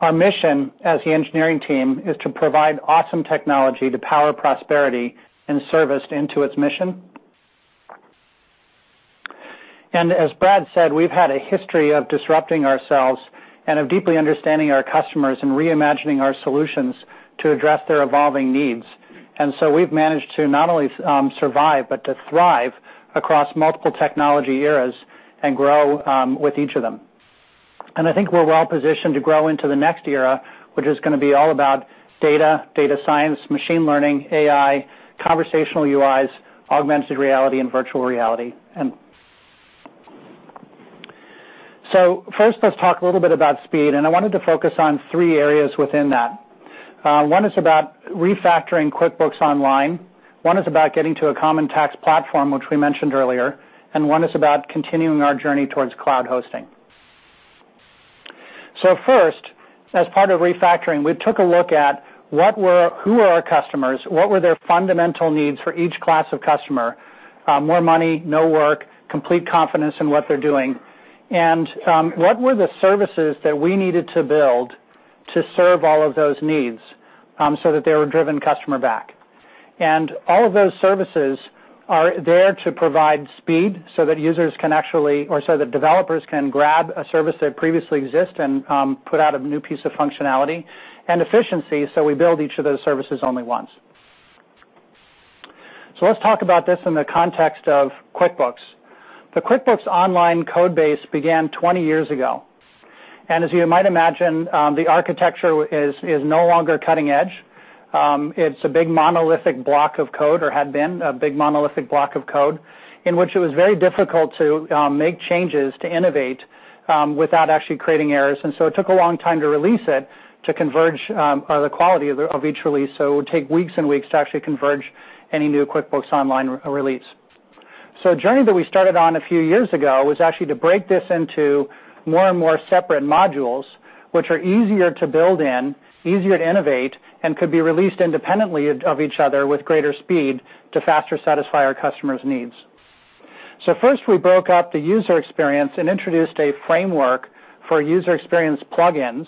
S8: Our mission as the engineering team is to provide awesome technology to power prosperity and service Intuit's mission. As Brad said, we've had a history of disrupting ourselves and of deeply understanding our customers and reimagining our solutions to address their evolving needs. We've managed to not only survive, but to thrive across multiple technology eras and grow with each of them. I think we're well-positioned to grow into the next era, which is going to be all about data science, machine learning, AI, conversational UIs, augmented reality, and virtual reality. First, let's talk a little bit about speed, and I wanted to focus on three areas within that. One is about refactoring QuickBooks Online, one is about getting to a common tax platform, which we mentioned earlier, and one is about continuing our journey towards cloud hosting. First, as part of refactoring, we took a look at who were our customers, what were their fundamental needs for each class of customer, more money, no work, complete confidence in what they're doing, and what were the services that we needed to build to serve all of those needs so that they were driven customer-back. All of those services are there to provide speed so that developers can grab a service that previously exist and put out a new piece of functionality, and efficiency, so we build each of those services only once. Let's talk about this in the context of QuickBooks. The QuickBooks Online code base began 20 years ago. As you might imagine, the architecture is no longer cutting-edge. It's a big monolithic block of code, or had been a big monolithic block of code, in which it was very difficult to make changes, to innovate, without actually creating errors. It took a long time to release it, to converge the quality of each release. It would take weeks and weeks to actually converge any new QuickBooks Online release. A journey that we started on a few years ago was actually to break this into more and more separate modules, which are easier to build in, easier to innovate, and could be released independently of each other with greater speed to faster satisfy our customers' needs. First, we broke up the user experience and introduced a framework for user experience plugins.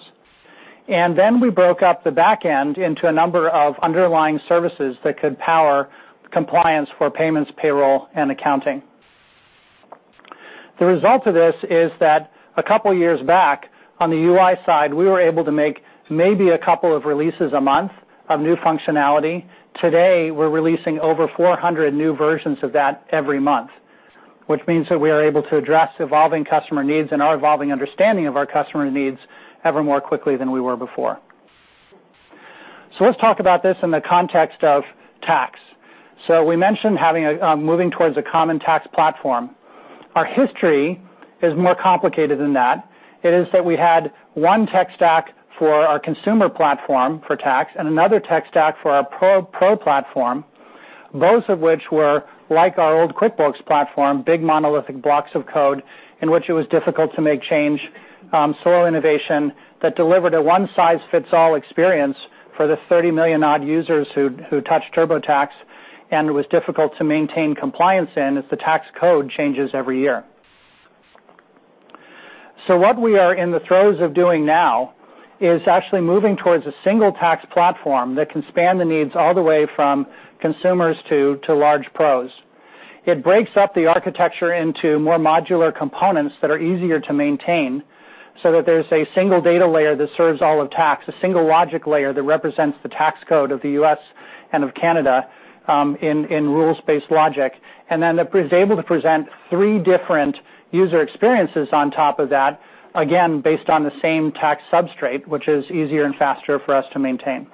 S8: We broke up the back end into a number of underlying services that could power compliance for payments, payroll, and accounting. The result of this is that a couple of years back, on the UI side, we were able to make maybe a couple of releases a month of new functionality. Today, we're releasing over 400 new versions of that every month, which means that we are able to address evolving customer needs and our evolving understanding of our customer needs ever more quickly than we were before. Let's talk about this in the context of tax. We mentioned moving towards a common tax platform. Our history is more complicated than that. It is that we had one tech stack for our consumer platform for tax and another tech stack for our pro platform, both of which were like our old QuickBooks platform, big monolithic blocks of code in which it was difficult to make change, slow innovation that delivered a one-size-fits-all experience for the 30 million-odd users who touched TurboTax, and it was difficult to maintain compliance in as the tax code changes every year. What we are in the throes of doing now is actually moving towards a single tax platform that can span the needs all the way from consumers to large pros. It breaks up the architecture into more modular components that are easier to maintain so that there's a single data layer that serves all of tax, a single logic layer that represents the tax code of the U.S. and of Canada in rules-based logic, then it is able to present three different user experiences on top of that, again, based on the same tax substrate, which is easier and faster for us to maintain.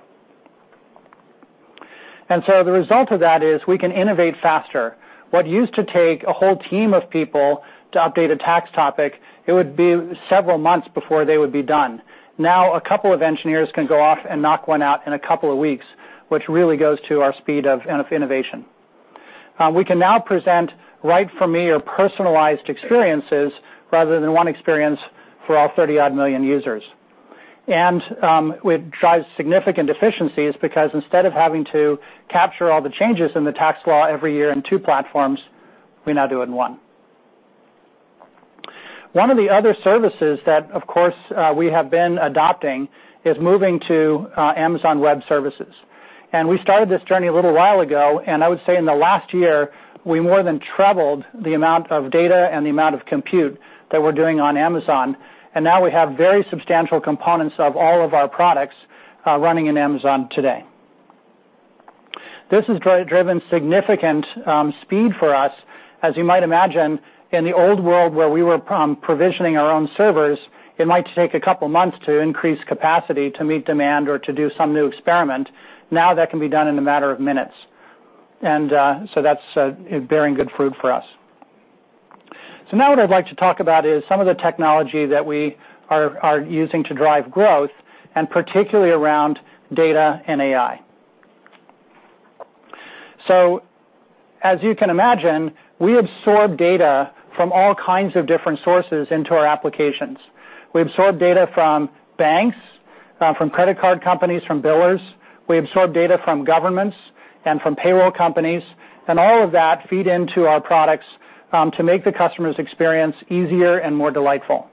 S8: The result of that is we can innovate faster. What used to take a whole team of people to update a tax topic, it would be several months before they would be done. Now, a couple of engineers can go off and knock one out in a couple of weeks, which really goes to our speed of innovation. We can now present Right For Me or personalized experiences rather than one experience for all 30 odd million users. It drives significant efficiencies because instead of having to capture all the changes in the tax law every year in 2 platforms, we now do it in 1. One of the other services that, of course, we have been adopting is moving to Amazon Web Services. We started this journey a little while ago, and I would say in the last year, we more than tripled the amount of data and the amount of compute that we're doing on Amazon, and now we have very substantial components of all of our products running in Amazon today. This has driven significant speed for us. As you might imagine, in the old world where we were provisioning our own servers, it might take a couple of months to increase capacity to meet demand or to do some new experiment. Now that can be done in a matter of minutes. That's bearing good fruit for us. Now what I'd like to talk about is some of the technology that we are using to drive growth, and particularly around data and AI. As you can imagine, we absorb data from all kinds of different sources into our applications. We absorb data from banks, from credit card companies, from billers. We absorb data from governments and from payroll companies, and all of that feed into our products to make the customer's experience easier and more delightful.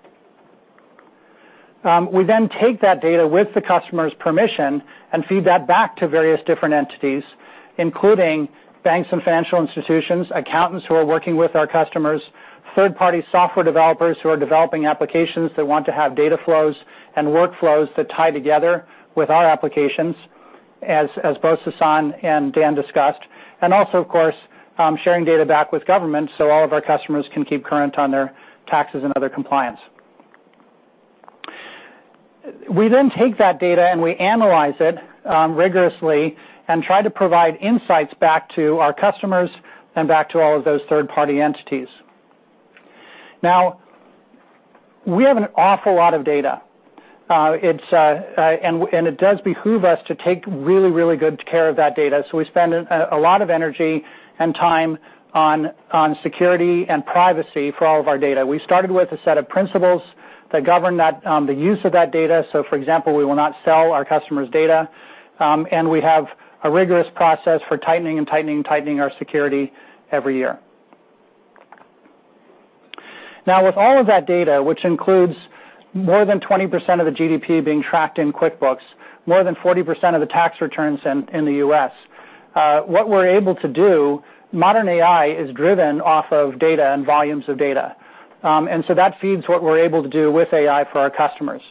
S8: We take that data with the customer's permission and feed that back to various different entities, including banks and financial institutions, accountants who are working with our customers, third-party software developers who are developing applications that want to have data flows and workflows that tie together with our applications, as both Sasan and Dan discussed, also, of course, sharing data back with government so all of our customers can keep current on their taxes and other compliance. We take that data and we analyze it rigorously and try to provide insights back to our customers and back to all of those third-party entities. We have an awful lot of data, it does behoove us to take really, really good care of that data, so we spend a lot of energy and time on security and privacy for all of our data. We started with a set of principles that govern the use of that data. For example, we will not sell our customers' data, we have a rigorous process for tightening and tightening our security every year. With all of that data, which includes more than 20% of the GDP being tracked in QuickBooks, more than 40% of the tax returns in the U.S., what we're able to do, modern AI is driven off of data and volumes of data. That feeds what we're able to do with AI for our customers.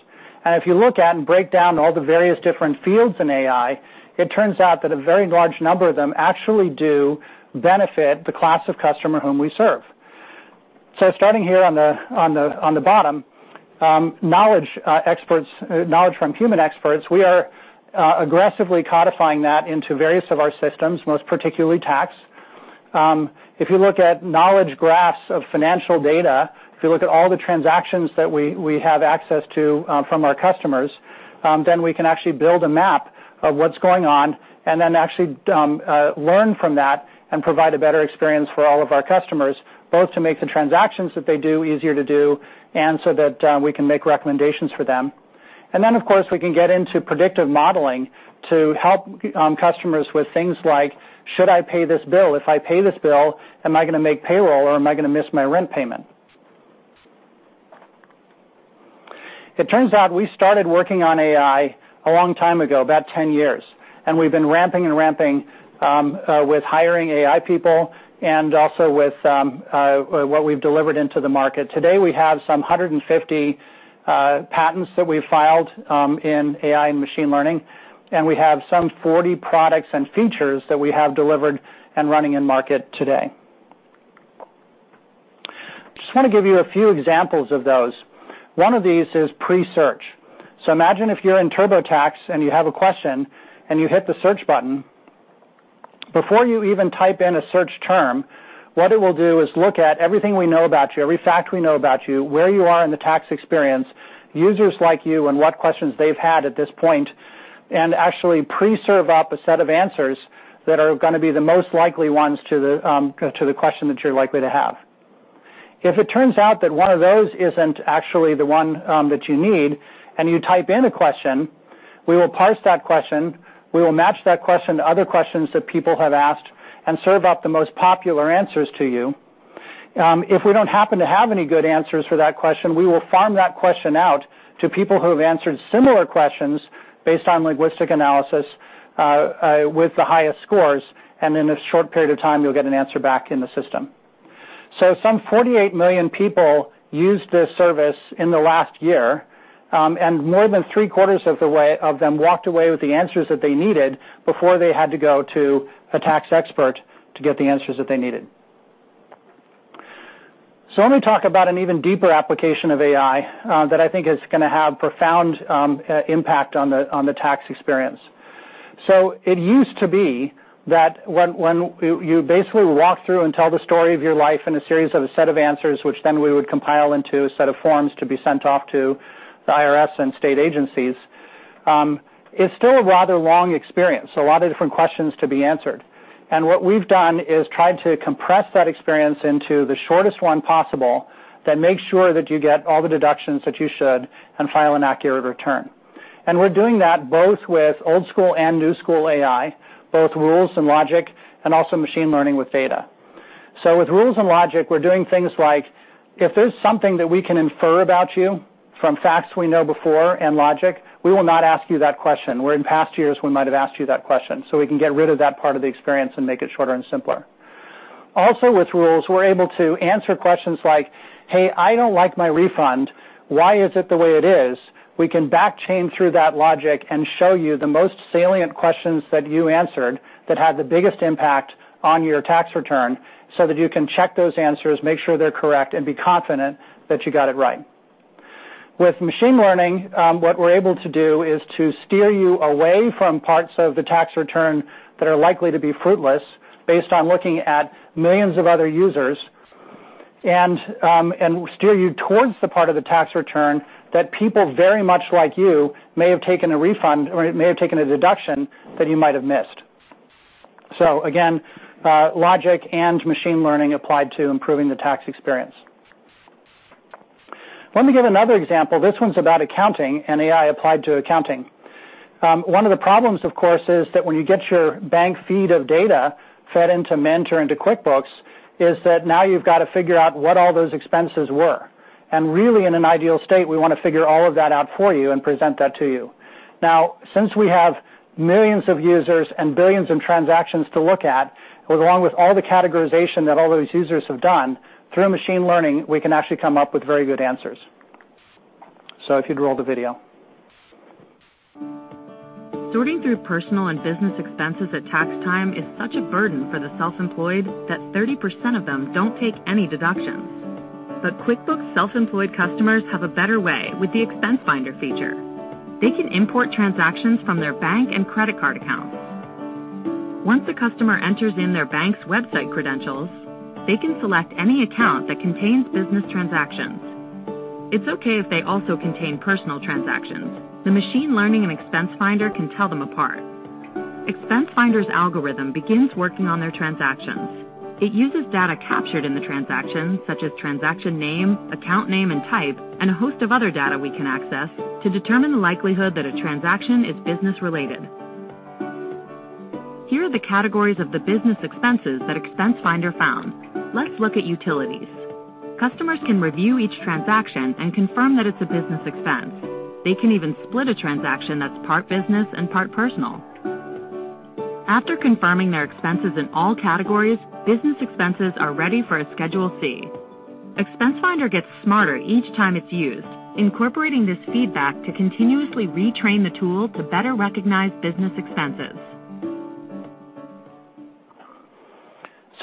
S8: If you look at and break down all the various different fields in AI, it turns out that a very large number of them actually do benefit the class of customer whom we serve. Starting here on the bottom, knowledge from human experts, we are aggressively codifying that into various of our systems, most particularly tax. If you look at knowledge graphs of financial data, if you look at all the transactions that we have access to from our customers, then we can actually build a map of what's going on and then actually learn from that and provide a better experience for all of our customers, both to make the transactions that they do easier to do, and so that we can make recommendations for them. Of course, we can get into predictive modeling to help customers with things like, should I pay this bill? If I pay this bill, am I going to make payroll, or am I going to miss my rent payment? It turns out we started working on AI a long time ago, about 10 years, and we've been ramping with hiring AI people and also with what we've delivered into the market. Today, we have some 150 patents that we've filed in AI and machine learning, and we have some 40 products and features that we have delivered and running in market today. I just want to give you a few examples of those. One of these is pre-search. Imagine if you're in TurboTax and you have a question and you hit the search button. Before you even type in a search term, what it will do is look at everything we know about you, every fact we know about you, where you are in the tax experience, users like you, and what questions they've had at this point, and actually pre-serve up a set of answers that are going to be the most likely ones to the question that you're likely to have. If it turns out that one of those isn't actually the one that you need and you type in a question, we will parse that question. We will match that question to other questions that people have asked and serve up the most popular answers to you. If we don't happen to have any good answers for that question, we will farm that question out to people who have answered similar questions based on linguistic analysis with the highest scores, and in a short period of time, you'll get an answer back in the system. Some 48 million people used this service in the last year, and more than three-quarters of them walked away with the answers that they needed before they had to go to a tax expert to get the answers that they needed. Let me talk about an even deeper application of AI that I think is going to have profound impact on the tax experience. It used to be that when you basically walk through and tell the story of your life in a series of a set of answers, which then we would compile into a set of forms to be sent off to the IRS and state agencies, it's still a rather long experience. A lot of different questions to be answered. What we've done is tried to compress that experience into the shortest one possible that makes sure that you get all the deductions that you should and file an accurate return. We're doing that both with old-school and new-school AI, both rules and logic, and also machine learning with data. With rules and logic, we're doing things like, if there's something that we can infer about you from facts we know before and logic, we will not ask you that question, where in past years, we might have asked you that question. We can get rid of that part of the experience and make it shorter and simpler. Also with rules, we're able to answer questions like, "Hey, I don't like my refund. Why is it the way it is?" We can back-chain through that logic and show you the most salient questions that you answered that had the biggest impact on your tax return so that you can check those answers, make sure they're correct, and be confident that you got it right. With machine learning, what we're able to do is to steer you away from parts of the tax return that are likely to be fruitless, based on looking at millions of other users, and steer you towards the part of the tax return that people very much like you may have taken a refund, or may have taken a deduction that you might have missed. Again, logic and machine learning applied to improving the tax experience. Let me give another example. This one's about accounting, and AI applied to accounting. One of the problems, of course, is that when you get your bank feed of data fed into Mint, into QuickBooks, is that now you've got to figure out what all those expenses were. Really, in an ideal state, we want to figure all of that out for you and present that to you. Now, since we have millions of users and billions in transactions to look at, along with all the categorization that all those users have done, through machine learning, we can actually come up with very good answers. If you'd roll the video.
S5: Sorting through personal and business expenses at tax time is such a burden for the self-employed that 30% of them don't take any deductions. QuickBooks Self-Employed customers have a better way with the Expense Finder feature. They can import transactions from their bank and credit card accounts. Once a customer enters in their bank's website credentials, they can select any account that contains business transactions. It's okay if they also contain personal transactions. The machine learning in Expense Finder can tell them apart. Expense Finder's algorithm begins working on their transactions. It uses data captured in the transaction, such as transaction name, account name and type, and a host of other data we can access to determine the likelihood that a transaction is business-related. Here are the categories of the business expenses that Expense Finder found. Let's look at utilities. Customers can review each transaction and confirm that it's a business expense. They can even split a transaction that's part business and part personal. After confirming their expenses in all categories, business expenses are ready for a Schedule C. Expense Finder gets smarter each time it's used, incorporating this feedback to continuously retrain the tool to better recognize business expenses.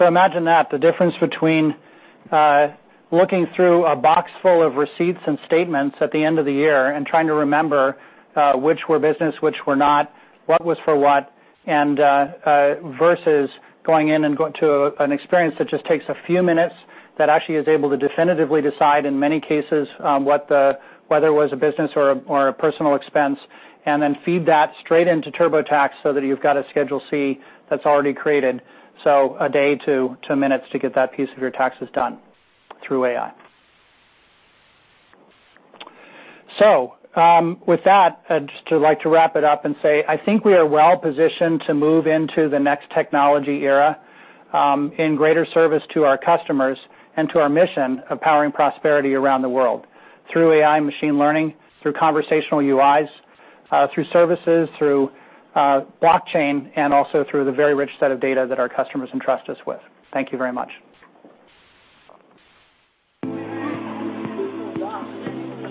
S8: Imagine that, the difference between looking through a box full of receipts and statements at the end of the year and trying to remember which were business, which were not, what was for what, and versus going in and go to an experience that just takes a few minutes, that actually is able to definitively decide, in many cases, whether it was a business or a personal expense, and then feed that straight into TurboTax so that you've got a Schedule C that's already created. A day to minutes to get that piece of your taxes done through AI. With that, I'd just like to wrap it up and say, I think we are well-positioned to move into the next technology era, in greater service to our customers and to our mission of powering prosperity around the world through AI and machine learning, through conversational UIs, through services, through blockchain, and also through the very rich set of data that our customers entrust us with. Thank you very much.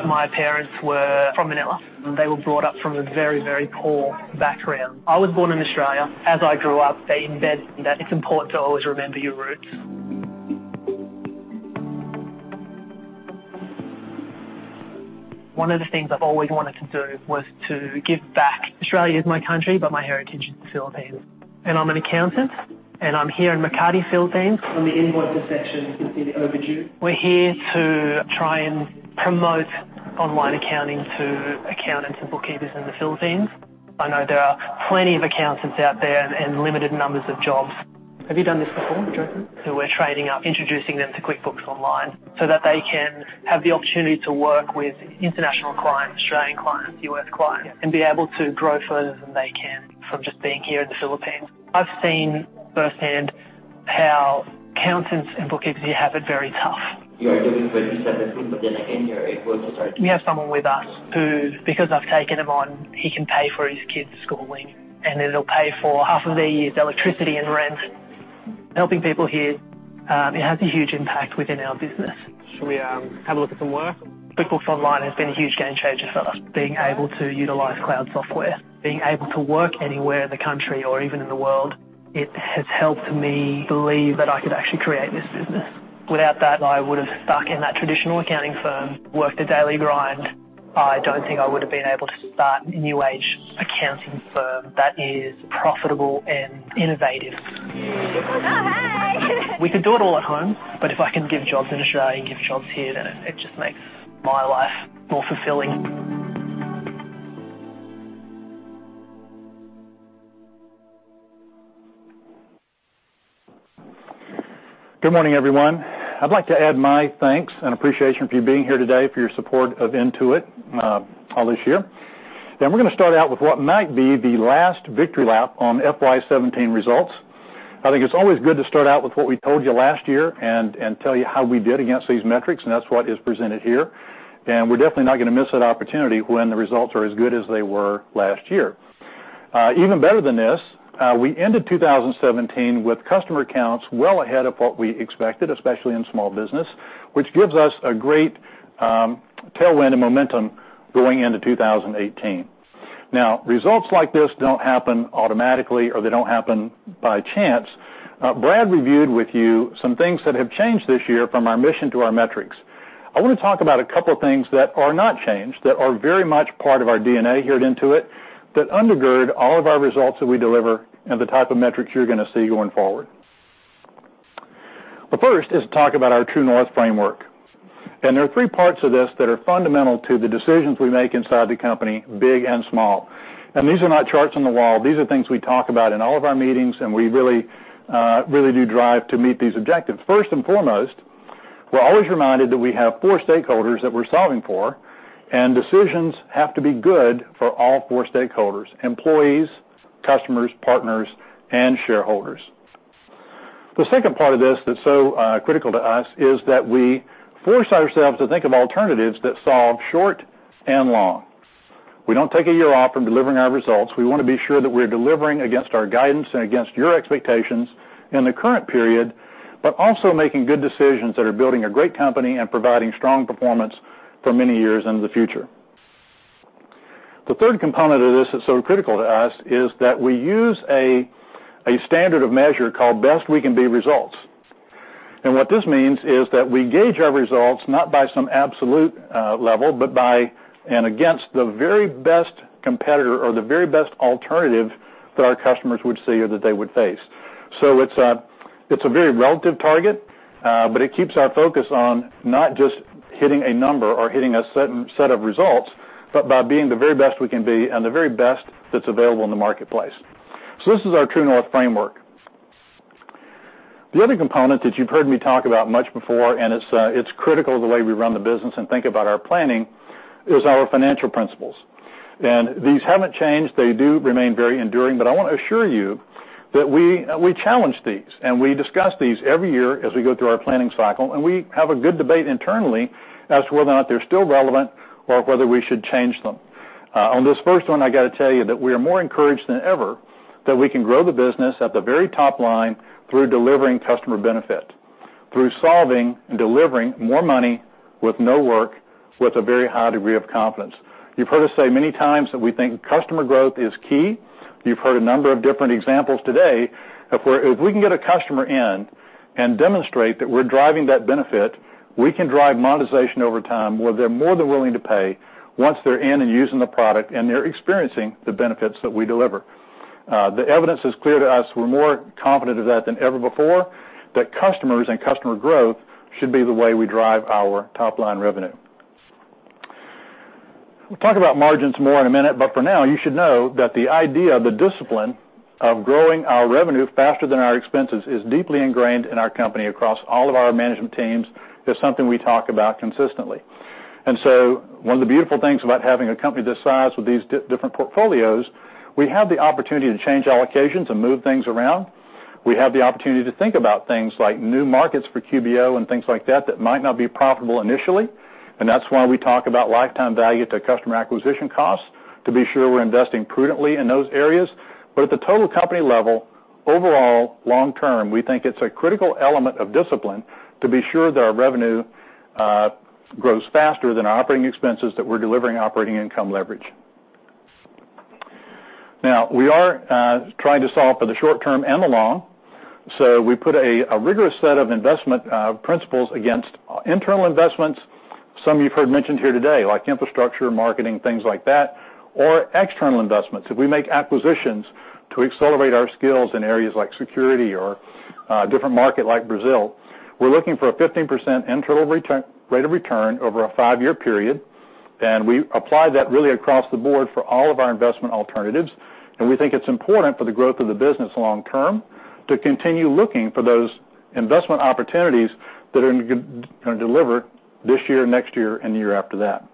S5: My parents were from Manila. They were brought up from a very, very poor background. I was born in Australia. As I grew up, they embedded that it's important to always remember your roots. One of the things I've always wanted to do was to give back. Australia is my country, but my heritage is the Philippines. I'm an accountant, and I'm here in Makati, Philippines. On the invoices section, you can see the overdue. We're here to try and promote online accounting to accountants and bookkeepers in the Philippines. I know there are plenty of accountants out there and limited numbers of jobs. Have you done this before, Jason? We're training up, introducing them to QuickBooks Online, so that they can have the opportunity to work with international clients, Australian clients, U.S. clients, and be able to grow further than they can from just being here in the Philippines. I've seen firsthand how accountants and bookkeepers here have it very tough. You are doing 27, again, you're able to start- We have someone with us who, because I've taken him on, he can pay for his kids' schooling, and it'll pay for half of their year's electricity and rent. Helping people here, it has a huge impact within our business. Should we have a look at the work? QuickBooks Online has been a huge game changer for us. Being able to utilize cloud software, being able to work anywhere in the country or even in the world. It has helped me believe that I could actually create this business. Without that, I would've stuck in that traditional accounting firm, worked a daily grind. I don't think I would've been able to start a new age accounting firm that is profitable and innovative. Oh, hey. We could do it all at home, if I can give jobs in Australia and give jobs here, then it just makes my life more fulfilling.
S9: Good morning, everyone. I'd like to add my thanks and appreciation for you being here today, for your support of Intuit, all this year. We're going to start out with what might be the last victory lap on FY 2017 results. I think it's always good to start out with what we told you last year and tell you how we did against these metrics, and that's what is presented here. We're definitely not going to miss that opportunity when the results are as good as they were last year. Even better than this, we ended 2017 with customer counts well ahead of what we expected, especially in small business, which gives us a great tailwind and momentum going into 2018. Now, results like this don't happen automatically or they don't happen by chance. Brad reviewed with you some things that have changed this year from our mission to our metrics. I want to talk about a couple of things that are not changed, that are very much part of our DNA here at Intuit, that undergird all of our results that we deliver and the type of metrics you're going to see going forward. The first is to talk about our True North framework. There are three parts of this that are fundamental to the decisions we make inside the company, big and small. These are not charts on the wall. These are things we talk about in all of our meetings, and we really do drive to meet these objectives. First and foremost, we're always reminded that we have four stakeholders that we're solving for, and decisions have to be good for all four stakeholders, employees, customers, partners, and shareholders. The second part of this that's so critical to us is that we force ourselves to think of alternatives that solve short and long. We don't take a year off from delivering our results. We want to be sure that we're delivering against our guidance and against your expectations in the current period, but also making good decisions that are building a great company and providing strong performance for many years into the future. The third component of this that's so critical to us is that we use a standard of measure called best we can be results. What this means is that we gauge our results not by some absolute level, but by and against the very best competitor or the very best alternative that our customers would see or that they would face. It's a very relative target, but it keeps our focus on not just hitting a number or hitting a certain set of results, but by being the very best we can be and the very best that's available in the marketplace. This is our True North framework. The other component that you've heard me talk about much before, it's critical to the way we run the business and think about our planning, is our financial principles. These haven't changed. They do remain very enduring, but I want to assure you that we challenge these, and we discuss these every year as we go through our planning cycle, and we have a good debate internally as to whether or not they're still relevant or whether we should change them. On this first one, I got to tell you that we are more encouraged than ever that we can grow the business at the very top line through delivering customer benefit, through solving and delivering more money with no work, with a very high degree of confidence. You've heard us say many times that we think customer growth is key. You've heard a number of different examples today of where if we can get a customer in and demonstrate that we're driving that benefit, we can drive monetization over time, where they're more than willing to pay once they're in and using the product and they're experiencing the benefits that we deliver. The evidence is clear to us. We're more confident of that than ever before, that customers and customer growth should be the way we drive our top-line revenue. We'll talk about margins more in a minute, but for now, you should know that the idea, the discipline of growing our revenue faster than our expenses is deeply ingrained in our company across all of our management teams, is something we talk about consistently. One of the beautiful things about having a company this size with these different portfolios, we have the opportunity to change allocations and move things around. We have the opportunity to think about things like new markets for QBO and things like that might not be profitable initially. That's why we talk about lifetime value to customer acquisition costs, to be sure we're investing prudently in those areas. At the total company level, overall, long-term, we think it's a critical element of discipline to be sure that our revenue grows faster than our operating expenses, that we're delivering operating income leverage. We are trying to solve for the short-term and the long, we put a rigorous set of investment principles against internal investments. Some you've heard mentioned here today, like infrastructure, marketing, things like that, or external investments. If we make acquisitions to accelerate our skills in areas like security or a different market like Brazil, we're looking for a 15% internal rate of return over a five-year period, and we apply that really across the board for all of our investment alternatives. We think it's important for the growth of the business long term to continue looking for those investment opportunities that are going to deliver this year, next year, and the year after that.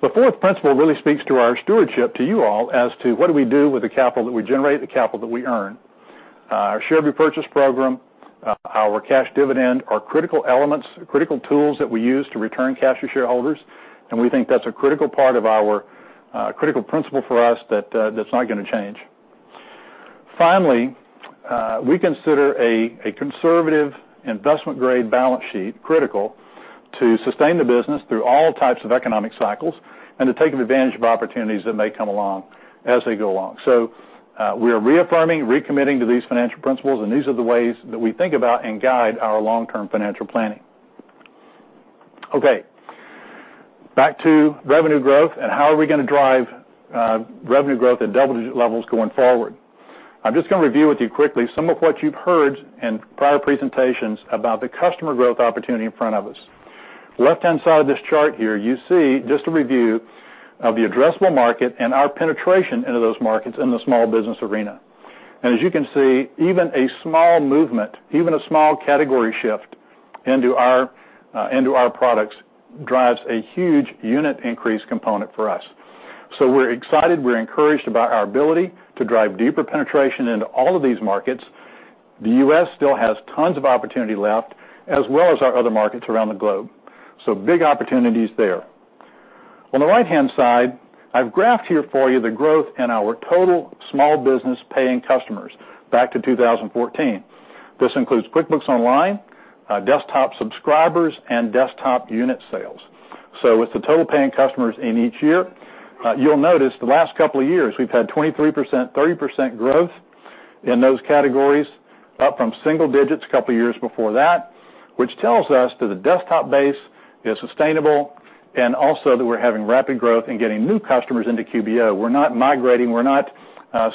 S9: The fourth principle really speaks to our stewardship to you all as to what do we do with the capital that we generate, the capital that we earn? Our share repurchase program, our cash dividend are critical elements, critical tools that we use to return cash to shareholders, and we think that's a critical part of our critical principle for us that's not going to change. Finally. We consider a conservative investment-grade balance sheet critical to sustain the business through all types of economic cycles and to taking advantage of opportunities that may come along as they go along. We are reaffirming, recommitting to these financial principles, and these are the ways that we think about and guide our long-term financial planning. Back to revenue growth and how are we going to drive revenue growth at double-digit levels going forward. I'm just going to review with you quickly some of what you've heard in prior presentations about the customer growth opportunity in front of us. Left-hand side of this chart here, you see just a review of the addressable market and our penetration into those markets in the small business arena. As you can see, even a small movement, even a small category shift into our products drives a huge unit increase component for us. We're excited, we're encouraged about our ability to drive deeper penetration into all of these markets. The U.S. still has tons of opportunity left, as well as our other markets around the globe. Big opportunities there. On the right-hand side, I've graphed here for you the growth in our total small business paying customers back to 2014. This includes QuickBooks Online, desktop subscribers, and desktop unit sales. With the total paying customers in each year, you'll notice the last couple of years, we've had 23%, 30% growth in those categories, up from single digits a couple of years before that, which tells us that the desktop base is sustainable and also that we're having rapid growth in getting new customers into QBO. We're not migrating. We're not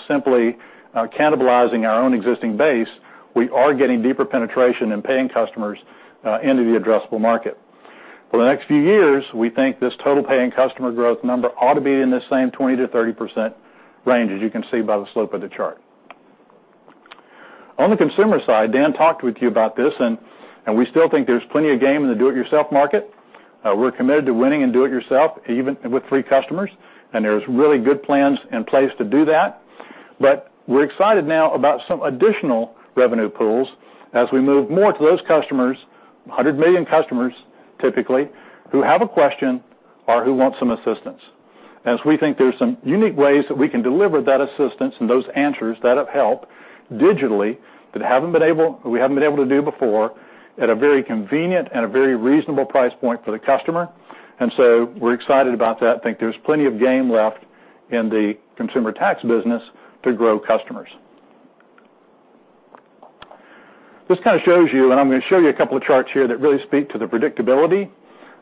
S9: simply cannibalizing our own existing base. We are getting deeper penetration and paying customers into the addressable market. For the next few years, we think this total paying customer growth number ought to be in the same 20%-30% range, as you can see by the slope of the chart. On the consumer side, Dan talked with you about this, we still think there's plenty of game in the do-it-yourself market. We're committed to winning in do it yourself, even with free customers, there's really good plans in place to do that. We're excited now about some additional revenue pools as we move more to those customers, 100 million customers, typically, who have a question or who want some assistance. As we think there's some unique ways that we can deliver that assistance and those answers that have helped digitally that we haven't been able to do before at a very convenient and a very reasonable price point for the customer. We're excited about that. I think there's plenty of game left in the consumer tax business to grow customers. This kind of shows you, and I'm going to show you a couple of charts here that really speak to the predictability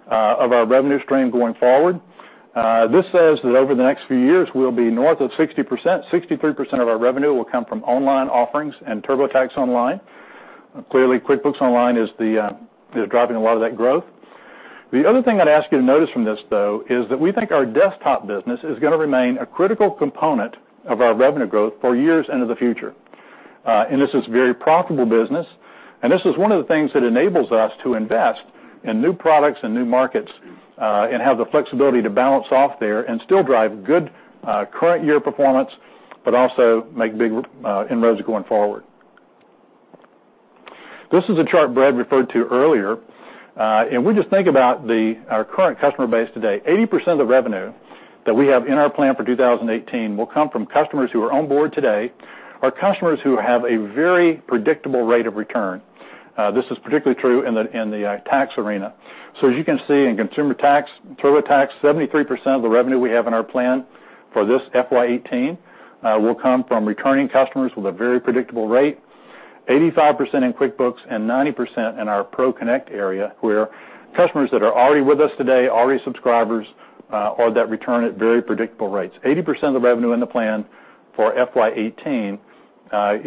S9: of our revenue stream going forward. This says that over the next few years, we'll be north of 60%, 63% of our revenue will come from online offerings and TurboTax Online. Clearly, QuickBooks Online is driving a lot of that growth. The other thing I'd ask you to notice from this, though, is that we think our desktop business is going to remain a critical component of our revenue growth for years into the future. This is very profitable business, and this is one of the things that enables us to invest in new products and new markets, and have the flexibility to balance off there and still drive good current year performance, but also make big inroads going forward. This is a chart Brad referred to earlier. We just think about our current customer base today. 80% of the revenue that we have in our plan for 2018 will come from customers who are on board today, are customers who have a very predictable rate of return. This is particularly true in the tax arena. As you can see in consumer tax, TurboTax, 73% of the revenue we have in our plan for this FY 2018 will come from returning customers with a very predictable rate, 85% in QuickBooks and 90% in our ProConnect area, where customers that are already with us today, already subscribers, or that return at very predictable rates. 80% of the revenue in the plan for FY 2018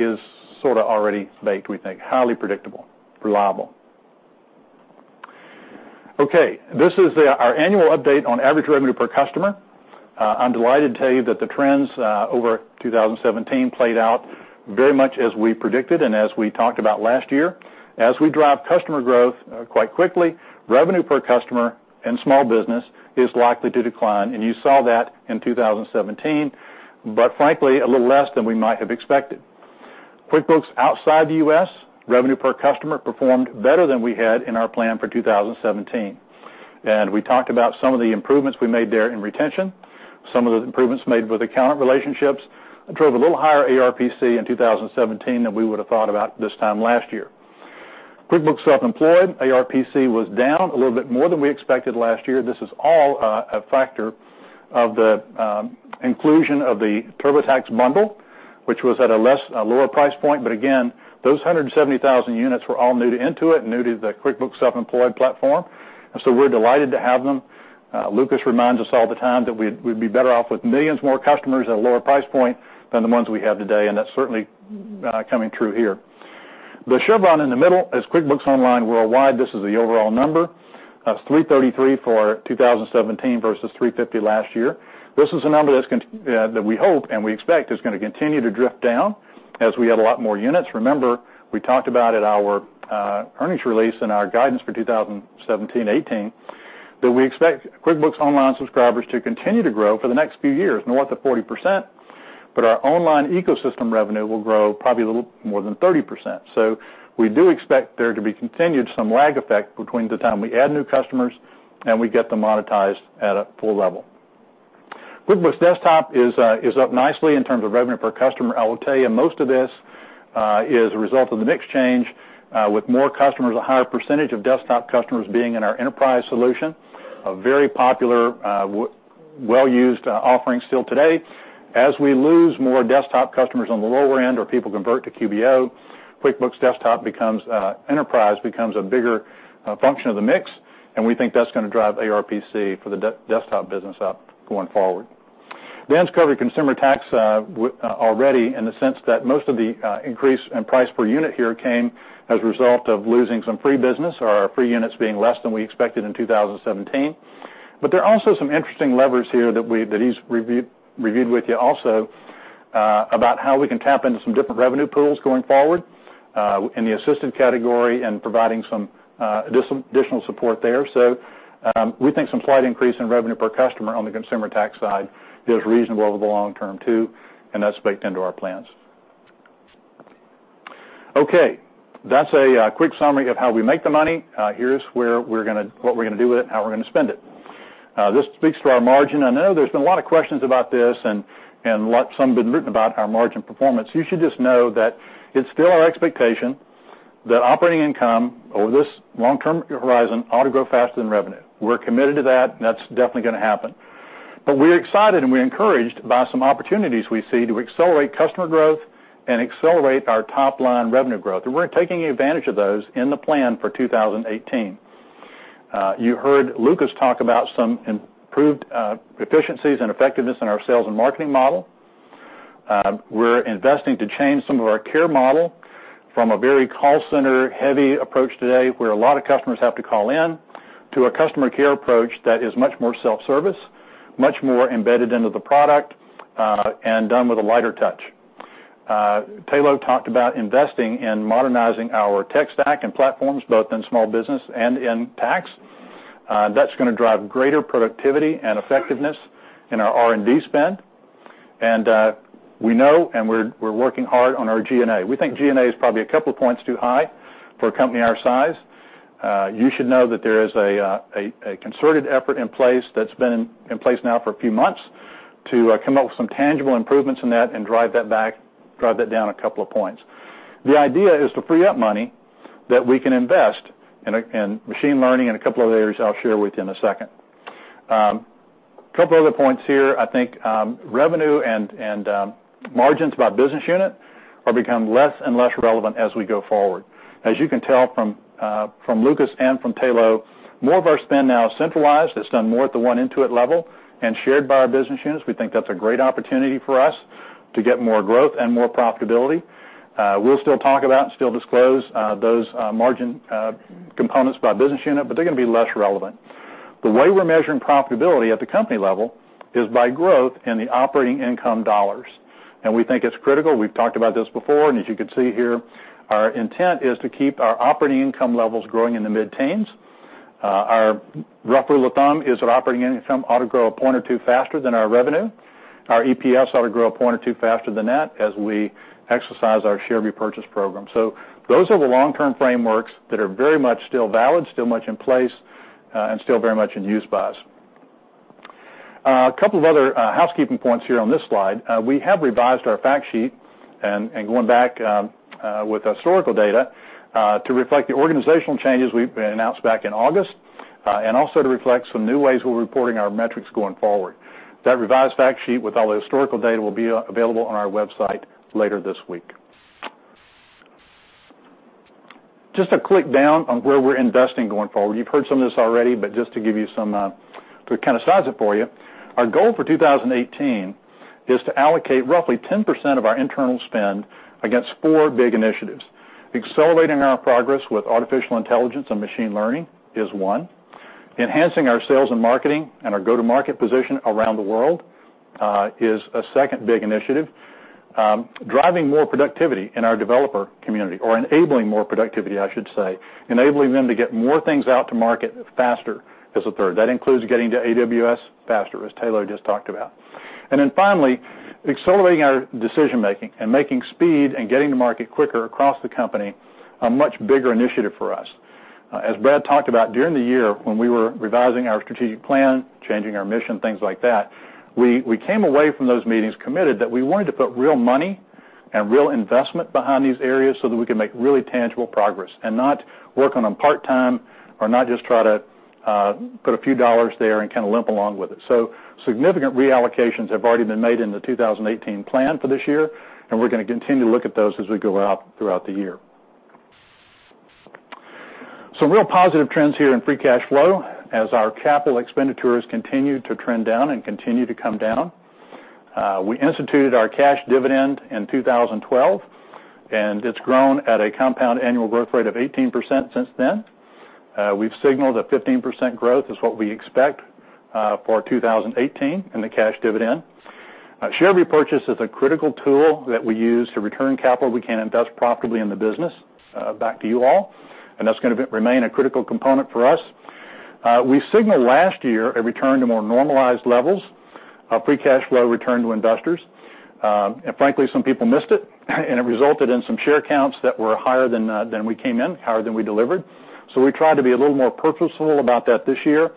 S9: is sort of already baked, we think. Highly predictable, reliable. Okay, this is our annual update on average revenue per customer. I'm delighted to tell you that the trends over 2017 played out very much as we predicted and as we talked about last year. As we drive customer growth quite quickly, revenue per customer in small business is likely to decline, and you saw that in 2017, but frankly, a little less than we might have expected. QuickBooks outside the U.S., revenue per customer performed better than we had in our plan for 2017. We talked about some of the improvements we made there in retention, some of the improvements made with account relationships, drove a little higher ARPC in 2017 than we would have thought about this time last year. QuickBooks Self-Employed, ARPC was down a little bit more than we expected last year. This is all a factor of the inclusion of the TurboTax bundle, which was at a lower price point. Those 170,000 units were all new to Intuit and new to the QuickBooks Self-Employed platform. We're delighted to have them. Lucas Watson reminds us all the time that we'd be better off with millions more customers at a lower price point than the ones we have today, and that's certainly coming true here. The chevron in the middle is QuickBooks Online worldwide. This is the overall number. It's $333 for 2017 versus $350 last year. This is a number that we hope and we expect is going to continue to drift down as we add a lot more units. Remember, we talked about at our earnings release and our guidance for 2017, 2018, that we expect QuickBooks Online subscribers to continue to grow for the next few years, north of 40%, but our online ecosystem revenue will grow probably a little more than 30%. We do expect there to be continued some lag effect between the time we add new customers and we get them monetized at a full level. QuickBooks Desktop is up nicely in terms of revenue per customer. I will tell you, most of this is a result of the mix change with more customers, a higher percentage of Desktop customers being in our enterprise solution, a very popular, well-used offering still today. As we lose more Desktop customers on the lower end or people convert to QBO, QuickBooks Desktop becomes enterprise, becomes a bigger function of the mix, and we think that's going to drive ARPC for the Desktop business up going forward. Dan Wernikoff's covered consumer tax already in the sense that most of the increase in price per unit here came as a result of losing some free business or our free units being less than we expected in 2017. There are also some interesting levers here that he's reviewed with you also about how we can tap into some different revenue pools going forward, in the assisted category and providing some additional support there. We think some slight increase in revenue per customer on the consumer tax side is reasonable over the long term too, and that's baked into our plans. Okay. That's a quick summary of how we make the money. Here's what we're going to do with it, and how we're going to spend it. This speaks to our margin. I know there's been a lot of questions about this and some have been written about our margin performance. You should just know that it's still our expectation that operating income over this long-term horizon ought to grow faster than revenue. We're committed to that, and that's definitely going to happen. We're excited, and we're encouraged by some opportunities we see to accelerate customer growth and accelerate our top-line revenue growth. We're taking advantage of those in the plan for 2018. You heard Lucas talk about some improved efficiencies and effectiveness in our sales and marketing model. We're investing to change some of our care model from a very call center-heavy approach today, where a lot of customers have to call in, to a customer care approach that is much more self-service, much more embedded into the product, and done with a lighter touch. Tayloe talked about investing in modernizing our tech stack and platforms, both in small business and in tax. That's going to drive greater productivity and effectiveness in our R&D spend. We're working hard on our G&A. We think G&A is probably a couple of points too high for a company our size. You should know that there is a concerted effort in place that's been in place now for a few months to come up with some tangible improvements in that and drive that back, drive that down a couple of points. The idea is to free up money that we can invest in machine learning and a couple of other areas I'll share with you in a second. Couple other points here, I think revenue and margins by business unit will become less and less relevant as we go forward. As you can tell from Lucas and from Tayloe, more of our spend now is centralized. It's done more at the One Intuit level and shared by our business units. We think that's a great opportunity for us to get more growth and more profitability. We'll still talk about and still disclose those margin components by business unit, they're going to be less relevant. The way we're measuring profitability at the company level is by growth in the operating income dollars, we think it's critical. We've talked about this before, as you can see here, our intent is to keep our operating income levels growing in the mid-teens. Our rough rule of thumb is that operating income ought to grow a point or two faster than our revenue. Our EPS ought to grow a point or two faster than that as we exercise our share repurchase program. Those are the long-term frameworks that are very much still valid, still much in place, and still very much in use by us. A couple of other housekeeping points here on this slide. We have revised our fact sheet going back with historical data, to reflect the organizational changes we've announced back in August, also to reflect some new ways we're reporting our metrics going forward. That revised fact sheet with all the historical data will be available on our website later this week. Just a quick down on where we're investing going forward. You've heard some of this already, but just to give you some, to kind of size it for you, our goal for 2018 is to allocate roughly 10% of our internal spend against four big initiatives. Accelerating our progress with artificial intelligence and machine learning is one. Enhancing our sales and marketing and our go-to-market position around the world is a second big initiative. Driving more productivity in our developer community or enabling more productivity, I should say, enabling them to get more things out to market faster is a third. That includes getting to AWS faster, as Tayloe just talked about. Finally, accelerating our decision-making and making speed and getting to market quicker across the company, a much bigger initiative for us. As Brad talked about during the year when we were revising our strategic plan, changing our mission, things like that, we came away from those meetings committed that we wanted to put real money and real investment behind these areas so that we could make really tangible progress and not work on them part-time or not just try to put a few dollars there and kind of limp along with it. Significant reallocations have already been made in the 2018 plan for this year, and we're going to continue to look at those as we go out throughout the year. Some real positive trends here in free cash flow as our capital expenditures continue to trend down and continue to come down. We instituted our cash dividend in 2012, and it's grown at a compound annual growth rate of 18% since then. We've signaled that 15% growth is what we expect for 2018 in the cash dividend. Share repurchase is a critical tool that we use to return capital we can invest profitably in the business back to you all, and that's going to remain a critical component for us. We signaled last year a return to more normalized levels of free cash flow return to investors. Frankly, some people missed it, and it resulted in some share counts that were higher than we came in, higher than we delivered. We tried to be a little more purposeful about that this year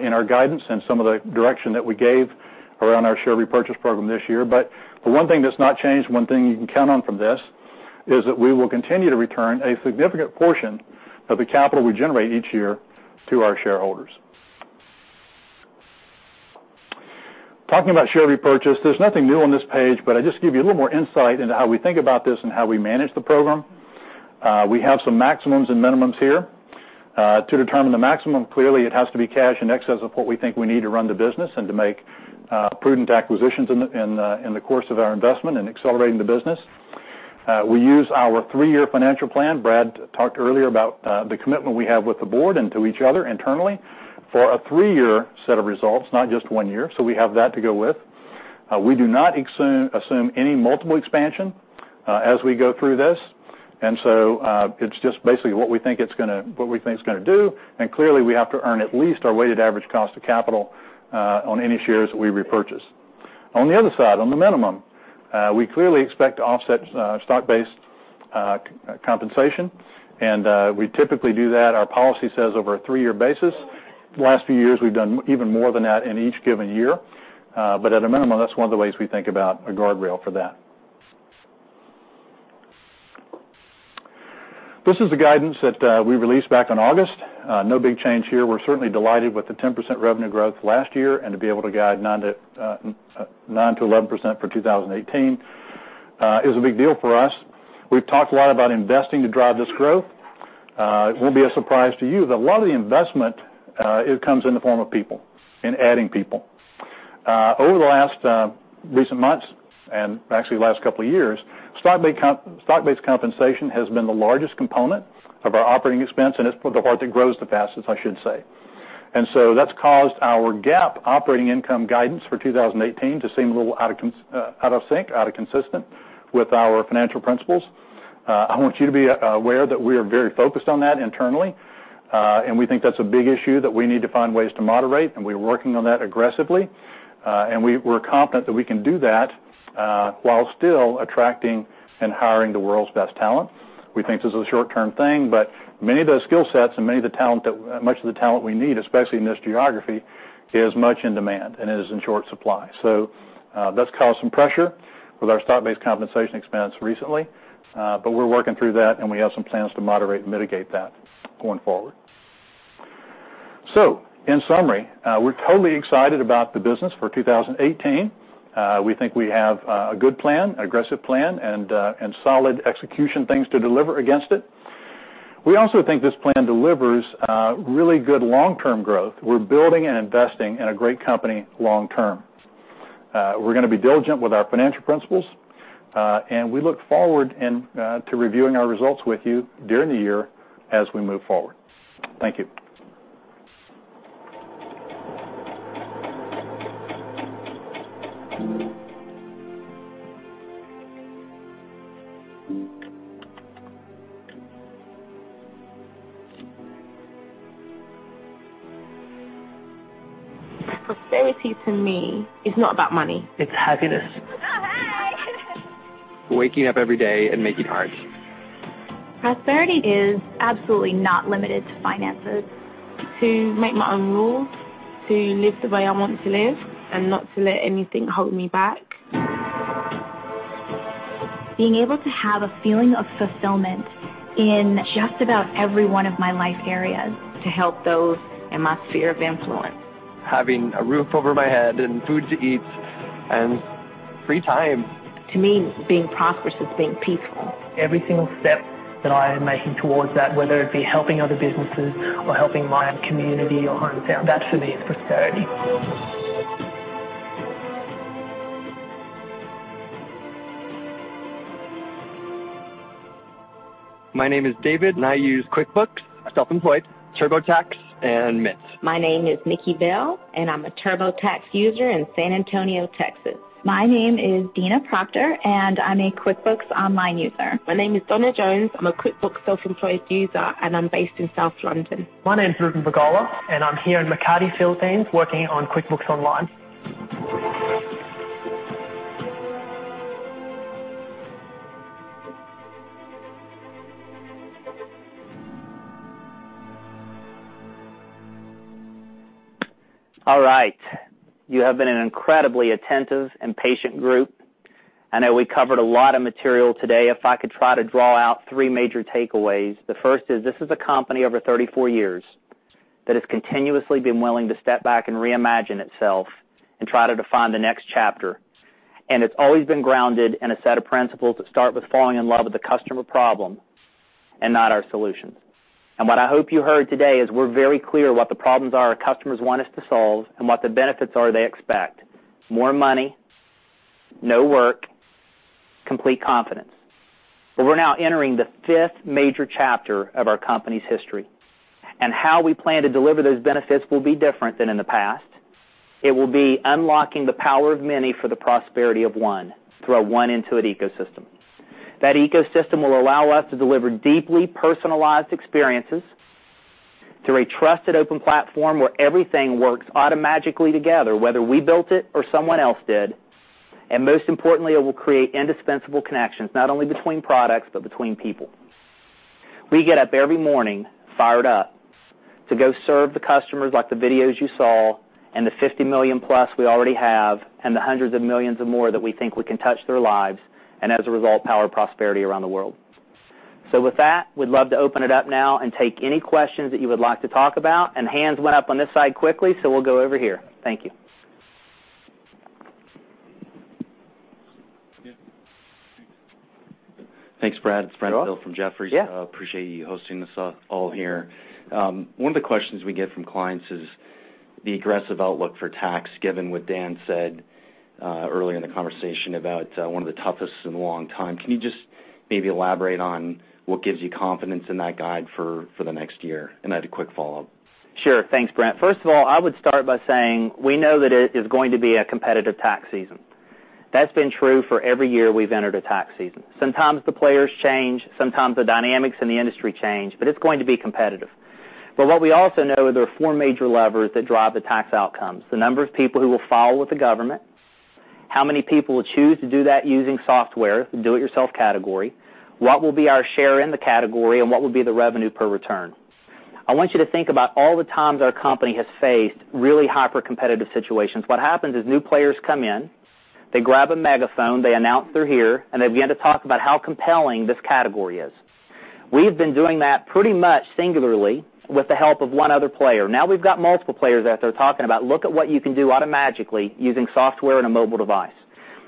S9: in our guidance and some of the direction that we gave around our share repurchase program this year. The one thing that's not changed, one thing you can count on from this, is that we will continue to return a significant portion of the capital we generate each year to our shareholders. Talking about share repurchase, there's nothing new on this page, but I'll just give you a little more insight into how we think about this and how we manage the program. We have some maximums and minimums here. To determine the maximum, clearly, it has to be cash in excess of what we think we need to run the business and to make prudent acquisitions in the course of our investment in accelerating the business. We use our three-year financial plan. Brad talked earlier about the commitment we have with the board and to each other internally for a three-year set of results, not just one year. We have that to go with. We do not assume any multiple expansion as we go through this. It's just basically what we think it's going to do, and clearly, we have to earn at least our weighted average cost of capital on any shares that we repurchase. On the other side, on the minimum, we clearly expect to offset stock-based compensation, and we typically do that, our policy says, over a three-year basis. The last few years, we've done even more than that in each given year. At a minimum, that's one of the ways we think about a guardrail for that. This is the guidance that we released back in August. No big change here. We're certainly delighted with the 10% revenue growth last year, and to be able to guide 9%-11% for 2018 is a big deal for us. We've talked a lot about investing to drive this growth. It won't be a surprise to you that a lot of the investment comes in the form of people, in adding people. Over the last recent months, and actually the last couple of years, stock-based compensation has been the largest component of our operating expense, and it's the part that grows the fastest, I should say. That's caused our GAAP operating income guidance for 2018 to seem a little out of sync, inconsistent with our financial principles. I want you to be aware that we are very focused on that internally, and we think that's a big issue that we need to find ways to moderate, and we're working on that aggressively. We're confident that we can do that, while still attracting and hiring the world's best talent. We think this is a short-term thing, but many of those skill sets and much of the talent we need, especially in this geography, is much in demand and it is in short supply. That's caused some pressure with our stock-based compensation expense recently. We're working through that, and we have some plans to moderate and mitigate that going forward. In summary, we're totally excited about the business for 2018. We think we have a good plan, an aggressive plan, and solid execution things to deliver against it. We also think this plan delivers really good long-term growth. We're building and investing in a great company long term. We're going to be diligent with our financial principles. We look forward to reviewing our results with you during the year as we move forward. Thank you.
S5: Prosperity, to me, is not about money. It's happiness. Hey. Waking up every day and making art. Prosperity is absolutely not limited to finances. To make my own rules, to live the way I want to live, not to let anything hold me back. Being able to have a feeling of fulfillment in just about every one of my life areas. To help those in my sphere of influence. Having a roof over my head and food to eat and free time. To me, being prosperous is being peaceful. Every single step that I am making towards that, whether it be helping other businesses or helping my own community or hometown, that, for me, is prosperity. My name is David, I use QuickBooks Self-Employed, TurboTax, and Mint. My name is Nikki Bell, I'm a TurboTax user in San Antonio, Texas. My name is Dina Proctor, I'm a QuickBooks Online user. My name is Donna Jones. I'm a QuickBooks Self-Employed user, and I'm based in South London. My name's Ruben Vegola, and I'm here in Makati, Philippines, working on QuickBooks Online.
S9: All right. You have been an incredibly attentive and patient group. I know we covered a lot of material today. If I could try to draw out three major takeaways, the first is this is a company, over 34 years, that has continuously been willing to step back and reimagine itself and try to define the next chapter. It's always been grounded in a set of principles that start with falling in love with the customer problem and not our solutions. What I hope you heard today is we're very clear what the problems are our customers want us to solve and what the benefits are they expect: more money, no work, complete confidence. We're now entering the fifth major chapter of our company's history, and how we plan to deliver those benefits will be different than in the past. It will be unlocking the power of many for the prosperity of one through our One Intuit ecosystem. That ecosystem will allow us to deliver deeply personalized experiences.
S3: To a trusted open platform where everything works automagically together, whether we built it or someone else did. Most importantly, it will create indispensable connections, not only between products but between people. We get up every morning fired up to go serve the customers like the videos you saw and the 50 million+ we already have, and the hundreds of millions of more that we think we can touch their lives, and as a result, power prosperity around the world. With that, we'd love to open it up now and take any questions that you would like to talk about. Hands went up on this side quickly, so we'll go over here. Thank you.
S10: Thanks, Brad. It's Brent Thill from Jefferies.
S3: Yeah.
S10: Appreciate you hosting this all here. One of the questions we get from clients is the aggressive outlook for tax, given what Dan said earlier in the conversation about one of the toughest in a long time. Can you just maybe elaborate on what gives you confidence in that guide for the next year? I have a quick follow-up.
S3: Sure. Thanks, Brent. First of all, I would start by saying, we know that it is going to be a competitive tax season. That's been true for every year we've entered a tax season. Sometimes the players change, sometimes the dynamics in the industry change, but it's going to be competitive. What we also know, there are four major levers that drive the tax outcomes, the number of people who will file with the government, how many people will choose to do that using software, the do-it-yourself category, what will be our share in the category, and what will be the revenue per return. I want you to think about all the times our company has faced really hyper-competitive situations. What happens is new players come in, they grab a megaphone, they announce they're here, and they begin to talk about how compelling this category is. We've been doing that pretty much singularly with the help of one other player. Now we've got multiple players out there talking about, "Look at what you can do automagically using software and a mobile device."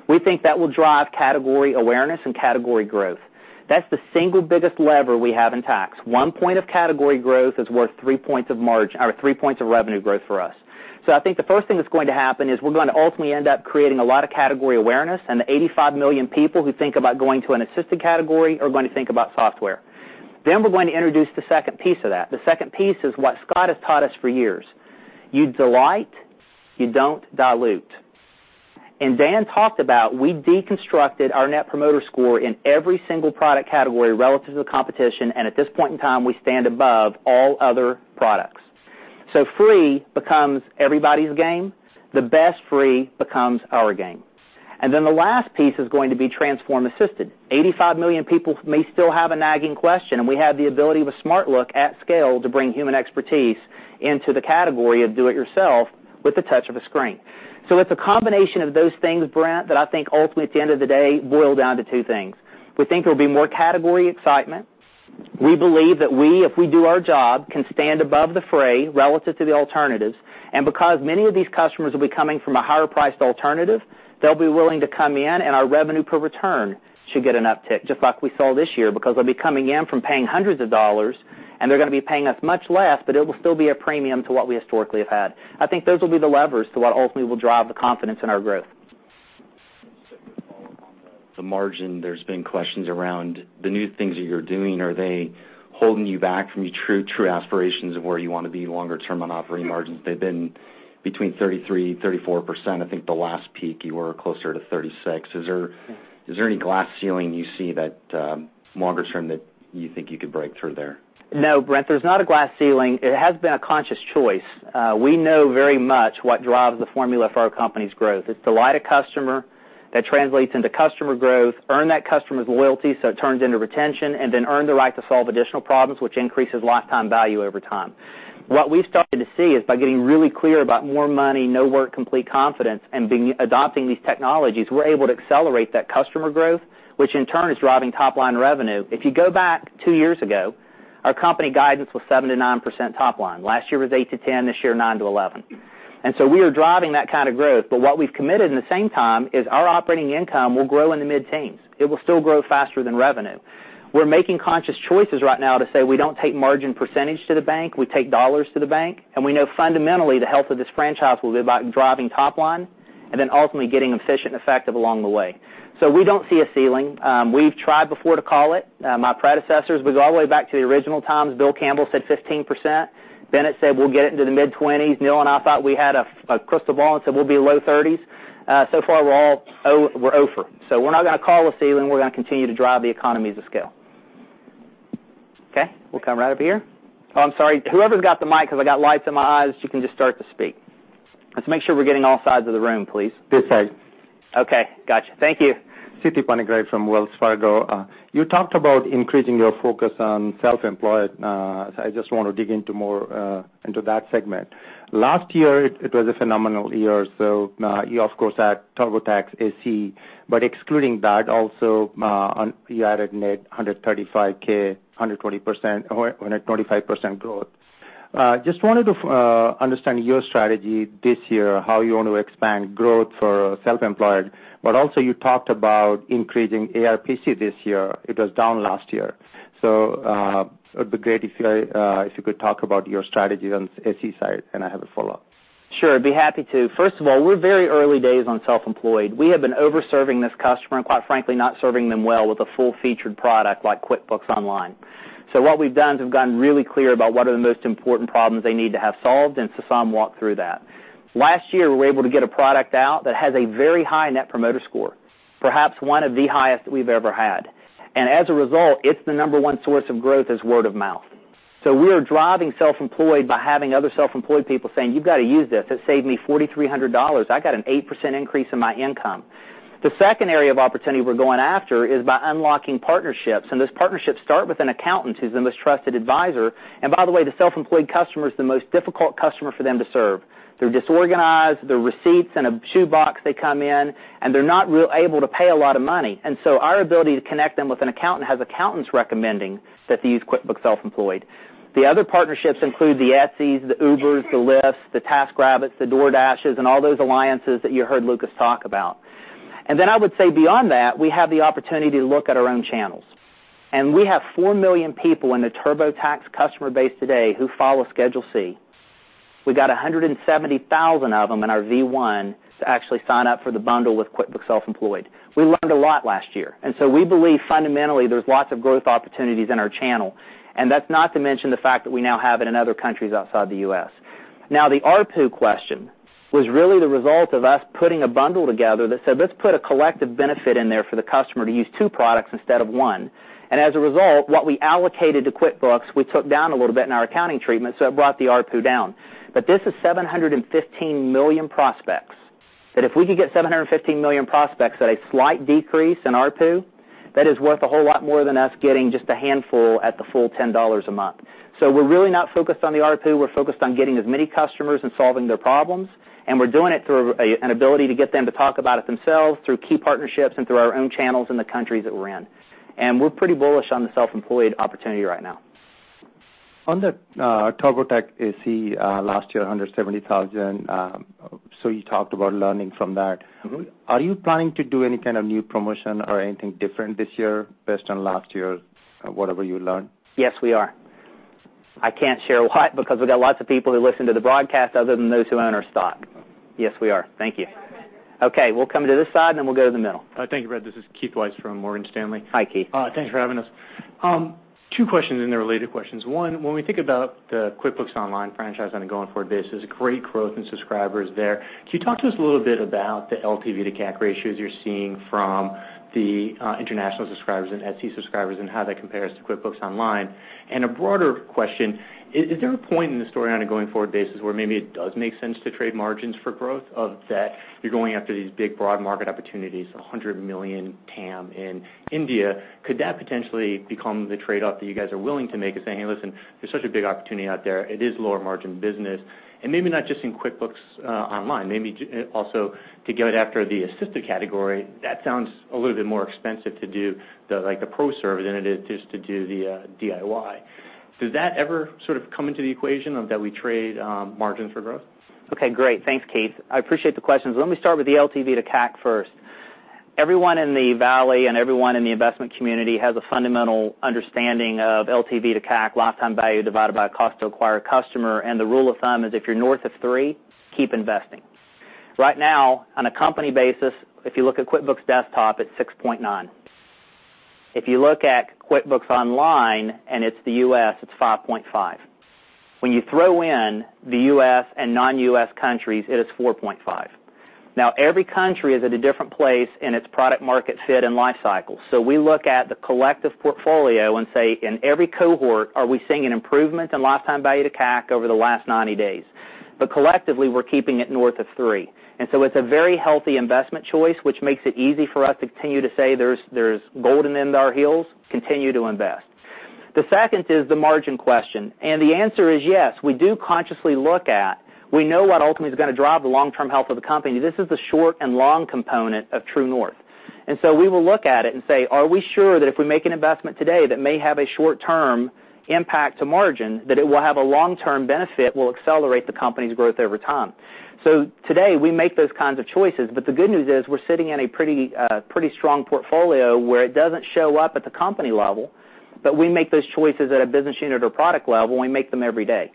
S3: We think that will drive category awareness and category growth. That's the single biggest lever we have in tax. One point of category growth is worth three points of margin or three points of revenue growth for us. I think the first thing that's going to happen is we're going to ultimately end up creating a lot of category awareness, and the 85 million people who think about going to an assisted category are going to think about software. We're going to introduce the second piece of that. The second piece is what Scott has taught us for years. You delight, you don't dilute. Dan talked about, we deconstructed our Net Promoter Score in every single product category relative to the competition, and at this point in time, we stand above all other products. Free becomes everybody's game. The best free becomes our game. The last piece is going to be transform assisted. 85 million people may still have a nagging question, and we have the ability with SmartLook, at scale, to bring human expertise into the category of do it yourself with the touch of a screen. It's a combination of those things, Brent, that I think ultimately at the end of the day boil down to two things. We think there'll be more category excitement. We believe that we, if we do our job, can stand above the fray relative to the alternatives. Because many of these customers will be coming from a higher priced alternative, they'll be willing to come in and our revenue per return should get an uptick, just like we saw this year. Because they'll be coming in from paying hundreds of dollars, and they're going to be paying us much less, but it will still be a premium to what we historically have had. I think those will be the levers to what ultimately will drive the confidence in our growth.
S10: Just a quick follow on the margin. There's been questions around the new things that you're doing. Are they holding you back from your true aspirations of where you want to be longer term on operating margins? They've been between 33%-34%. I think the last peak you were closer to 36%. Is there any glass ceiling you see that, longer term, that you think you could break through there?
S3: No, Brent, there's not a glass ceiling. It has been a conscious choice. We know very much what drives the formula for our company's growth. It's delight a customer, that translates into customer growth. Earn that customer's loyalty, so it turns into retention, then earn the right to solve additional problems, which increases lifetime value over time. What we've started to see is by getting really clear about more money, no work, complete confidence, and adopting these technologies, we're able to accelerate that customer growth, which in turn is driving top-line revenue. If you go back two years ago, our company guidance was 7%-9% top line. Last year was 8%-10%, this year 9%-11%. We are driving that kind of growth. What we've committed in the same time is our operating income will grow in the mid-teens. It will still grow faster than revenue. We're making conscious choices right now to say we don't take margin percentage to the bank, we take dollars to the bank. We know fundamentally the health of this franchise will be about driving top line and then ultimately getting efficient and effective along the way. We don't see a ceiling. We've tried before to call it. My predecessors, we go all the way back to the original times, Bill Campbell said 15%. Bennett said we'll get it into the mid-20s. Neil and I thought we had a crystal ball and said we'll be low 30s. So far we're 0 for, so we're not going to call a ceiling. We're going to continue to drive the economies of scale. We'll come right up here. I'm sorry. Whoever's got the mic, because I got lights in my eyes, you can just start to speak. Let's make sure we're getting all sides of the room, please.
S11: This side.
S3: Okay. Got you. Thank you.
S11: Siti Panigrahi from Wells Fargo. You talked about increasing your focus on self-employed. I just want to dig into more into that segment. Last year, it was a phenomenal year, you of course had TurboTax SE, but excluding that also, you added net 135,000, 125% growth. Just wanted to understand your strategy this year, how you want to expand growth for self-employed, but also you talked about increasing ARPC this year. It was down last year. It'd be great if you could talk about your strategies on the SE side, and I have a follow-up.
S3: Sure, I'd be happy to. First of all, we're very early days on self-employed. We have been over-serving this customer and quite frankly, not serving them well with a full-featured product like QuickBooks Online. What we've done is we've gotten really clear about what are the most important problems they need to have solved, and Sasan walked through that. Last year, we were able to get a product out that has a very high Net Promoter Score. Perhaps one of the highest we've ever had. As a result, it's the number one source of growth is word of mouth. We are driving self-employed by having other self-employed people saying, "You've got to use this. It saved me $4,300. I got an 8% increase in my income." The second area of opportunity we're going after is by unlocking partnerships, those partnerships start with an accountant who's the most trusted advisor. By the way, the self-employed customer is the most difficult customer for them to serve. They're disorganized, their receipts in a shoebox they come in, they're not real able to pay a lot of money. Our ability to connect them with an accountant has accountants recommending that they use QuickBooks Self-Employed. The other partnerships include the Etsys, the Ubers, the Lyfts, the TaskRabbits, the DoorDashes, and all those alliances that you heard Lucas talk about. Then I would say beyond that, we have the opportunity to look at our own channels. We have 4 million people in the TurboTax customer base today who file a Schedule C. We got 170,000 of them in our V1 to actually sign up for the bundle with QuickBooks Self-Employed. We learned a lot last year. We believe fundamentally there's lots of growth opportunities in our channel, and that's not to mention the fact that we now have it in other countries outside the U.S. The ARPU question was really the result of us putting a bundle together that said, "Let's put a collective benefit in there for the customer to use two products instead of one." What we allocated to QuickBooks, we took down a little bit in our accounting treatment, so it brought the ARPU down. This is 715 million prospects, that if we could get 715 million prospects at a slight decrease in ARPU, that is worth a whole lot more than us getting just a handful at the full $10 a month. We're really not focused on the ARPU, we're focused on getting as many customers and solving their problems, and we're doing it through an ability to get them to talk about it themselves, through key partnerships, and through our own channels in the countries that we're in. We're pretty bullish on the self-employed opportunity right now.
S11: On the TurboTax SE last year, 170,000, so you talked about learning from that. Are you planning to do any kind of new promotion or anything different this year based on last year's, whatever you learned?
S3: Yes, we are. I can't share why because we've got lots of people who listen to the broadcast other than those who own our stock. Yes, we are. Thank you. Okay, we'll come to this side, and then we'll go to the middle.
S12: Thank you, Brad. This is Keith Weiss from Morgan Stanley.
S3: Hi, Keith.
S12: Thanks for having us. Two questions, and they're related questions. One, when we think about the QuickBooks Online franchise on a going forward basis, great growth in subscribers there. Can you talk to us a little bit about the LTV to CAC ratios you're seeing from the international subscribers and Etsy subscribers and how that compares to QuickBooks Online? A broader question, is there a point in the story on a going forward basis where maybe it does make sense to trade margins for growth, of that you're going after these big broad market opportunities, 100 million TAM in India. Could that potentially become the trade-off that you guys are willing to make of saying, "Hey, listen, there's such a big opportunity out there. It is lower margin business. Maybe not just in QuickBooks Online, maybe also to go after the assisted category, that sounds a little bit more expensive to do like the pro service than it is just to do the DIY. Does that ever sort of come into the equation of that we trade margins for growth?
S3: Okay, great. Thanks, Keith. I appreciate the questions. Let me start with the LTV to CAC first. Everyone in the valley and everyone in the investment community has a fundamental understanding of LTV to CAC, lifetime value divided by cost to acquire a customer. The rule of thumb is if you're north of three, keep investing. Right now, on a company basis, if you look at QuickBooks Desktop, it's 6.9. If you look at QuickBooks Online, and it's the U.S., it's 5.5. When you throw in the U.S. and non-U.S. countries, it is 4.5. Every country is at a different place in its product market fit and life cycle. We look at the collective portfolio and say, in every cohort, are we seeing an improvement in lifetime value to CAC over the last 90 days? Collectively, we're keeping it north of three. It's a very healthy investment choice, which makes it easy for us to continue to say there's golden in our hills, continue to invest. The second is the margin question. The answer is yes, we do consciously look at, we know what ultimately is going to drive the long-term health of the company. This is the short and long component of True North. We will look at it and say, are we sure that if we make an investment today that may have a short-term impact to margin, that it will have a long-term benefit, will accelerate the company's growth over time? Today, we make those kinds of choices. The good news is we're sitting in a pretty strong portfolio where it doesn't show up at the company level, but we make those choices at a business unit or product level, and we make them every day.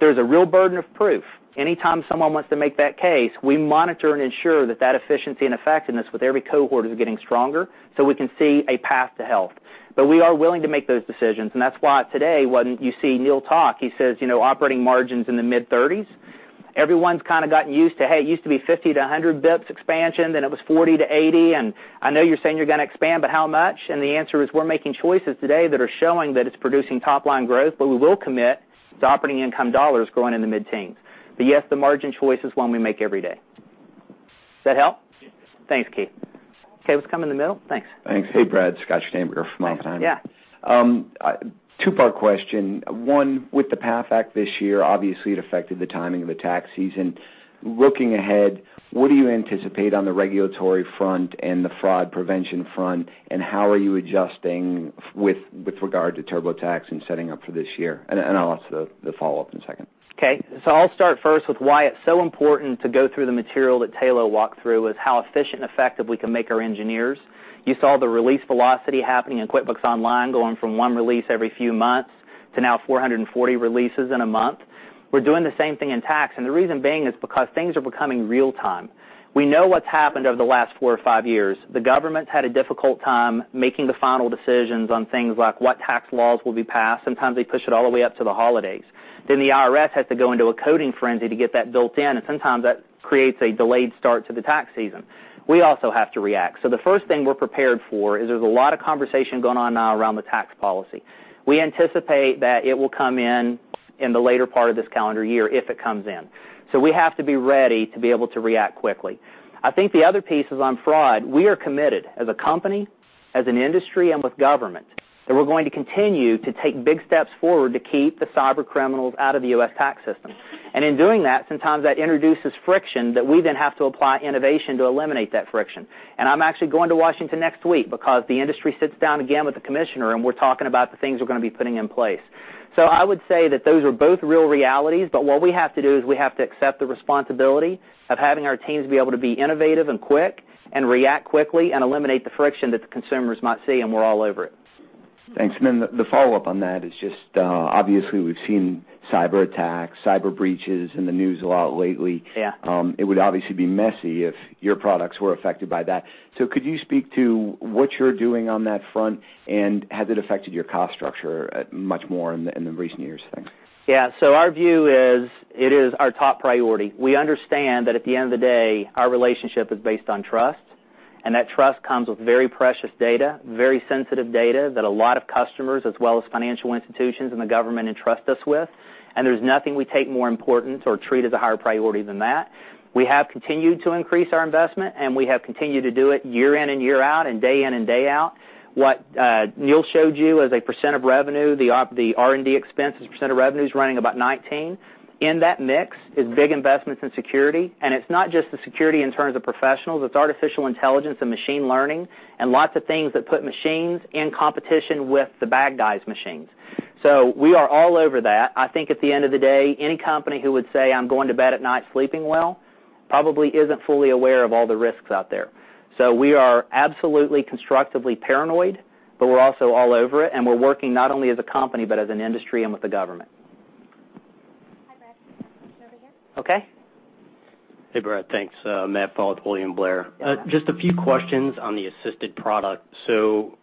S3: There's a real burden of proof. Anytime someone wants to make that case, we monitor and ensure that that efficiency and effectiveness with every cohort is getting stronger, so we can see a path to health. We are willing to make those decisions, and that's why today, when you see Neil talk, he says operating margins in the mid-30s. Everyone's kind of gotten used to, hey, it used to be 50 to 100 basis points expansion, then it was 40 to 80. I know you're saying you're going to expand, but how much? The answer is, we're making choices today that are showing that it's producing top-line growth, we will commit to operating income dollars growing in the mid-teens. Yes, the margin choice is one we make every day. Does that help?
S12: Yes.
S3: Thanks, Keith. Okay, let's come in the middle. Thanks.
S13: Thanks. Hey, Brad. Scott Schneeberger from Oppenheimer.
S3: Yeah.
S13: Two-part question. One, with the PATH Act this year, obviously, it affected the timing of the tax season. Looking ahead, what do you anticipate on the regulatory front and the fraud prevention front, and how are you adjusting with regard to TurboTax and setting up for this year? I'll ask the follow-up in a second.
S3: I'll start first with why it's so important to go through the material that Tayloe walked through, is how efficient and effective we can make our engineers. You saw the release velocity happening in QuickBooks Online, going from one release every few months to now 440 releases in a month. We're doing the same thing in tax, the reason being is because things are becoming real-time. We know what's happened over the last four or five years. The government's had a difficult time making the final decisions on things like what tax laws will be passed. Sometimes they push it all the way up to the holidays. The IRS has to go into a coding frenzy to get that built in, sometimes that creates a delayed start to the tax season. We also have to react. The first thing we're prepared for is there's a lot of conversation going on now around the tax policy. We anticipate that it will come in the later part of this calendar year if it comes in. We have to be ready to be able to react quickly. I think the other piece is on fraud. We are committed as a company, as an industry, and with government, that we're going to continue to take big steps forward to keep the cyber criminals out of the U.S. tax system. In doing that, sometimes that introduces friction that we then have to apply innovation to eliminate that friction. I'm actually going to Washington next week because the industry sits down again with the commissioner, and we're talking about the things we're going to be putting in place. I would say that those are both real realities, what we have to do is we have to accept the responsibility of having our teams be able to be innovative and quick, react quickly and eliminate the friction that the consumers might see, we're all over it.
S13: Thanks. The follow-up on that is just, obviously, we've seen cyberattacks, cyber breaches in the news a lot lately.
S3: Yeah.
S13: It would obviously be messy if your products were affected by that. Could you speak to what you're doing on that front, and has it affected your cost structure much more in the recent years, thanks?
S3: Yeah. Our view is it is our top priority. We understand that at the end of the day, our relationship is based on trust, and that trust comes with very precious data, very sensitive data that a lot of customers, as well as financial institutions and the government entrust us with, and there's nothing we take more important or treat as a higher priority than that. We have continued to increase our investment, and we have continued to do it year in and year out, and day in and day out. What Neil showed you as a percent of revenue, the R&D expenses percent of revenue is running about 19. In that mix is big investments in security, and it's not just the security in terms of professionals, it's artificial intelligence and machine learning, and lots of things that put machines in competition with the bad guys' machines. We are all over that. I think at the end of the day, any company who would say, "I'm going to bed at night sleeping well," probably isn't fully aware of all the risks out there. We are absolutely constructively paranoid, but we're also all over it, and we're working not only as a company but as an industry and with the government.
S14: Hi, Brad. Over here.
S3: Okay.
S15: Hey, Brad. Thanks. Matt Pfau with William Blair.
S3: Yeah.
S15: Just a few questions on the assisted product.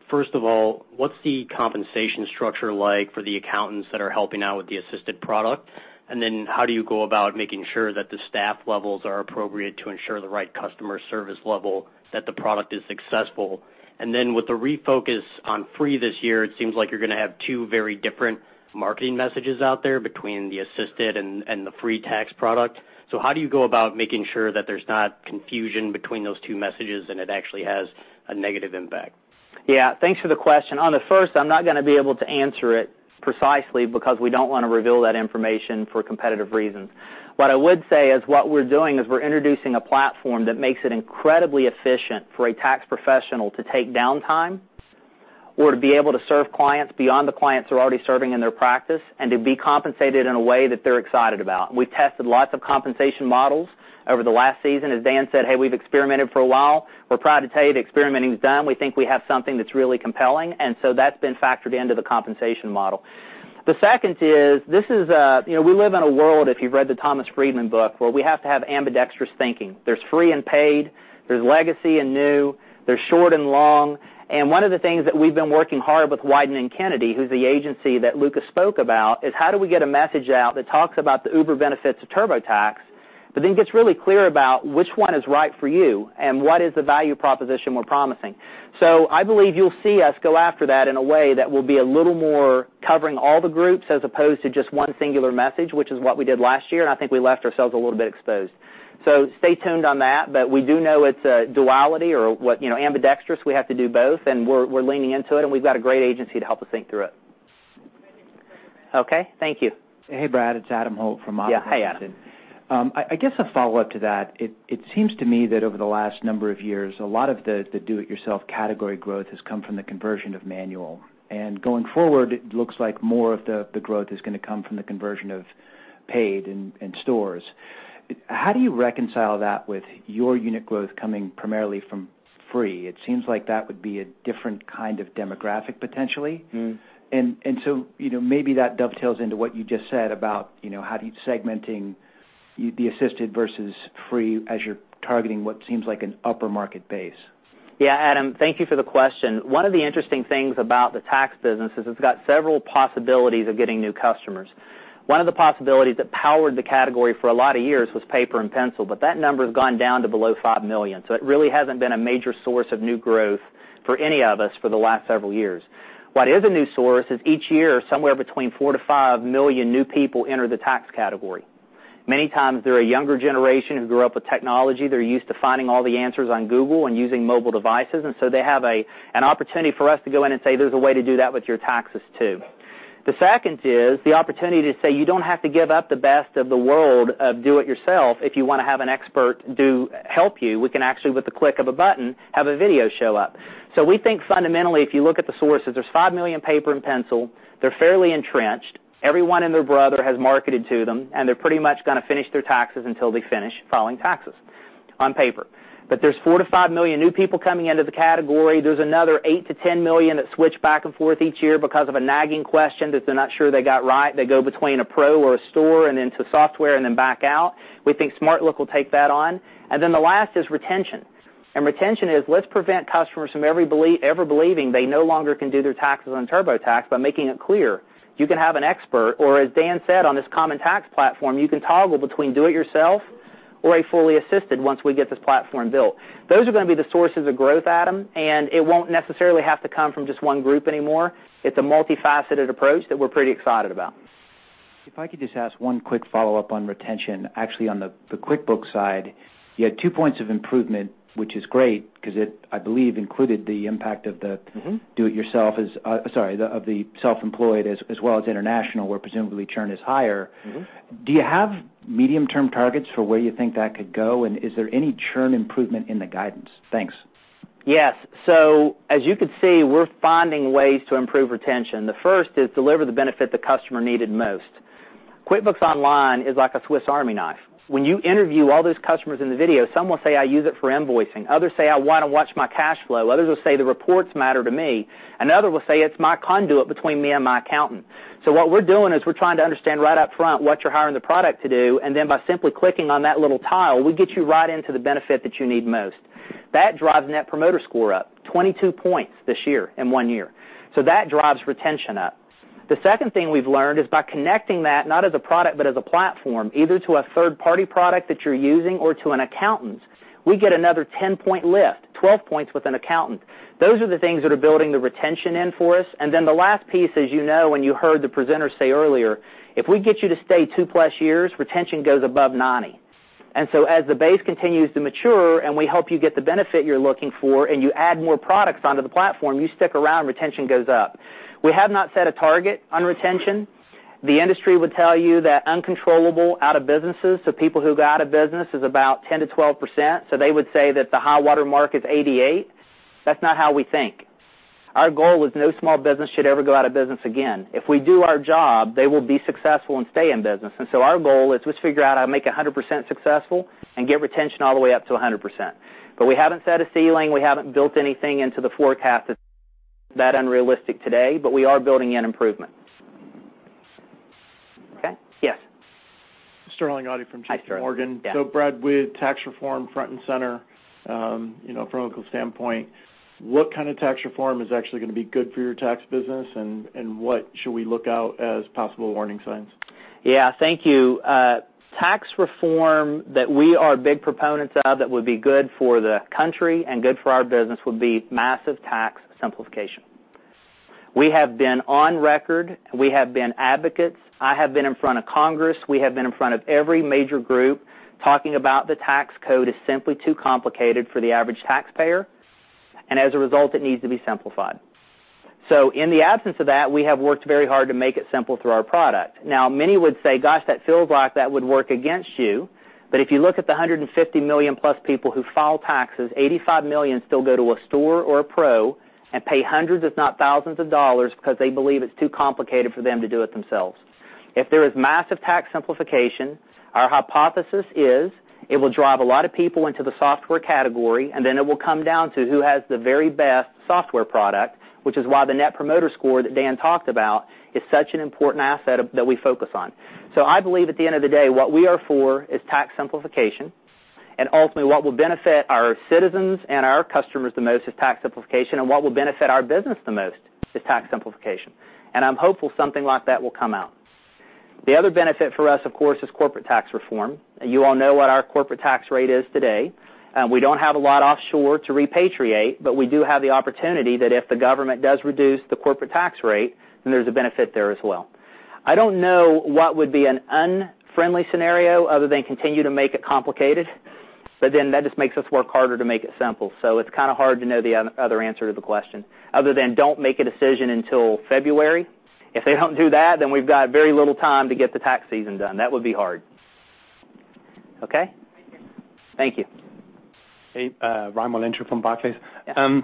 S15: First of all, what's the compensation structure like for the accountants that are helping out with the assisted product? How do you go about making sure that the staff levels are appropriate to ensure the right customer service level, that the product is successful? With the refocus on free this year, it seems like you're going to have two very different marketing messages out there between the assisted and the free tax product. How do you go about making sure that there's not confusion between those two messages and it actually has a negative impact?
S3: Yeah. Thanks for the question. On the first, I'm not going to be able to answer it precisely because we don't want to reveal that information for competitive reasons. What I would say is what we're doing is we're introducing a platform that makes it incredibly efficient for a tax professional to take downtime or to be able to serve clients beyond the clients they're already serving in their practice, and to be compensated in a way that they're excited about. We tested lots of compensation models over the last season. As Dan said, "Hey, we've experimented for a while." We're proud to tell you the experimenting is done. We think we have something that's really compelling. That's been factored into the compensation model. The second is, we live in a world, if you've read the Thomas Friedman book, where we have to have ambidextrous thinking. There's free and paid, there's legacy and new, there's short and long. One of the things that we've been working hard with Wieden+Kennedy, who's the agency that Lucas spoke about, is how do we get a message out that talks about the uber benefits of TurboTax, gets really clear about which one is right for you and what is the value proposition we're promising. I believe you'll see us go after that in a way that will be a little more covering all the groups as opposed to just one singular message, which is what we did last year. I think we left ourselves a little bit exposed. Stay tuned on that, but we do know it's a duality or ambidextrous, we have to do both, and we're leaning into it, and we've got a great agency to help us think through it.
S14: Thank you.
S3: Okay. Thank you.
S14: Hey, Brad, it's Adam Holt from MoffettNathanon.
S3: Yeah. Hey, Adam.
S14: I guess a follow-up to that. It seems to me that over the last number of years, a lot of the do-it-yourself category growth has come from the conversion of manual. Going forward, it looks like more of the growth is going to come from the conversion of paid and stores. How do you reconcile that with your unit growth coming primarily from free? It seems like that would be a different kind of demographic potentially. Maybe that dovetails into what you just said about how do you segmenting the assisted versus free as you're targeting what seems like an upper market base.
S3: Yeah, Adam, thank you for the question. One of the interesting things about the tax business is it's got several possibilities of getting new customers. One of the possibilities that powered the category for a lot of years was paper and pencil. That number has gone down to below 5 million. It really hasn't been a major source of new growth for any of us for the last several years. What is a new source is each year, somewhere between 4 million to 5 million new people enter the tax category. Many times, they're a younger generation who grew up with technology. They're used to finding all the answers on Google and using mobile devices. They have an opportunity for us to go in and say, "There's a way to do that with your taxes, too." The second is the opportunity to say, "You don't have to give up the best of the world of do it yourself if you want to have an expert help you." We can actually, with the click of a button, have a video show up. We think fundamentally, if you look at the sources, there's 5 million paper and pencil. They're fairly entrenched. Everyone and their brother has marketed to them, and they're pretty much going to finish their taxes until they finish filing taxes. On paper. There's 4 to 5 million new people coming into the category. There's another 8 to 10 million that switch back and forth each year because of a nagging question that they're not sure they got right. They go between a pro or a store and into software and then back out. We think SmartLook will take that on. The last is retention. Retention is, let's prevent customers from ever believing they no longer can do their taxes on TurboTax by making it clear you can have an expert, or as Dan said, on this common tax platform, you can toggle between do it yourself or a fully assisted once we get this platform built. Those are going to be the sources of growth, Adam, it won't necessarily have to come from just one group anymore. It's a multifaceted approach that we're pretty excited about.
S14: If I could just ask one quick follow-up on retention, actually, on the QuickBooks side. You had two points of improvement, which is great because it, I believe, included the impact of the- of the self-employed as well as international, where presumably churn is higher. Do you have medium-term targets for where you think that could go? Is there any churn improvement in the guidance? Thanks.
S3: Yes. As you can see, we're finding ways to improve retention. The first is deliver the benefit the customer needed most. QuickBooks Online is like a Swiss army knife. When you interview all those customers in the video, some will say, "I use it for invoicing." Others say, "I want to watch my cash flow." Others will say, "The reports matter to me." Another will say, "It's my conduit between me and my accountant." What we're doing is we're trying to understand right up front what you're hiring the product to do, and then by simply clicking on that little tile, we get you right into the benefit that you need most. That drives Net Promoter Score up 22 points this year in one year. That drives retention up. The second thing we've learned is by connecting that, not as a product, but as a platform, either to a third-party product that you're using or to an accountant, we get another 10-point lift, 12 points with an accountant. Those are the things that are building the retention in for us. Then the last piece, as you know, and you heard the presenter say earlier, if we get you to stay 2+ years, retention goes above 90. As the base continues to mature and we help you get the benefit you're looking for and you add more products onto the platform, you stick around, retention goes up. We have not set a target on retention. The industry would tell you that uncontrollable out of businesses, people who go out of business, is about 10%-12%, they would say that the high water mark is 88. That's not how we think. Our goal was no small business should ever go out of business again. If we do our job, they will be successful and stay in business. Our goal is to figure out how to make 100% successful and get retention all the way up to 100%. We haven't set a ceiling. We haven't built anything into the forecast that's that unrealistic today, but we are building in improvements. Okay. Yes.
S16: Sterling Auty from J.P. Morgan.
S3: Hi, Sterling. Yeah.
S16: Brad, with tax reform front and center, from a local standpoint, what kind of tax reform is actually going to be good for your tax business, and what should we look out as possible warning signs?
S3: Yeah. Thank you. Tax reform that we are big proponents of that would be good for the country and good for our business would be massive tax simplification. We have been on record. We have been advocates. I have been in front of Congress. We have been in front of every major group talking about the tax code is simply too complicated for the average taxpayer, and as a result, it needs to be simplified. In the absence of that, we have worked very hard to make it simple through our product. Many would say, "Gosh, that feels like that would work against you." If you look at the 150 million-plus people who file taxes, 85 million still go to a store or a pro and pay hundreds, if not thousands, of dollars because they believe it's too complicated for them to do it themselves. If there is massive tax simplification, our hypothesis is it will drive a lot of people into the software category, then it will come down to who has the very best software product, which is why the Net Promoter Score that Dan talked about is such an important asset that we focus on. I believe at the end of the day, what we are for is tax simplification, ultimately, what will benefit our citizens and our customers the most is tax simplification, what will benefit our business the most is tax simplification. I'm hopeful something like that will come out. The other benefit for us, of course, is corporate tax reform. You all know what our corporate tax rate is today. We don't have a lot offshore to repatriate, we do have the opportunity that if the government does reduce the corporate tax rate, then there's a benefit there as well. I don't know what would be an unfriendly scenario other than continue to make it complicated, then that just makes us work harder to make it simple. It's kind of hard to know the other answer to the question, other than don't make a decision until February. If they don't do that, we've got very little time to get the tax season done. That would be hard. Okay. Thank you. Thank you.
S17: Hey, Raimo Lenschow from Barclays.
S3: Yeah.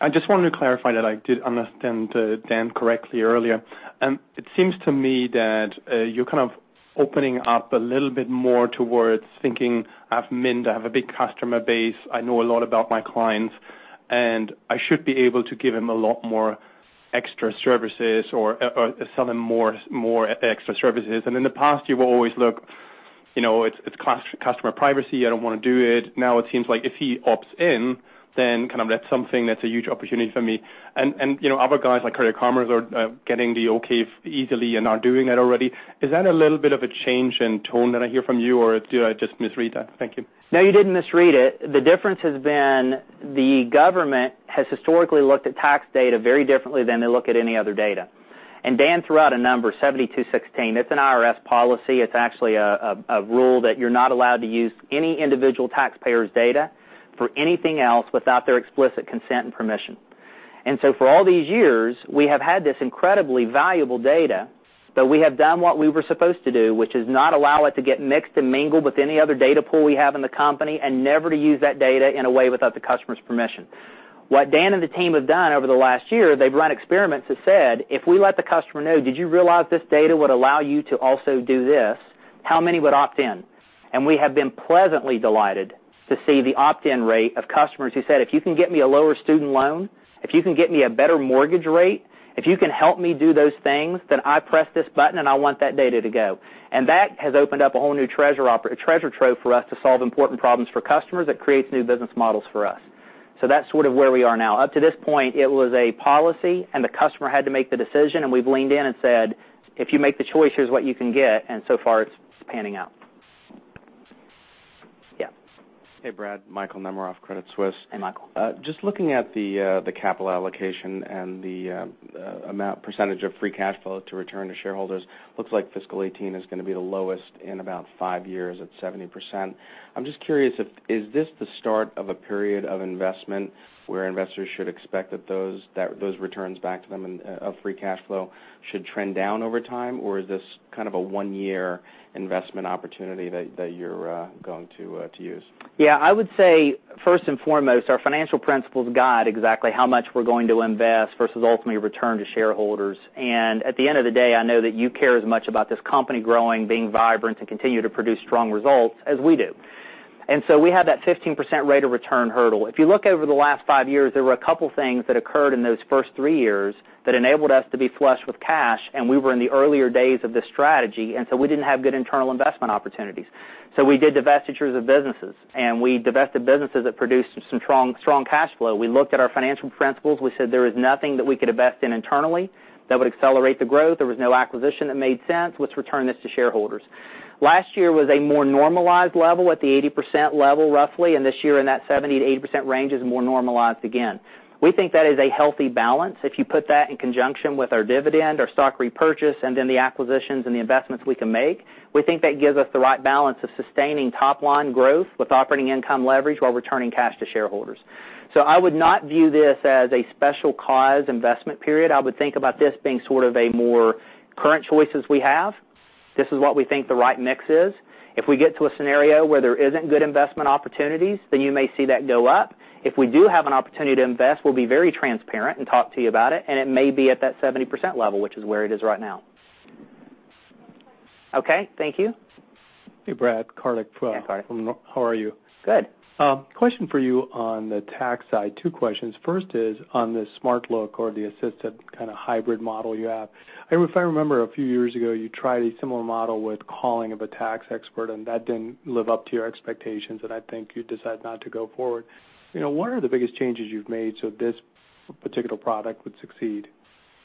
S17: I just wanted to clarify that I did understand Dan correctly earlier. It seems to me that you're kind of opening up a little bit more towards thinking, I have Mint, I have a big customer base, I know a lot about my clients, and I should be able to give him a lot more extra services or sell them more extra services. In the past, you've always looked, it's customer privacy. I don't want to do it. Now it seems like if he opts in, then kind of that's something that's a huge opportunity for me. Other guys like Credit Karma are getting the okay easily and are doing it already. Is that a little bit of a change in tone that I hear from you, or did I just misread that? Thank you.
S3: No, you didn't misread it. The difference has been the government has historically looked at tax data very differently than they look at any other data. Dan threw out a number, 7216. It's an IRS policy. It's actually a rule that you're not allowed to use any individual taxpayer's data for anything else without their explicit consent and permission. So for all these years, we have had this incredibly valuable data, but we have done what we were supposed to do, which is not allow it to get mixed and mingled with any other data pool we have in the company and never to use that data in a way without the customer's permission. What Dan and the team have done over the last year, they've run experiments that said, "If we let the customer know, did you realize this data would allow you to also do this? How many would opt in?" We have been pleasantly delighted to see the opt-in rate of customers who said, "If you can get me a lower student loan, if you can get me a better mortgage rate, if you can help me do those things, then I press this button, and I want that data to go." That has opened up a whole new treasure trove for us to solve important problems for customers that creates new business models for us. That's sort of where we are now. Up to this point, it was a policy, and the customer had to make the decision, and we've leaned in and said, "If you make the choice, here's what you can get." So far, it's panning out. Yeah.
S18: Hey, Brad. Michael Turrin, Credit Suisse.
S3: Hey, Michael.
S18: Just looking at the capital allocation and the amount percentage of free cash flow to return to shareholders, looks like fiscal 2018 is going to be the lowest in about five years at 70%. I'm just curious if, is this the start of a period of investment where investors should expect that those returns back to them and of free cash flow should trend down over time? Is this kind of a one-year investment opportunity that you're going to use?
S3: Yeah, I would say first and foremost, our financial principles guide exactly how much we're going to invest versus ultimately return to shareholders. At the end of the day, I know that you care as much about this company growing, being vibrant, and continue to produce strong results as we do. We have that 15% rate of return hurdle. If you look over the last five years, there were a couple things that occurred in those first three years that enabled us to be flushed with cash, and so we were in the earlier days of this strategy, and so we didn't have good internal investment opportunities. We did divestitures of businesses, and we divested businesses that produced some strong cash flow. We looked at our financial principles. We said there is nothing that we could invest in internally that would accelerate the growth. There was no acquisition that made sense. Let's return this to shareholders. Last year was a more normalized level at the 80% level, roughly, and this year in that 70%-80% range is more normalized again. We think that is a healthy balance. If you put that in conjunction with our dividend, our stock repurchase, and then the acquisitions and the investments we can make, we think that gives us the right balance of sustaining top-line growth with operating income leverage while returning cash to shareholders. I would not view this as a special cause investment period. I would think about this being sort of a more current choices we have. This is what we think the right mix is. If we get to a scenario where there isn't good investment opportunities, you may see that go up. If we do have an opportunity to invest, we'll be very transparent and talk to you about it, and it may be at that 70% level, which is where it is right now. Okay, thank you.
S19: Hey, Brad. Karthik
S3: Hey, Karthik
S19: how are you?
S3: Good.
S19: Question for you on the tax side, two questions. First is on the SmartLook or the assisted kind of hybrid model you have. If I remember a few years ago, you tried a similar model with calling of a tax expert, and that didn't live up to your expectations, and I think you decided not to go forward. What are the biggest changes you've made so this particular product would succeed?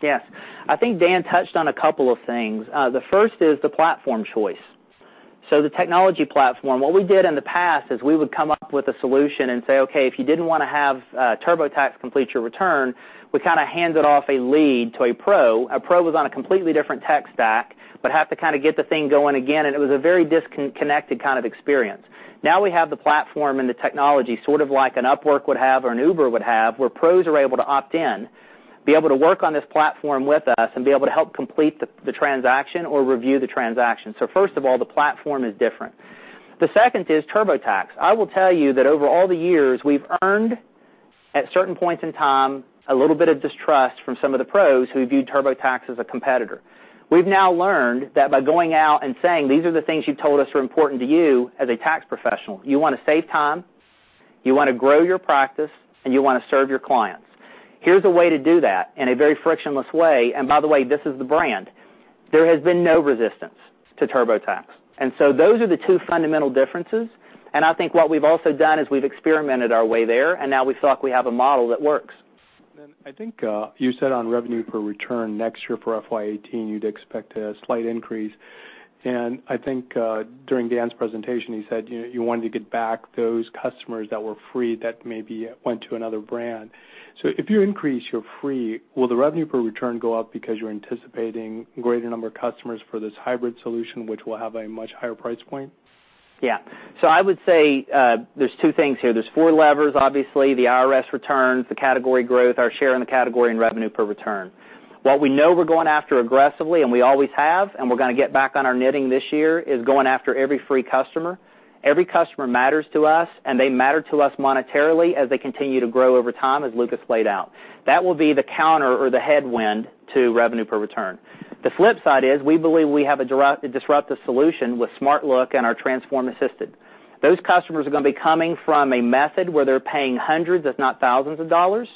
S3: Yes. I think Dan touched on a couple of things. The first is the platform choice. The technology platform, what we did in the past is we would come up with a solution and say, "Okay, if you didn't want to have TurboTax complete your return," we kind of handed off a lead to a pro. A pro was on a completely different tech stack, would have to kind of get the thing going again, and it was a very disconnected kind of experience. Now we have the platform and the technology, sort of like an Upwork would have or an Uber would have, where pros are able to opt in, be able to work on this platform with us, and be able to help complete the transaction or review the transaction. First of all, the platform is different. The second is TurboTax. I will tell you that over all the years, we've earned, at certain points in time, a little bit of distrust from some of the pros who viewed TurboTax as a competitor. We've now learned that by going out and saying, "These are the things you told us are important to you as a tax professional. You want to save time, you want to grow your practice, and you want to serve your clients. Here's a way to do that in a very frictionless way. By the way, this is the brand." There has been no resistance to TurboTax. Those are the two fundamental differences, and I think what we've also done is we've experimented our way there, and now we thought we have a model that works.
S19: I think you said on revenue per return next year for FY 2018, you'd expect a slight increase. I think during Dan's presentation, he said you wanted to get back those customers that were free that maybe went to another brand. If you increase your free, will the revenue per return go up because you're anticipating greater number of customers for this hybrid solution, which will have a much higher price point?
S3: Yeah. I would say there's two things here. There's four levers, obviously, the IRS returns, the category growth, our share in the category, and revenue per return. What we know we're going after aggressively, and we always have, and we're going to get back on our knitting this year is going after every free customer. Every customer matters to us, and they matter to us monetarily as they continue to grow over time, as Lucas laid out. That will be the counter or the headwind to revenue per return. The flip side is we believe we have a disruptive solution with SmartLook and our Transform Assisted. Those customers are going to be coming from a method where they're paying hundreds, if not thousands of dollars,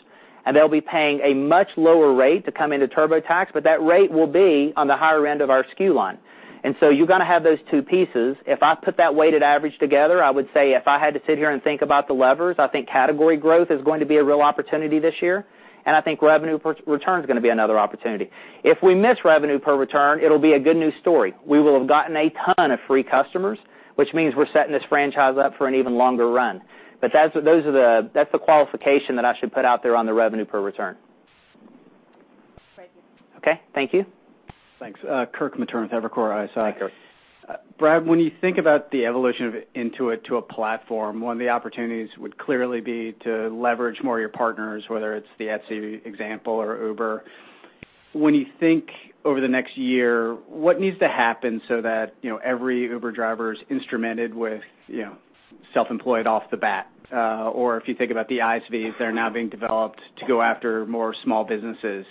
S3: and they'll be paying a much lower rate to come into TurboTax, but that rate will be on the higher end of our SKU line. You've got to have those two pieces. If I put that weighted average together, I would say if I had to sit here and think about the levers, I think category growth is going to be a real opportunity this year, and I think revenue per return is going to be another opportunity. If we miss revenue per return, it'll be a good news story. We will have gotten a ton of free customers, which means we're setting this franchise up for an even longer run. That's the qualification that I should put out there on the revenue per return. Great. Okay. Thank you.
S20: Thanks. Kirk Materne with Evercore ISI.
S3: Hi, Kirk.
S20: Brad, when you think about the evolution of Intuit to a platform, one of the opportunities would clearly be to leverage more of your partners, whether it's the Etsy example or Uber. When you think over the next year, what needs to happen so that every Uber driver is instrumented with Self-Employed off the bat? Or if you think about the ISVs that are now being developed to go after more small businesses,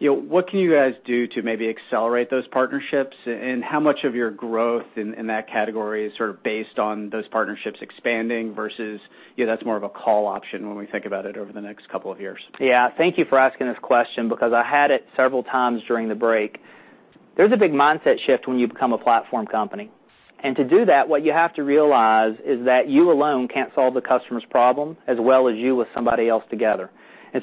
S20: what can you guys do to maybe accelerate those partnerships? How much of your growth in that category is sort of based on those partnerships expanding versus that's more of a call option when we think about it over the next couple of years?
S3: Yeah. Thank you for asking this question because I had it several times during the break. There's a big mindset shift when you become a platform company. To do that, what you have to realize is that you alone can't solve the customer's problem as well as you with somebody else together.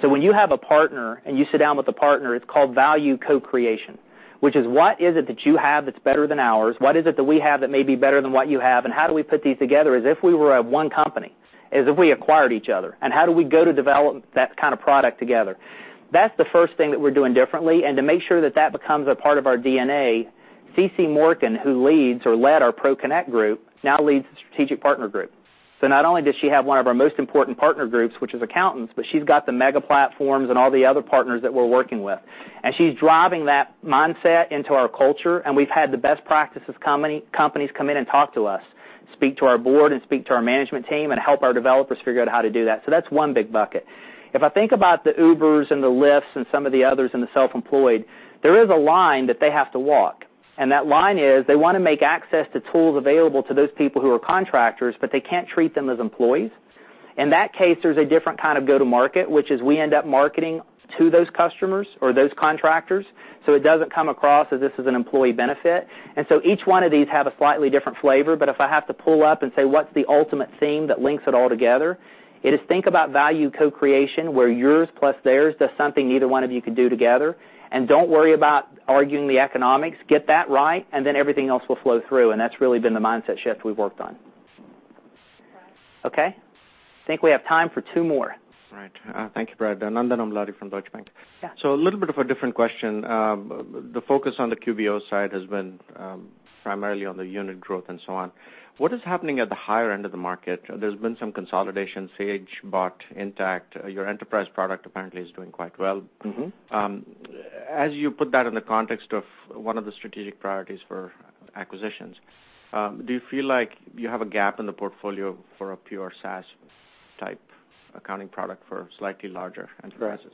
S3: When you have a partner and you sit down with a partner, it's called value co-creation, which is what is it that you have that's better than ours? What is it that we have that may be better than what you have? How do we put these together as if we were one company, as if we acquired each other? How do we go to develop that kind of product together? That's the first thing that we're doing differently. To make sure that that becomes a part of our DNA, CeCe Morken, who leads or led our ProConnect group, now leads the strategic partner group. Not only does she have one of our most important partner groups, which is accountants, but she's got the mega platforms and all the other partners that we're working with. She's driving that mindset into our culture, and we've had the best practices companies come in and talk to us, speak to our board, and speak to our management team and help our developers figure out how to do that. That's one big bucket. If I think about the Ubers and the Lyfts and some of the others in the self-employed, there is a line that they have to walk. That line is they want to make access to tools available to those people who are contractors, but they can't treat them as employees. In that case, there's a different kind of go-to-market, which is we end up marketing to those customers or those contractors, so it doesn't come across as this is an employee benefit. Each one of these have a slightly different flavor. If I have to pull up and say, what's the ultimate theme that links it all together? It is think about value co-creation, where yours plus theirs does something neither one of you could do together. Don't worry about arguing the economics. Get that right, then everything else will flow through. That's really been the mindset shift we've worked on. Okay? I think we have time for two more.
S21: Right. Thank you, Brad. Nandan Amladi from Deutsche Bank.
S3: Yeah.
S21: A little bit of a different question. The focus on the QBO side has been primarily on the unit growth and so on. What is happening at the higher end of the market? There's been some consolidation, Sage bought Intacct. Your enterprise product apparently is doing quite well. As you put that in the context of one of the strategic priorities for acquisitions, do you feel like you have a gap in the portfolio for a pure SaaS-type accounting product for slightly larger enterprises?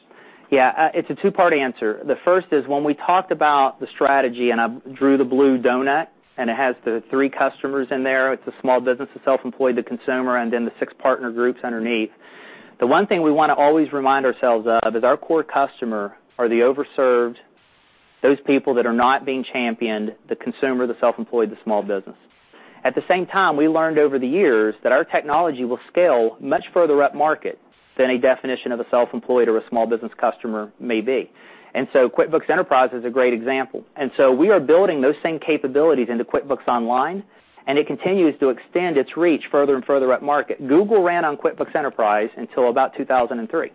S3: Yeah. It's a two-part answer. The first is when we talked about the strategy and I drew the blue donut, and it has the three customers in there. It's the small business, the self-employed, the consumer, and the six partner groups underneath. The one thing we want to always remind ourselves of is our core customer are the over-served, those people that are not being championed, the consumer, the self-employed, the small business. At the same time, we learned over the years that our technology will scale much further up market than a definition of a self-employed or a small business customer may be. QuickBooks Enterprise is a great example. We are building those same capabilities into QuickBooks Online, and it continues to extend its reach further and further up market. Google ran on QuickBooks Enterprise until about 2003.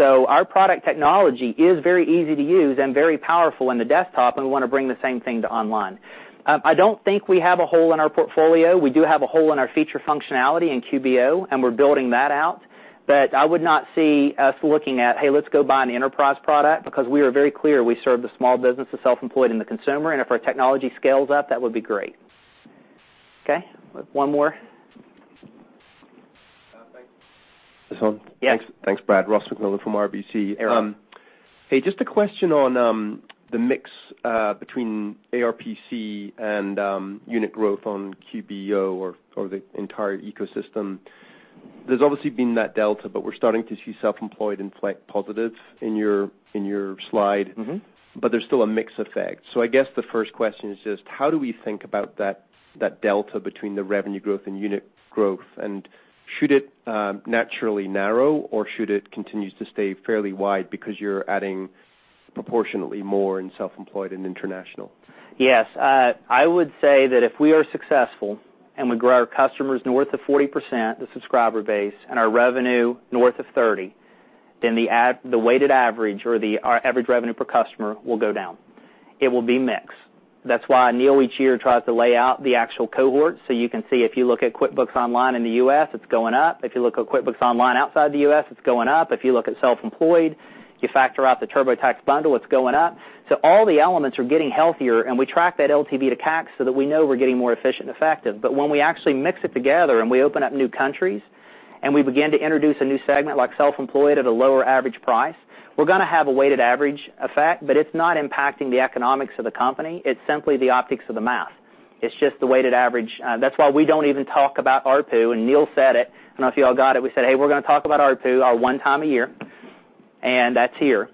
S3: Our product technology is very easy to use and very powerful in the desktop, and we want to bring the same thing to online. I don't think we have a hole in our portfolio. We do have a hole in our feature functionality in QBO, and we're building that out. I would not see us looking at, hey, let's go buy an enterprise product because we are very clear we serve the small business, the self-employed, and the consumer, and if our technology scales up, that would be great. Okay. One more.
S22: Thanks. This on?
S3: Yeah.
S22: Thanks, Brad. Ross MacMillan from RBC. Hey, just a question on the mix between ARPC and unit growth on QBO or the entire ecosystem. There's obviously been that delta. We're starting to see self-employed inflect positive in your slide. There's still a mix effect. I guess the first question is just how do we think about that delta between the revenue growth and unit growth, and should it naturally narrow, or should it continue to stay fairly wide because you're adding proportionately more in self-employed and international?
S3: Yes. I would say that if we are successful and we grow our customers north of 40%, the subscriber base, and our revenue north of 30%, then the weighted average or our average revenue per customer will go down. It will be mixed. That's why Neil each year tries to lay out the actual cohort. You can see if you look at QuickBooks Online in the U.S., it's going up. If you look at QuickBooks Online outside the U.S., it's going up. If you look at self-employed, you factor out the TurboTax bundle, it's going up. All the elements are getting healthier, and we track that LTV to CAC so that we know we're getting more efficient and effective. When we actually mix it together and we open up new countries and we begin to introduce a new segment like self-employed at a lower average price, we're going to have a weighted average effect, but it's not impacting the economics of the company. It's simply the optics of the math. It's just the weighted average. That's why we don't even talk about ARPU, and Neil said it. I don't know if you all got it. We said, "Hey, we're going to talk about ARPU one time a year," and that's here.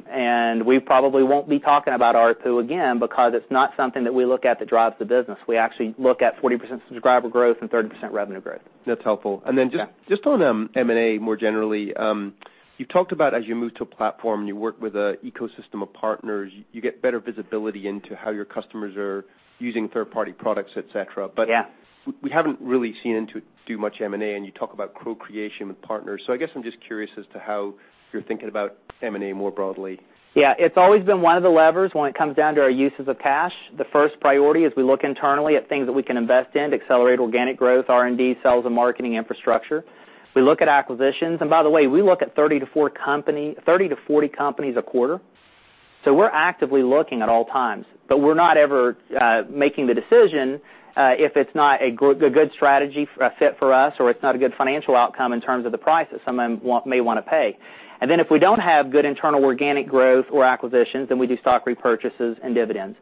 S3: We probably won't be talking about ARPU again because it's not something that we look at that drives the business. We actually look at 40% subscriber growth and 30% revenue growth.
S22: That's helpful.
S3: Yeah.
S22: Then just on M&A more generally, you talked about as you move to a platform, you work with an ecosystem of partners, you get better visibility into how your customers are using third-party products, et cetera.
S3: Yeah.
S22: We haven't really seen Intuit do much M&A, and you talk about co-creation with partners. I guess I'm just curious as to how you're thinking about M&A more broadly.
S3: Yeah. It's always been one of the levers when it comes down to our uses of cash. The first priority is we look internally at things that we can invest in to accelerate organic growth, R&D, sales, and marketing infrastructure. We look at acquisitions. By the way, we look at 30 to 40 companies a quarter. We're actively looking at all times, but we're not ever making the decision if it's not a good strategy fit for us or it's not a good financial outcome in terms of the price that someone may want to pay. Then if we don't have good internal organic growth or acquisitions, we do stock repurchases and dividends.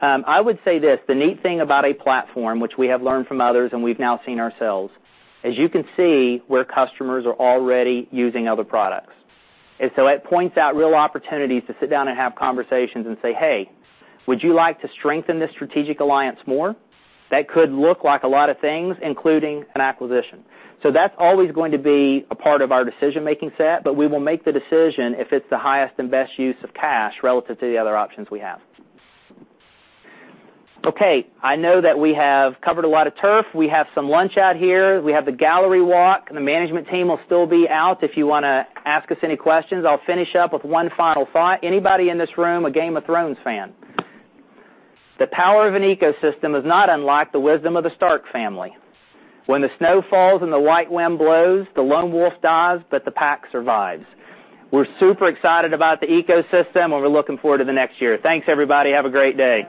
S3: I would say this, the neat thing about a platform, which we have learned from others and we've now seen ourselves, as you can see, where customers are already using other products. It points out real opportunities to sit down and have conversations and say, "Hey, would you like to strengthen this strategic alliance more?" That could look like a lot of things, including an acquisition. That's always going to be a part of our decision-making set, but we will make the decision if it's the highest and best use of cash relative to the other options we have. Okay, I know that we have covered a lot of turf. We have some lunch out here. We have the gallery walk, and the management team will still be out if you want to ask us any questions. I'll finish up with one final thought. Anybody in this room a "Game of Thrones" fan? The power of an ecosystem is not unlike the wisdom of the Stark family. When the snow falls and the white wind blows, the lone wolf dies, but the pack survives. We're super excited about the ecosystem, and we're looking forward to the next year. Thanks, everybody. Have a great day.